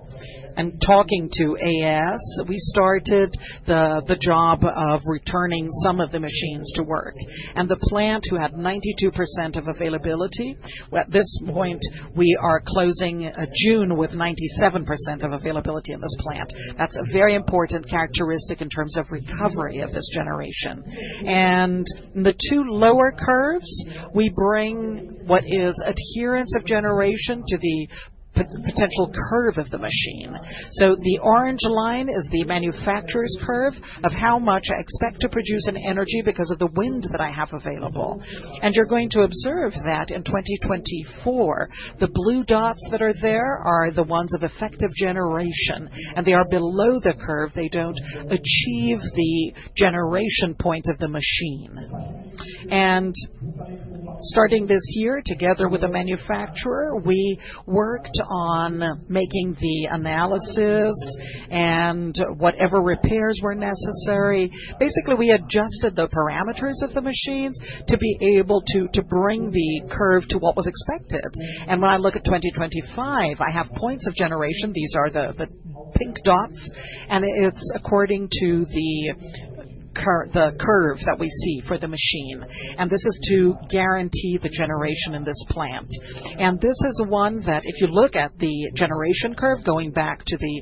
and talking to AES, we started the job of returning some of the machines to work and the plant, which had 92% of availability at this point, we are closing June with 97% of availability in this plant. That's a very important characteristic in terms of recovery of this generation. The two lower curves bring what is adherence of generation to the potential curve of the machine. The orange line is the manufacturer's curve of how much I expect to produce in energy because of the wind that I have available. You're going to observe that in 2020, the blue dots that are there are the ones of effective generation and they are below the curve. They don't achieve the generation point of the machine. Starting this year, together with the manufacturer, we worked on making the analysis and whatever repairs were necessary. Basically, we adjusted the performance parameters of the machines to be able to bring the curve to what was expected. When I look at 2025, I have points of generation. These are the pink dots, and it's according to the curve that we see for the machine. This is to guarantee the generation in this plant. If you look at the generation curve, going back to the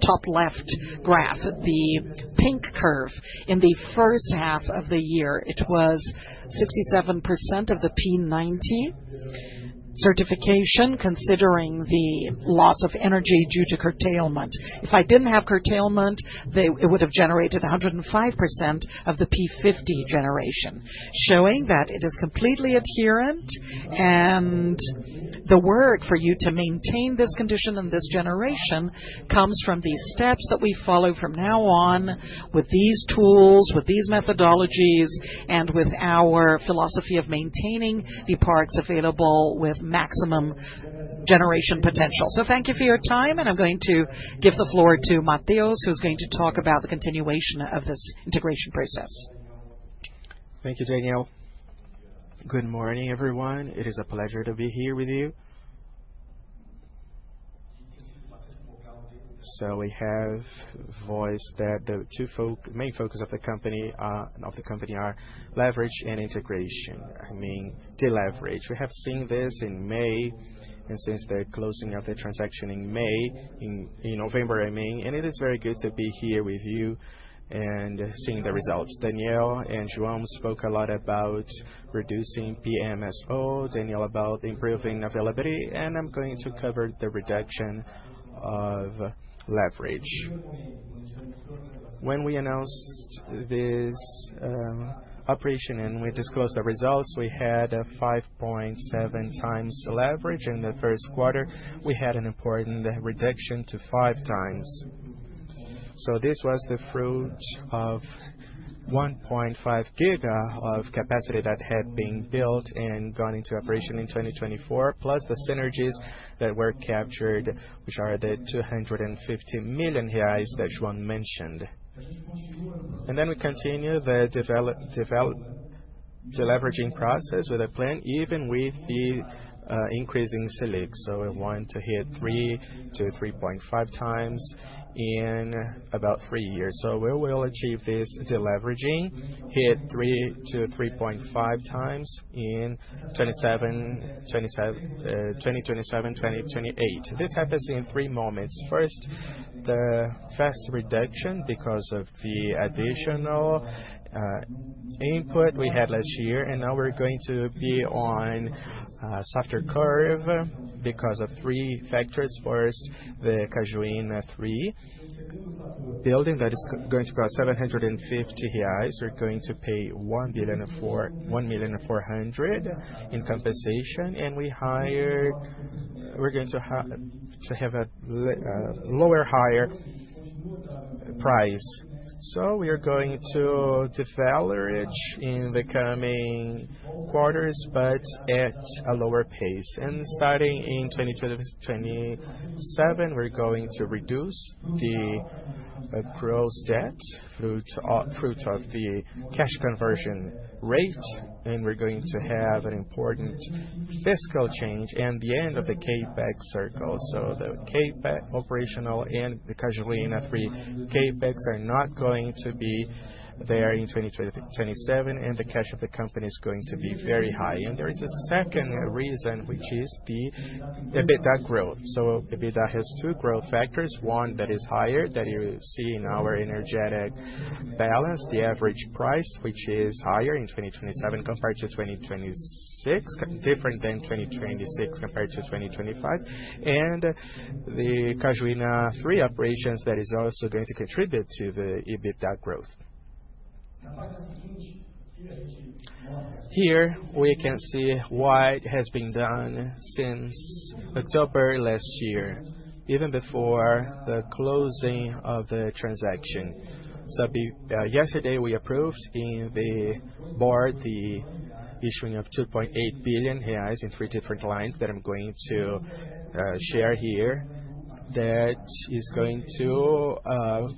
top left graph, the pink curve, in the first half of the year, it was 67% of the P90 certification, considering the loss of energy due to curtailment. If I didn't have curtailment, it would have generated 105% of the P50 generation, showing that it is completely adherent, and the work for you to maintain this condition and this generation comes from these steps that we follow from now on with these tools, with these methodologies, and with our philosophy of maintaining the parks available with maximum generation potential. Thank you for your time, and I'm going to give the floor to Mateus, who's going to talk about the continuation of this integration process. Thank you, Daniel. Good morning, everyone. It is a pleasure to be here with you. We have voiced that the main focus of the company are leverage and integration. I mean deleverage, we have seen this in May and since the closing of the transaction in May, in November, and it is very good to be here with you and seeing the results. Daniel and João spoke a lot about reducing PMSO, Daniel, about improving availability, and I'm going to cover the reduction of leverage. When we announced this operation and we disclosed the results, we had 5.7 times leverage in the first quarter. We had an important reduction to 5 times. This was the fruit of 1.5 GW of capacity that had been built and gone into operation in 2024 plus the synergies that were captured, which are the 250 million reais that João mentioned. We continue the deleveraging process with the plant even with the increasing SELIC. I want to hit the 3 to 3.5 times in about three years. We will achieve this deleveraging, hit 3 to 3.5 times in 2027, 2028. This happens in three moments. First, the fast reduction because of the additional input we had last year, and now we're going to be on a softer curve because of three factors. First, the Cajuína 3 building that is going to cost 750 million reais. We're going to pay 1.4 billion in compensation, and we hired, we're going to have a lower, higher price. We are going to deleverage in the coming quarters but at a lower pace. Starting in 2027, we're going to reduce the gross debt, fruit of the cash conversion rate, and we're going to have an important fiscal change and the end of the CapEx cycle. The CapEx operational and the Cajuína CapEx are not going to be there in 2027, and the cash of the company is going to be very high. There is a second reason, which is the EBITDA growth. EBITDA has two growth factors. One that is higher that you see in our energetic balance, the average price, which is higher in 2027 compared to 2026, different than 2026 compared to 2025, and the Cajuína 3 operations that is also going to contribute to the EBITDA growth. Here we can see what has been done since October last year, even before the closing of the transaction. Yesterday we approved in the board the issuing of 2.8 billion reais in three different lines that I'm going to share here. That is going to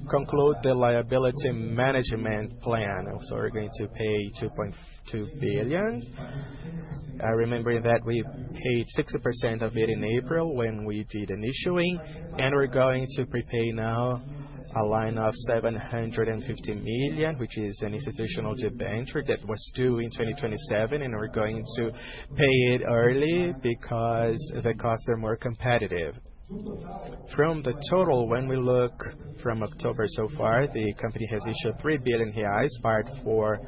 conclude the liability management plan. We're going to pay 2.2 billion, remembering that we paid 60% of it in April when we did an issuing. We're going to prepay now a line of 700 million, which is an institutional debenture that was due in 2027. We're going to pay it early because the costs are more competitive. From the total, when we look from October so far, the company has issued 3 billion reais, part for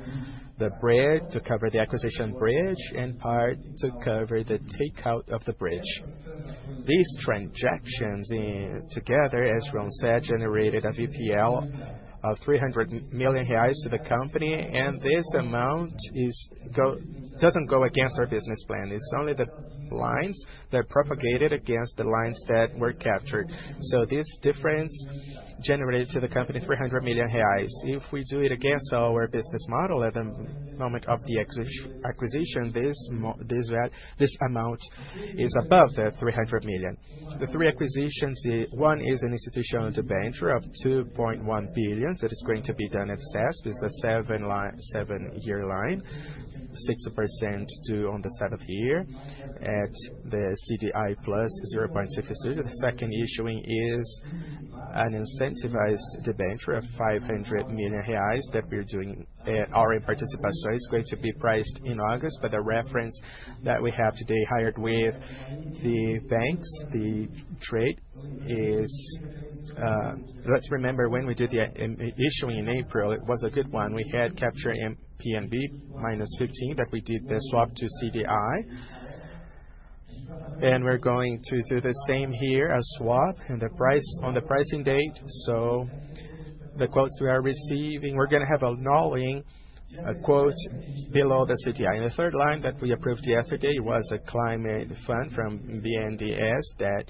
the bridge to cover the acquisition bridge and part to cover the takeout of the bridge. These transactions together, as João said, generated a NPV of 300 million reais to the company. This amount doesn't go against our business plan. It's only the lines that propagated against the lines that were captured. This difference generated to the company 300 million reais if we do it again. Our business model at the moment of the acquisition is that this amount is above the 300 million. The three acquisitions: one is an institutional debenture of 2.1 billion that is going to be done at CESP, it's the 7-year line, 6% due on the 7th year at the CDI plus 0.62%. The second issuing is an incentivized debenture of 500 million reais that we're doing. It's going to be priced in August, but the reference that we have today hired with the banks, the trade is. Let's remember when we did the issuing in April, it was a good one. We had capture NTN-B minus 15, but we did the swap to CDI and we're going to do the same here as swap on the pricing date. The quotes we are receiving, we're going to have a all-in quote below the CDI. The third line that we approved yesterday was a Climate Fund from BNDES, and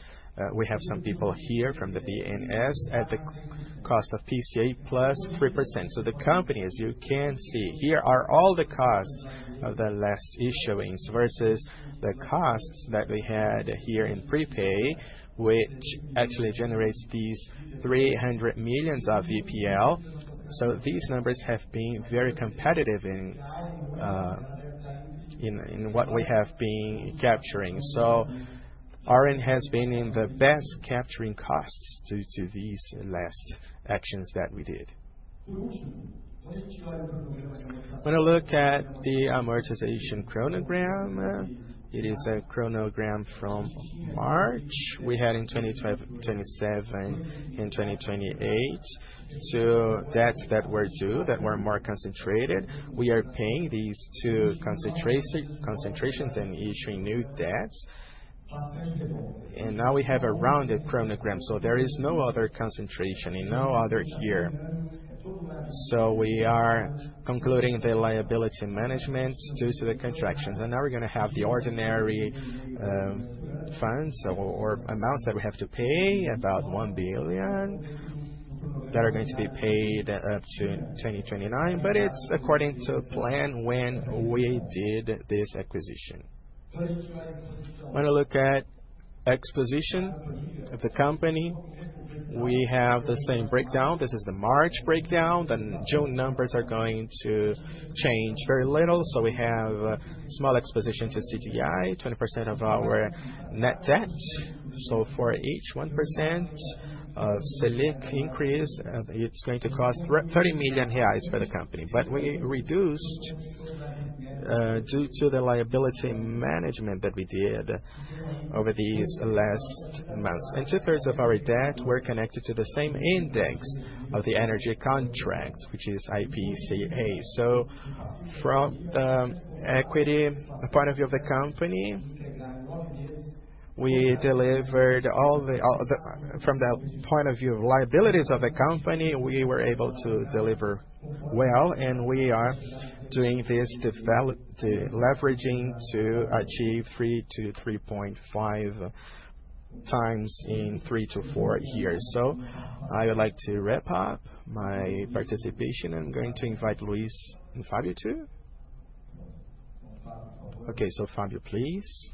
we have some people here from the BNDES, at the cost of IPCA +3%. The company, as you can see here, all the costs of the last issuance versus the costs that we had here in prepay, which actually generates these 300 million of NPV. These numbers have been very competitive in what we have been capturing. Auren has been in the best capturing costs due to these last actions that we did. When I look at the amortization chronogram, it is a chronogram from March. We had in 2027 and 2028 two debts that were due that were more concentrated. We are paying these two concentrations and issuing new debts. Now we have a rounded chronogram. There is no other concentration and no other here. We are concluding the liability management due to the contractions. Now we're going to have the ordinary funds or amounts that we have to pay, about 1 billion, that are going to be paid up to 2029. It's according to plan. When we did this acquisition, when I look at exposition of the company, we have the same breakdown. This is the March breakdown. The June numbers are going to change very little. We have small exposition to CDI, 20% of our net debt. For each 1% of Selic increase, it's going to cost 30 million reais for the company. We reduced due to the liability management that we did over these last months. Two thirds of our debt were connected to the same index of the energy contract, which is IPCA. From the equity point of view of the company, we delivered all the. From the point of view of liabilities of the company, we were able to deliver well. We are doing this deleveraging to achieve 3 to 3.5 times in 3 to 4 years. I would like to wrap up my participation. I'm going to invite Luiz and Fábio too. Okay, Fábio, please.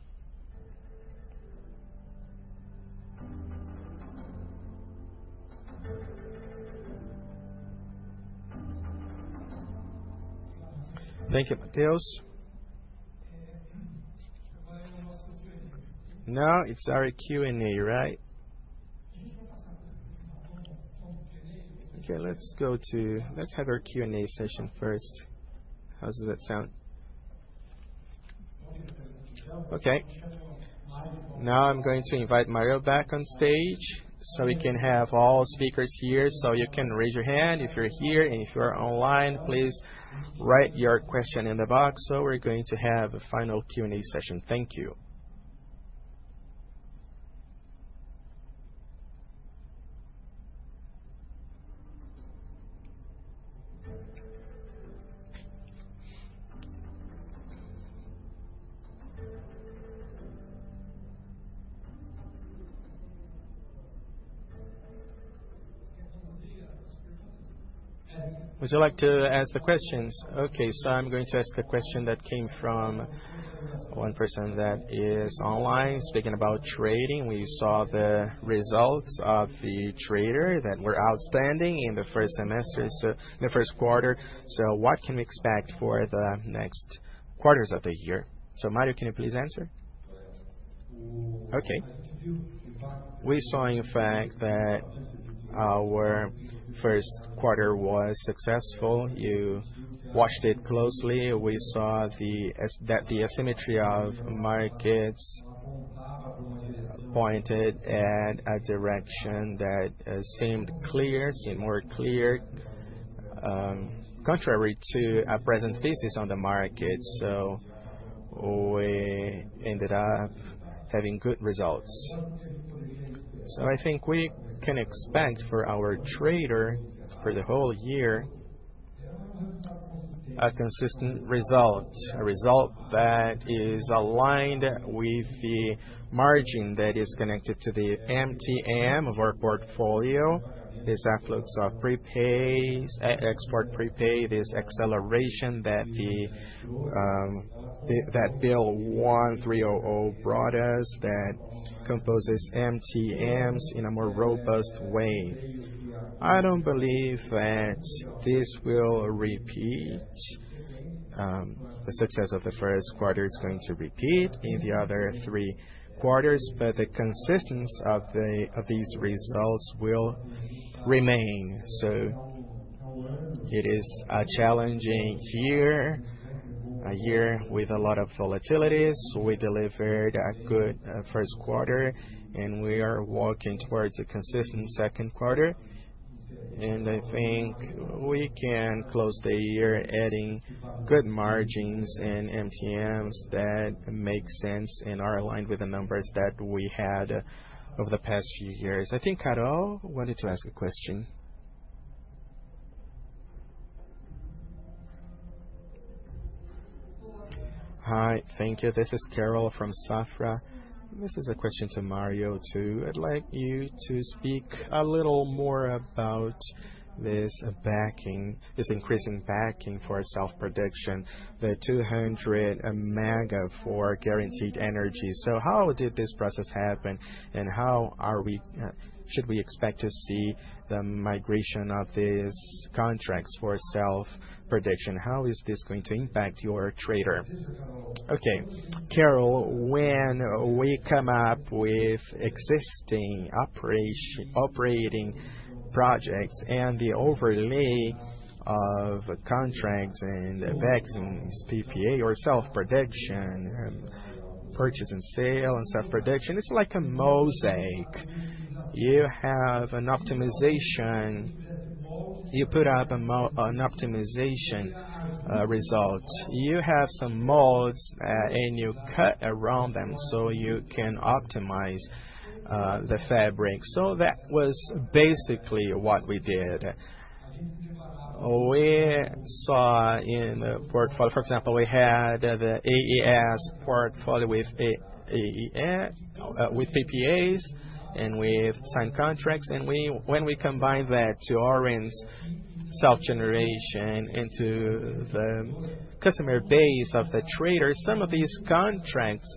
Thank you. Mateus. No, it's our Q&A, right. Let's go to, let's have our Q&A session first. How does that sound? Now I'm going to invite Mario back on stage so we can have all speakers here. You can raise your hand if you're here and if you're online, please write your question in the box. We're going to have a final Q&A session. Thank you. Would you like to ask the questions? I'm going to ask a question that came from one person that is online speaking about trading. We saw the results of the trader that were outstanding in the first semester, in the first quarter. What can we expect for the next quarters of the year? Mario, can you please answer? We saw in fact that our first quarter was successful. You watched it closely. We saw that the asymmetry of markets pointed at a direction that seemed clear, seemed more clear, contrary to a present thesis on the market. We ended up having good results. I think we can expect for our trader for the whole year a consistent result, a result that is aligned with the margin that is connected to the MtM of our portfolio. This influx of prepay, export prepay, this acceleration that Bill 1300 brought us that composes MTMs in a more robust way. I don't believe that this will repeat. The situation of the first quarter is going to repeat in the other three quarters, but the consistence of these results will remain. It is a challenging year, a year with a lot of volatilities. We delivered a good first quarter and we are working towards a consistent second quarter. I think we can close the year adding good margins and MTMs that make sense and are aligned with the numbers that we had over the past few years. I think Carol wanted to ask a question. Hi, thank you. This is Carol from Safra. This is a question to Mario too. I'd like you to speak a little more about this backing, this increasing backing for self-production, the 200 MW for guaranteed energy. How did this process happen and how should we expect to see the migration of these contracts for self-production? How is this going to impact your trader? Okay Carol, when we come up with existing operating projects and the overlay of contracts and backings, PPA or self-production, purchase and sale and self-production, it's like a mosaic. You have an optimization, you put up an optimization result, you have some molds and you cut around them so you can optimize the fabric. That was basically what we did. We saw in the portfolio, for example, we had AES portfolio with PPAs and with signed contracts. When we combined that to Auren self-generation into the customer base of the trader, some of these contracts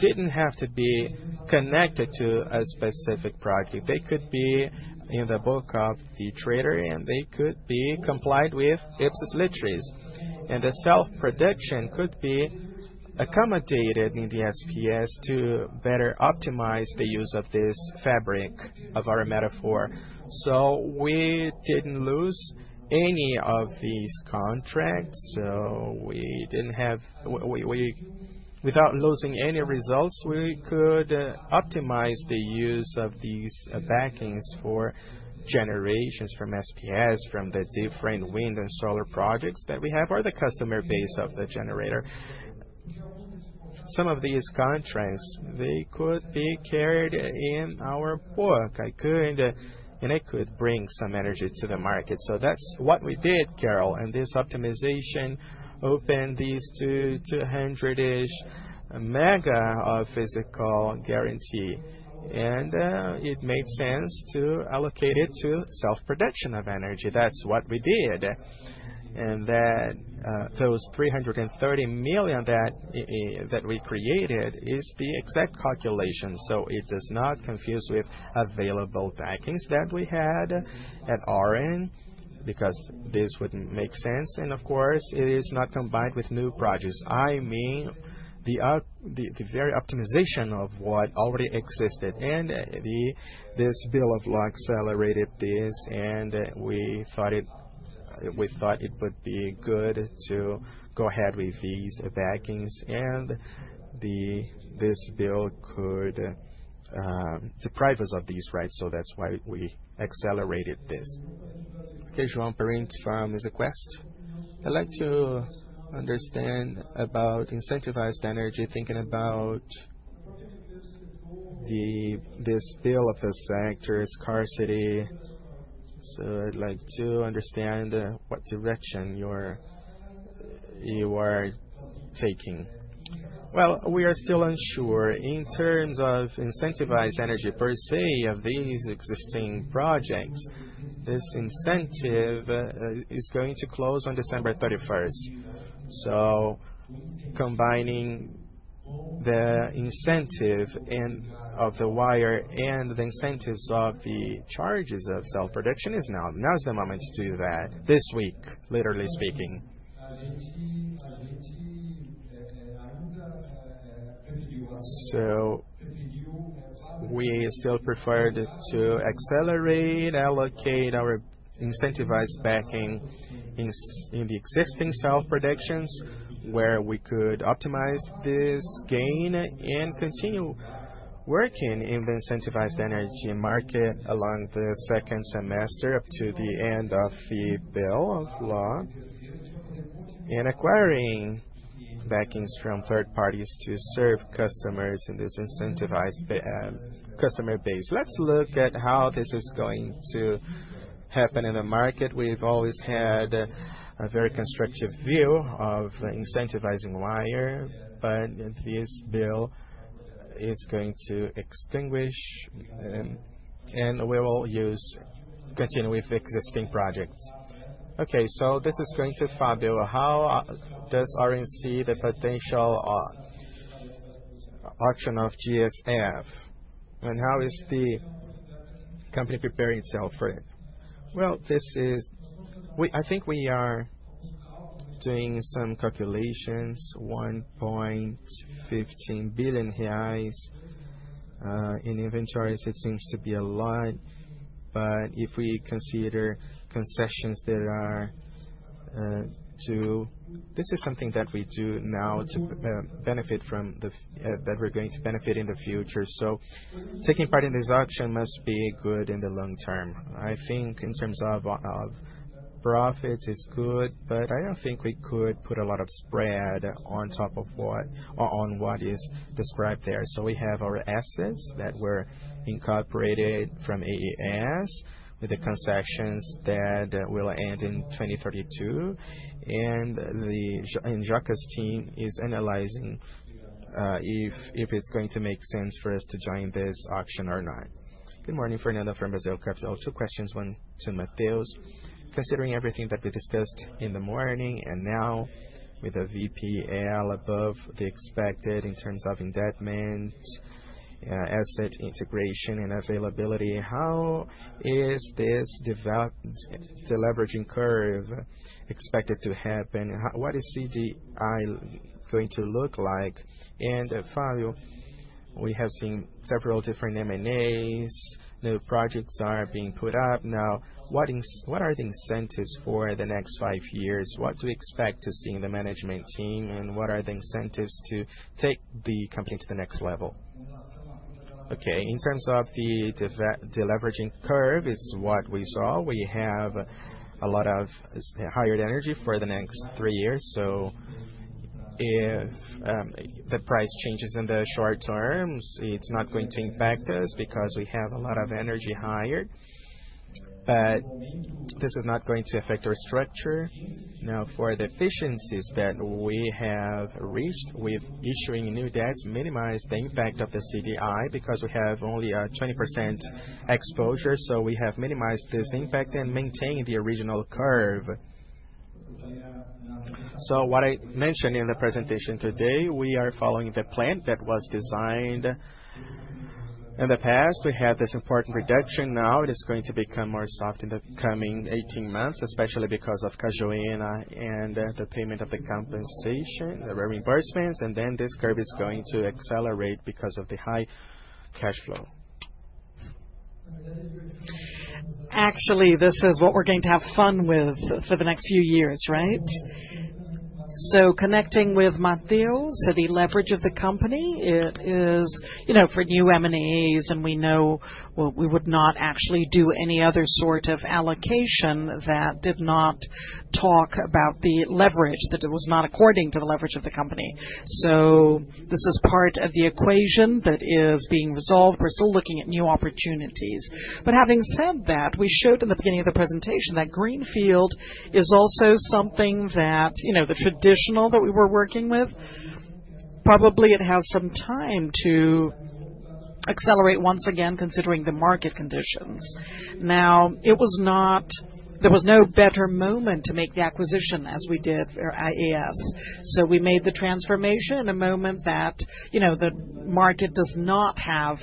didn't have to be connected to a specific project. They could be in the book of the trader and they could be complied with ipsis litteris and the self-production could be accommodated in the SPEs to better optimize the use of this fabric of our metaphor. We didn't lose any of these contracts. Without losing any results, we could optimize the use of these backings for generation from SPEs, from the different wind and solar projects that we have or the customer base of the generator. Some of these contracts could be carried in our book and I could bring some energy to the market. That's what we did Carol. This optimization opened these 200-ish MW of physical guarantee and it made sense to allocate it to self-production of energy. That's what we did. Those 330 million that we created is the exact calculation so it does not confuse with available backings that we had at Auren because this would make sense and of course it is not combined with new projects. I mean the very optimization of what already existed and this bill of law accelerated this and we thought it would be good to go ahead with these backings and this bill could deprive us of these rights. That's why we accelerated this. Okay, João Pimentel I'd like to understand about incentivized energy thinking about this bill of a sector scarcity. I'd like to understand what direction you are taking. We are still unsure in terms of incentivized energy per se of these existing projects. This incentive is going to close on December 31, combining the incentive of the wire and the incentives of the charges of self-production. Now is the moment to do that this week, literally speaking. We still prefer to accelerate, allocate our incentivized backing in the existing self-productions where we could optimize this gain and continue working in the incentivized energy market along the second semester up to the end of the bill of law and acquiring backings from third parties to serve customers in this incentivized energy customer base. Let's look at how this is going to happen in the market. We've always had a very constructive view of incentivizing wire, but this bill is going to extinguish and we will continue with existing projects. This is going to be fabulous. How does Auren see the price potential auction of GSF and how is the company preparing itself for it? I think we are doing some calculations. 1.15 billion reais in inventories. It seems to be a lot, but if we consider concessions that are, this is something that we do now to benefit from that we're going to benefit in the future. Taking part in this auction must be good in the long term. I think in terms of profits it's good, but I don't think we could put a lot of spread on top of what is described there. We have our assets that were incorporated AES with the concessions that will end in 2032, and Jacques' team is analyzing if it's going to make sense for us to join this auction or not. Good morning, Fernando from Brasil Capital. Two questions, one to Mateus. Considering everything that we discussed in the morning and now with the NPV above, the expected in terms of indebted asset integration and availability, how is this deleveraging curve expected to happen? What is CDI going to look like? And Fábio, we have seen several different new projects are being put up now. What are the incentives for the next five years, what to expect seeing the management team and what are the incentives to take the company to the next level? In terms of the deleveraging curve is what we saw. We have a lot of hired energy for the next three years. If the price changes in the short term, it's not going to impact us because we have a lot of energy hired. This is not going to affect our structure. For the efficiencies that we have reached with issuing new debts, we minimize the impact of the CDI because we have only a 20% exposure. We have minimized this impact and maintained the original curve. What I mentioned in the presentation today, we are following the plan that was designed in the past. We had this important reduction. Now it is going to become more soft in the coming 18 months, especially because of Cajuína and the payment of the compensation, the reimbursements. This curve is going to accelerate because of the high cash flow. Actually, this is what we're going to have fun with for the next few years. Right. Connecting with my, the leverage of the company, it is, you know, for new M&As and we know we would not actually do any other sort of allocation that did not talk about the leverage, that it was not according to the leverage of the company. This is part of the equation that is being resolved. We're still looking at new opportunities. Having said that, we showed in the beginning of the presentation that greenfield is also something that, you know, the traditional that we were working with. Probably it has some time to accelerate once again, considering the market conditions now, there was no better moment to make the acquisition as we did for AES. We made the transformation in a moment that, you know, the market does not have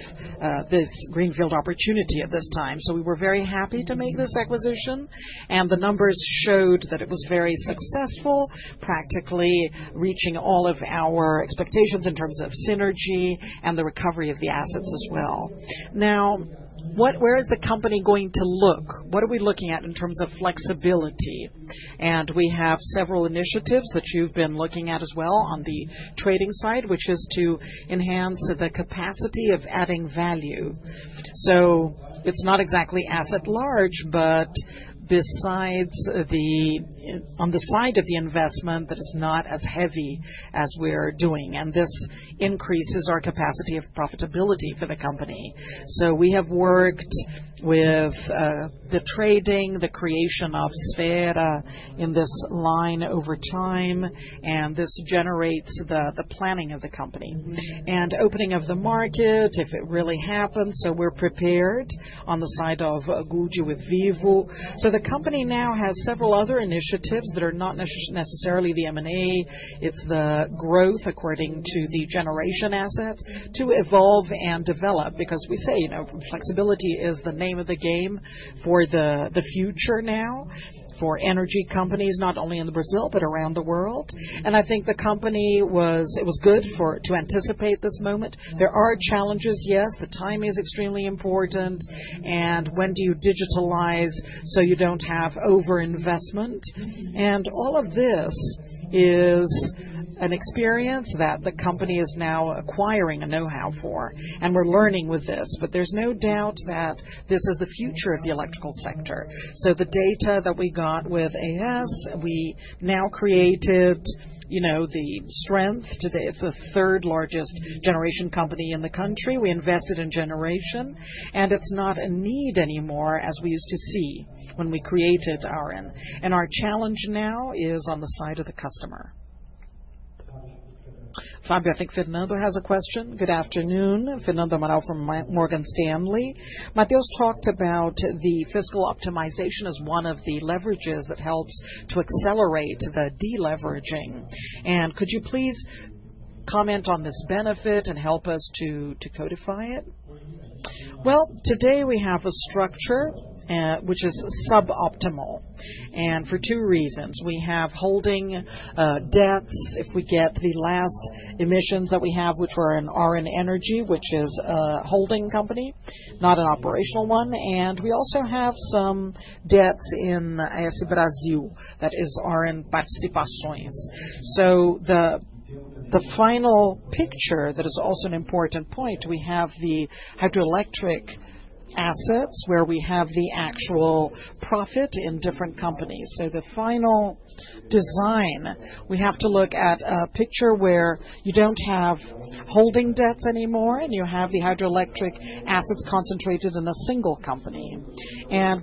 this greenfield opportunity at this time. We were very happy to make this acquisition and the numbers showed that it was very successful, practically reaching all of our expectations in terms of synergy and the recovery of the assets as well. Now, where is the company going to look? What are we looking at in terms of flexibility? We have several initiatives that you've been looking at as well on the trading side, which is to enhance the capacity of adding value. It's not exactly asset large, but besides on the side of the investment that is not as heavy as we're doing. This increases our capacity of profitability for the company. We have worked with the trading, the creation of several in this line over time and this generates the planning of the company and opening of the market if it really happens. We're prepared on the side of Gud Energia with Vivo. The company now has several other initiatives that are not necessarily the M&A. It's the growth according to the generation assets to evolve and develop. Because we say, you know, flexibility is the name of the game for the future now for energy companies, not only in Brazil, but around the world. I think the company was, it was good to anticipate this moment. There are challenges, yes, the timing is extremely important and when do you digitalize so you don't have over investment. All of this is an experience that the company is now acquiring a know-how for and we're learning with this. There's no doubt that this is the future of the electrical sector. The data that we got with as we now created, you know, the strength today it's the third largest generation company in the country. We invested in generation and it's not a need anymore, as we used to see when we created Auren. Our challenge now is on the side of the customer. Fábio, I think Fernando has a question. Good afternoon. Fernando Manrique from Morgan Stanley. Mateus talked about the fiscal optimization as one of the leverages that helps to accelerate the deleveraging. Could you please comment on this benefit and help us to codify it? Today we have a structure which is suboptimal and for two reasons. We have holding debts. If we get the last emissions that we have, which were in Auren, which is a holding company, not an operational one. We also have some debts in Brazil, that is Auren. The final picture that is also an important point, we have the hydroelectric assets where we have the actual profit in different companies. The final design, we have to look at a picture where you don't have holding debts anymore and you have the hydroelectric assets concentrated in a single company.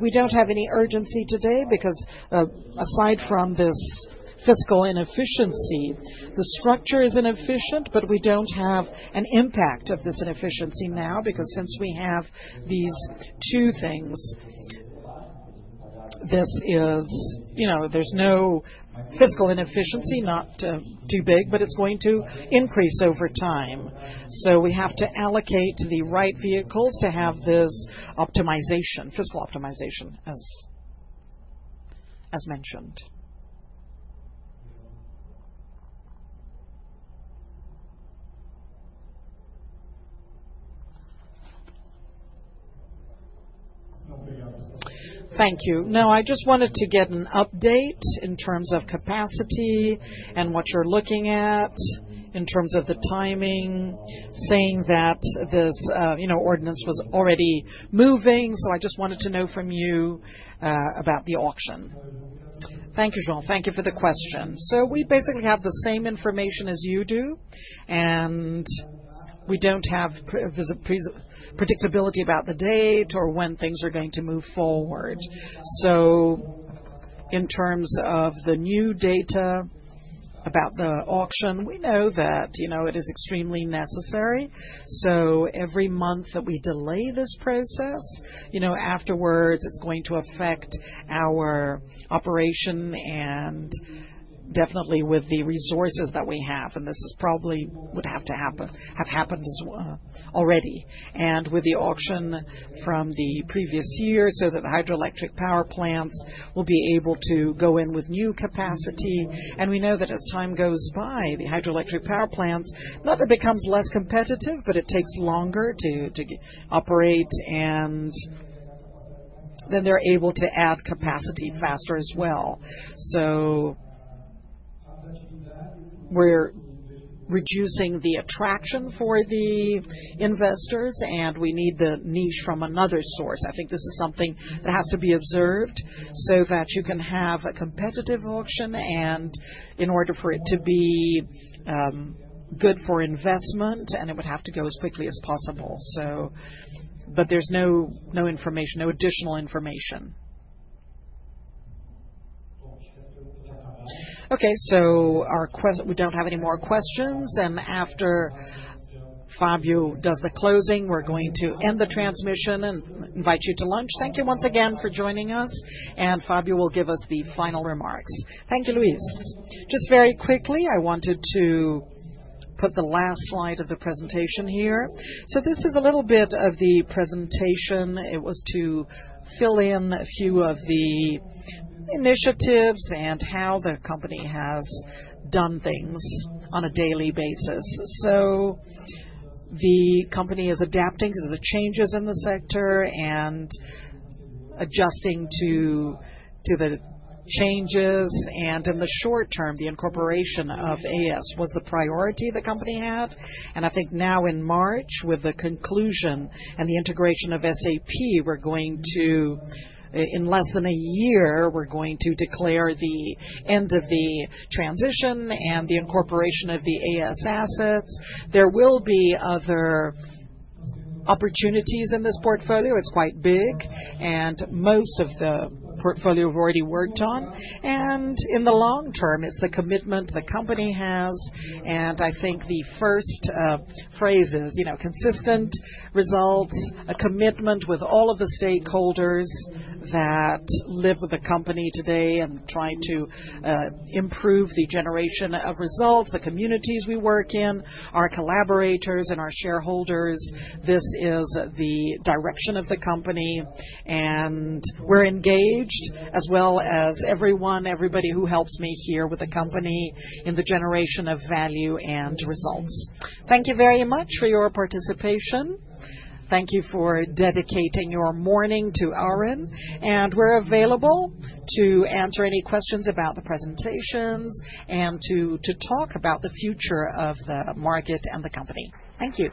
We don't have any urgency today because aside from this fiscal inefficiency, the structure is inefficient. We don't have an impact of this inefficiency now because since we have these two things, there's no fiscal inefficiency, not too big, but it's going to increase over time. We have to allocate the right vehicles to have this optimization, fiscal optimization, as mentioned. Thank you. I just wanted to get an update in terms of capacity and what you're looking at in terms of the timing, saying that this ordinance was already moving. I just wanted to know from you about the auction. Thank you, João. Thank you for the question. We basically have the same information as you do, and we don't have predictability about the date or when things are going to move forward. In terms of the new data about the auction, we know that it is extremely necessary. Every month that we delay this process afterwards, it's going to affect our operation and definitely with the resources that we have. This probably would have to happen, have happened already and with the auction from the previous year, so that the hydroelectric power plants will be able to go in with new capacity. We know that as time goes by, the hydroelectric power plants, not that it becomes less competitive, but it takes longer to operate, and then they're able to add capacity faster as well. So. We're reducing the attraction for the investors and we need the niche from another source. I think this is something that has to be observed so that you can have a competitive auction. In order for it to be good for investment, it would have to go as quickly as possible, but there's no information, no additional information. Okay, we don't have any more questions. After Fábio does the closing, we're going to end the transmission and invite you to lunch. Thank you once again for joining us. Fábio will give us the final remarks. Thank you, Luiz. Just very quickly, I wanted to put the last slide of the presentation here. This is a little bit of the presentation. It was to fill in a few of the initiatives and how the company has done things on a daily basis. The company is adapting to the changes in the sector and adjusting to the changes. In the short term, the incorporation of AES was the priority the company had. I think now in March, with the conclusion and the integration of SAP, in less than a year, we're going to declare the end of the transition and the incorporation of the AES assets. There will be other opportunities in this portfolio. It's quite big and most of the portfolio has already been worked on. In the long term, it's the commitment the company has. I think the first phrase is, you know, consistent results, a commitment with all of the stakeholders that live with the company today and trying to improve the generation of results, the communities we work in, our collaborators, and our shareholders. This is the direction of the company and we're engaged as well as everybody who helps me here with the company in the generation of value and results. Thank you very much for your participation. Thank you for dedicating your morning to Auren and we're available to answer any questions about the presentations and to talk about the future of the market and the company. Thank you.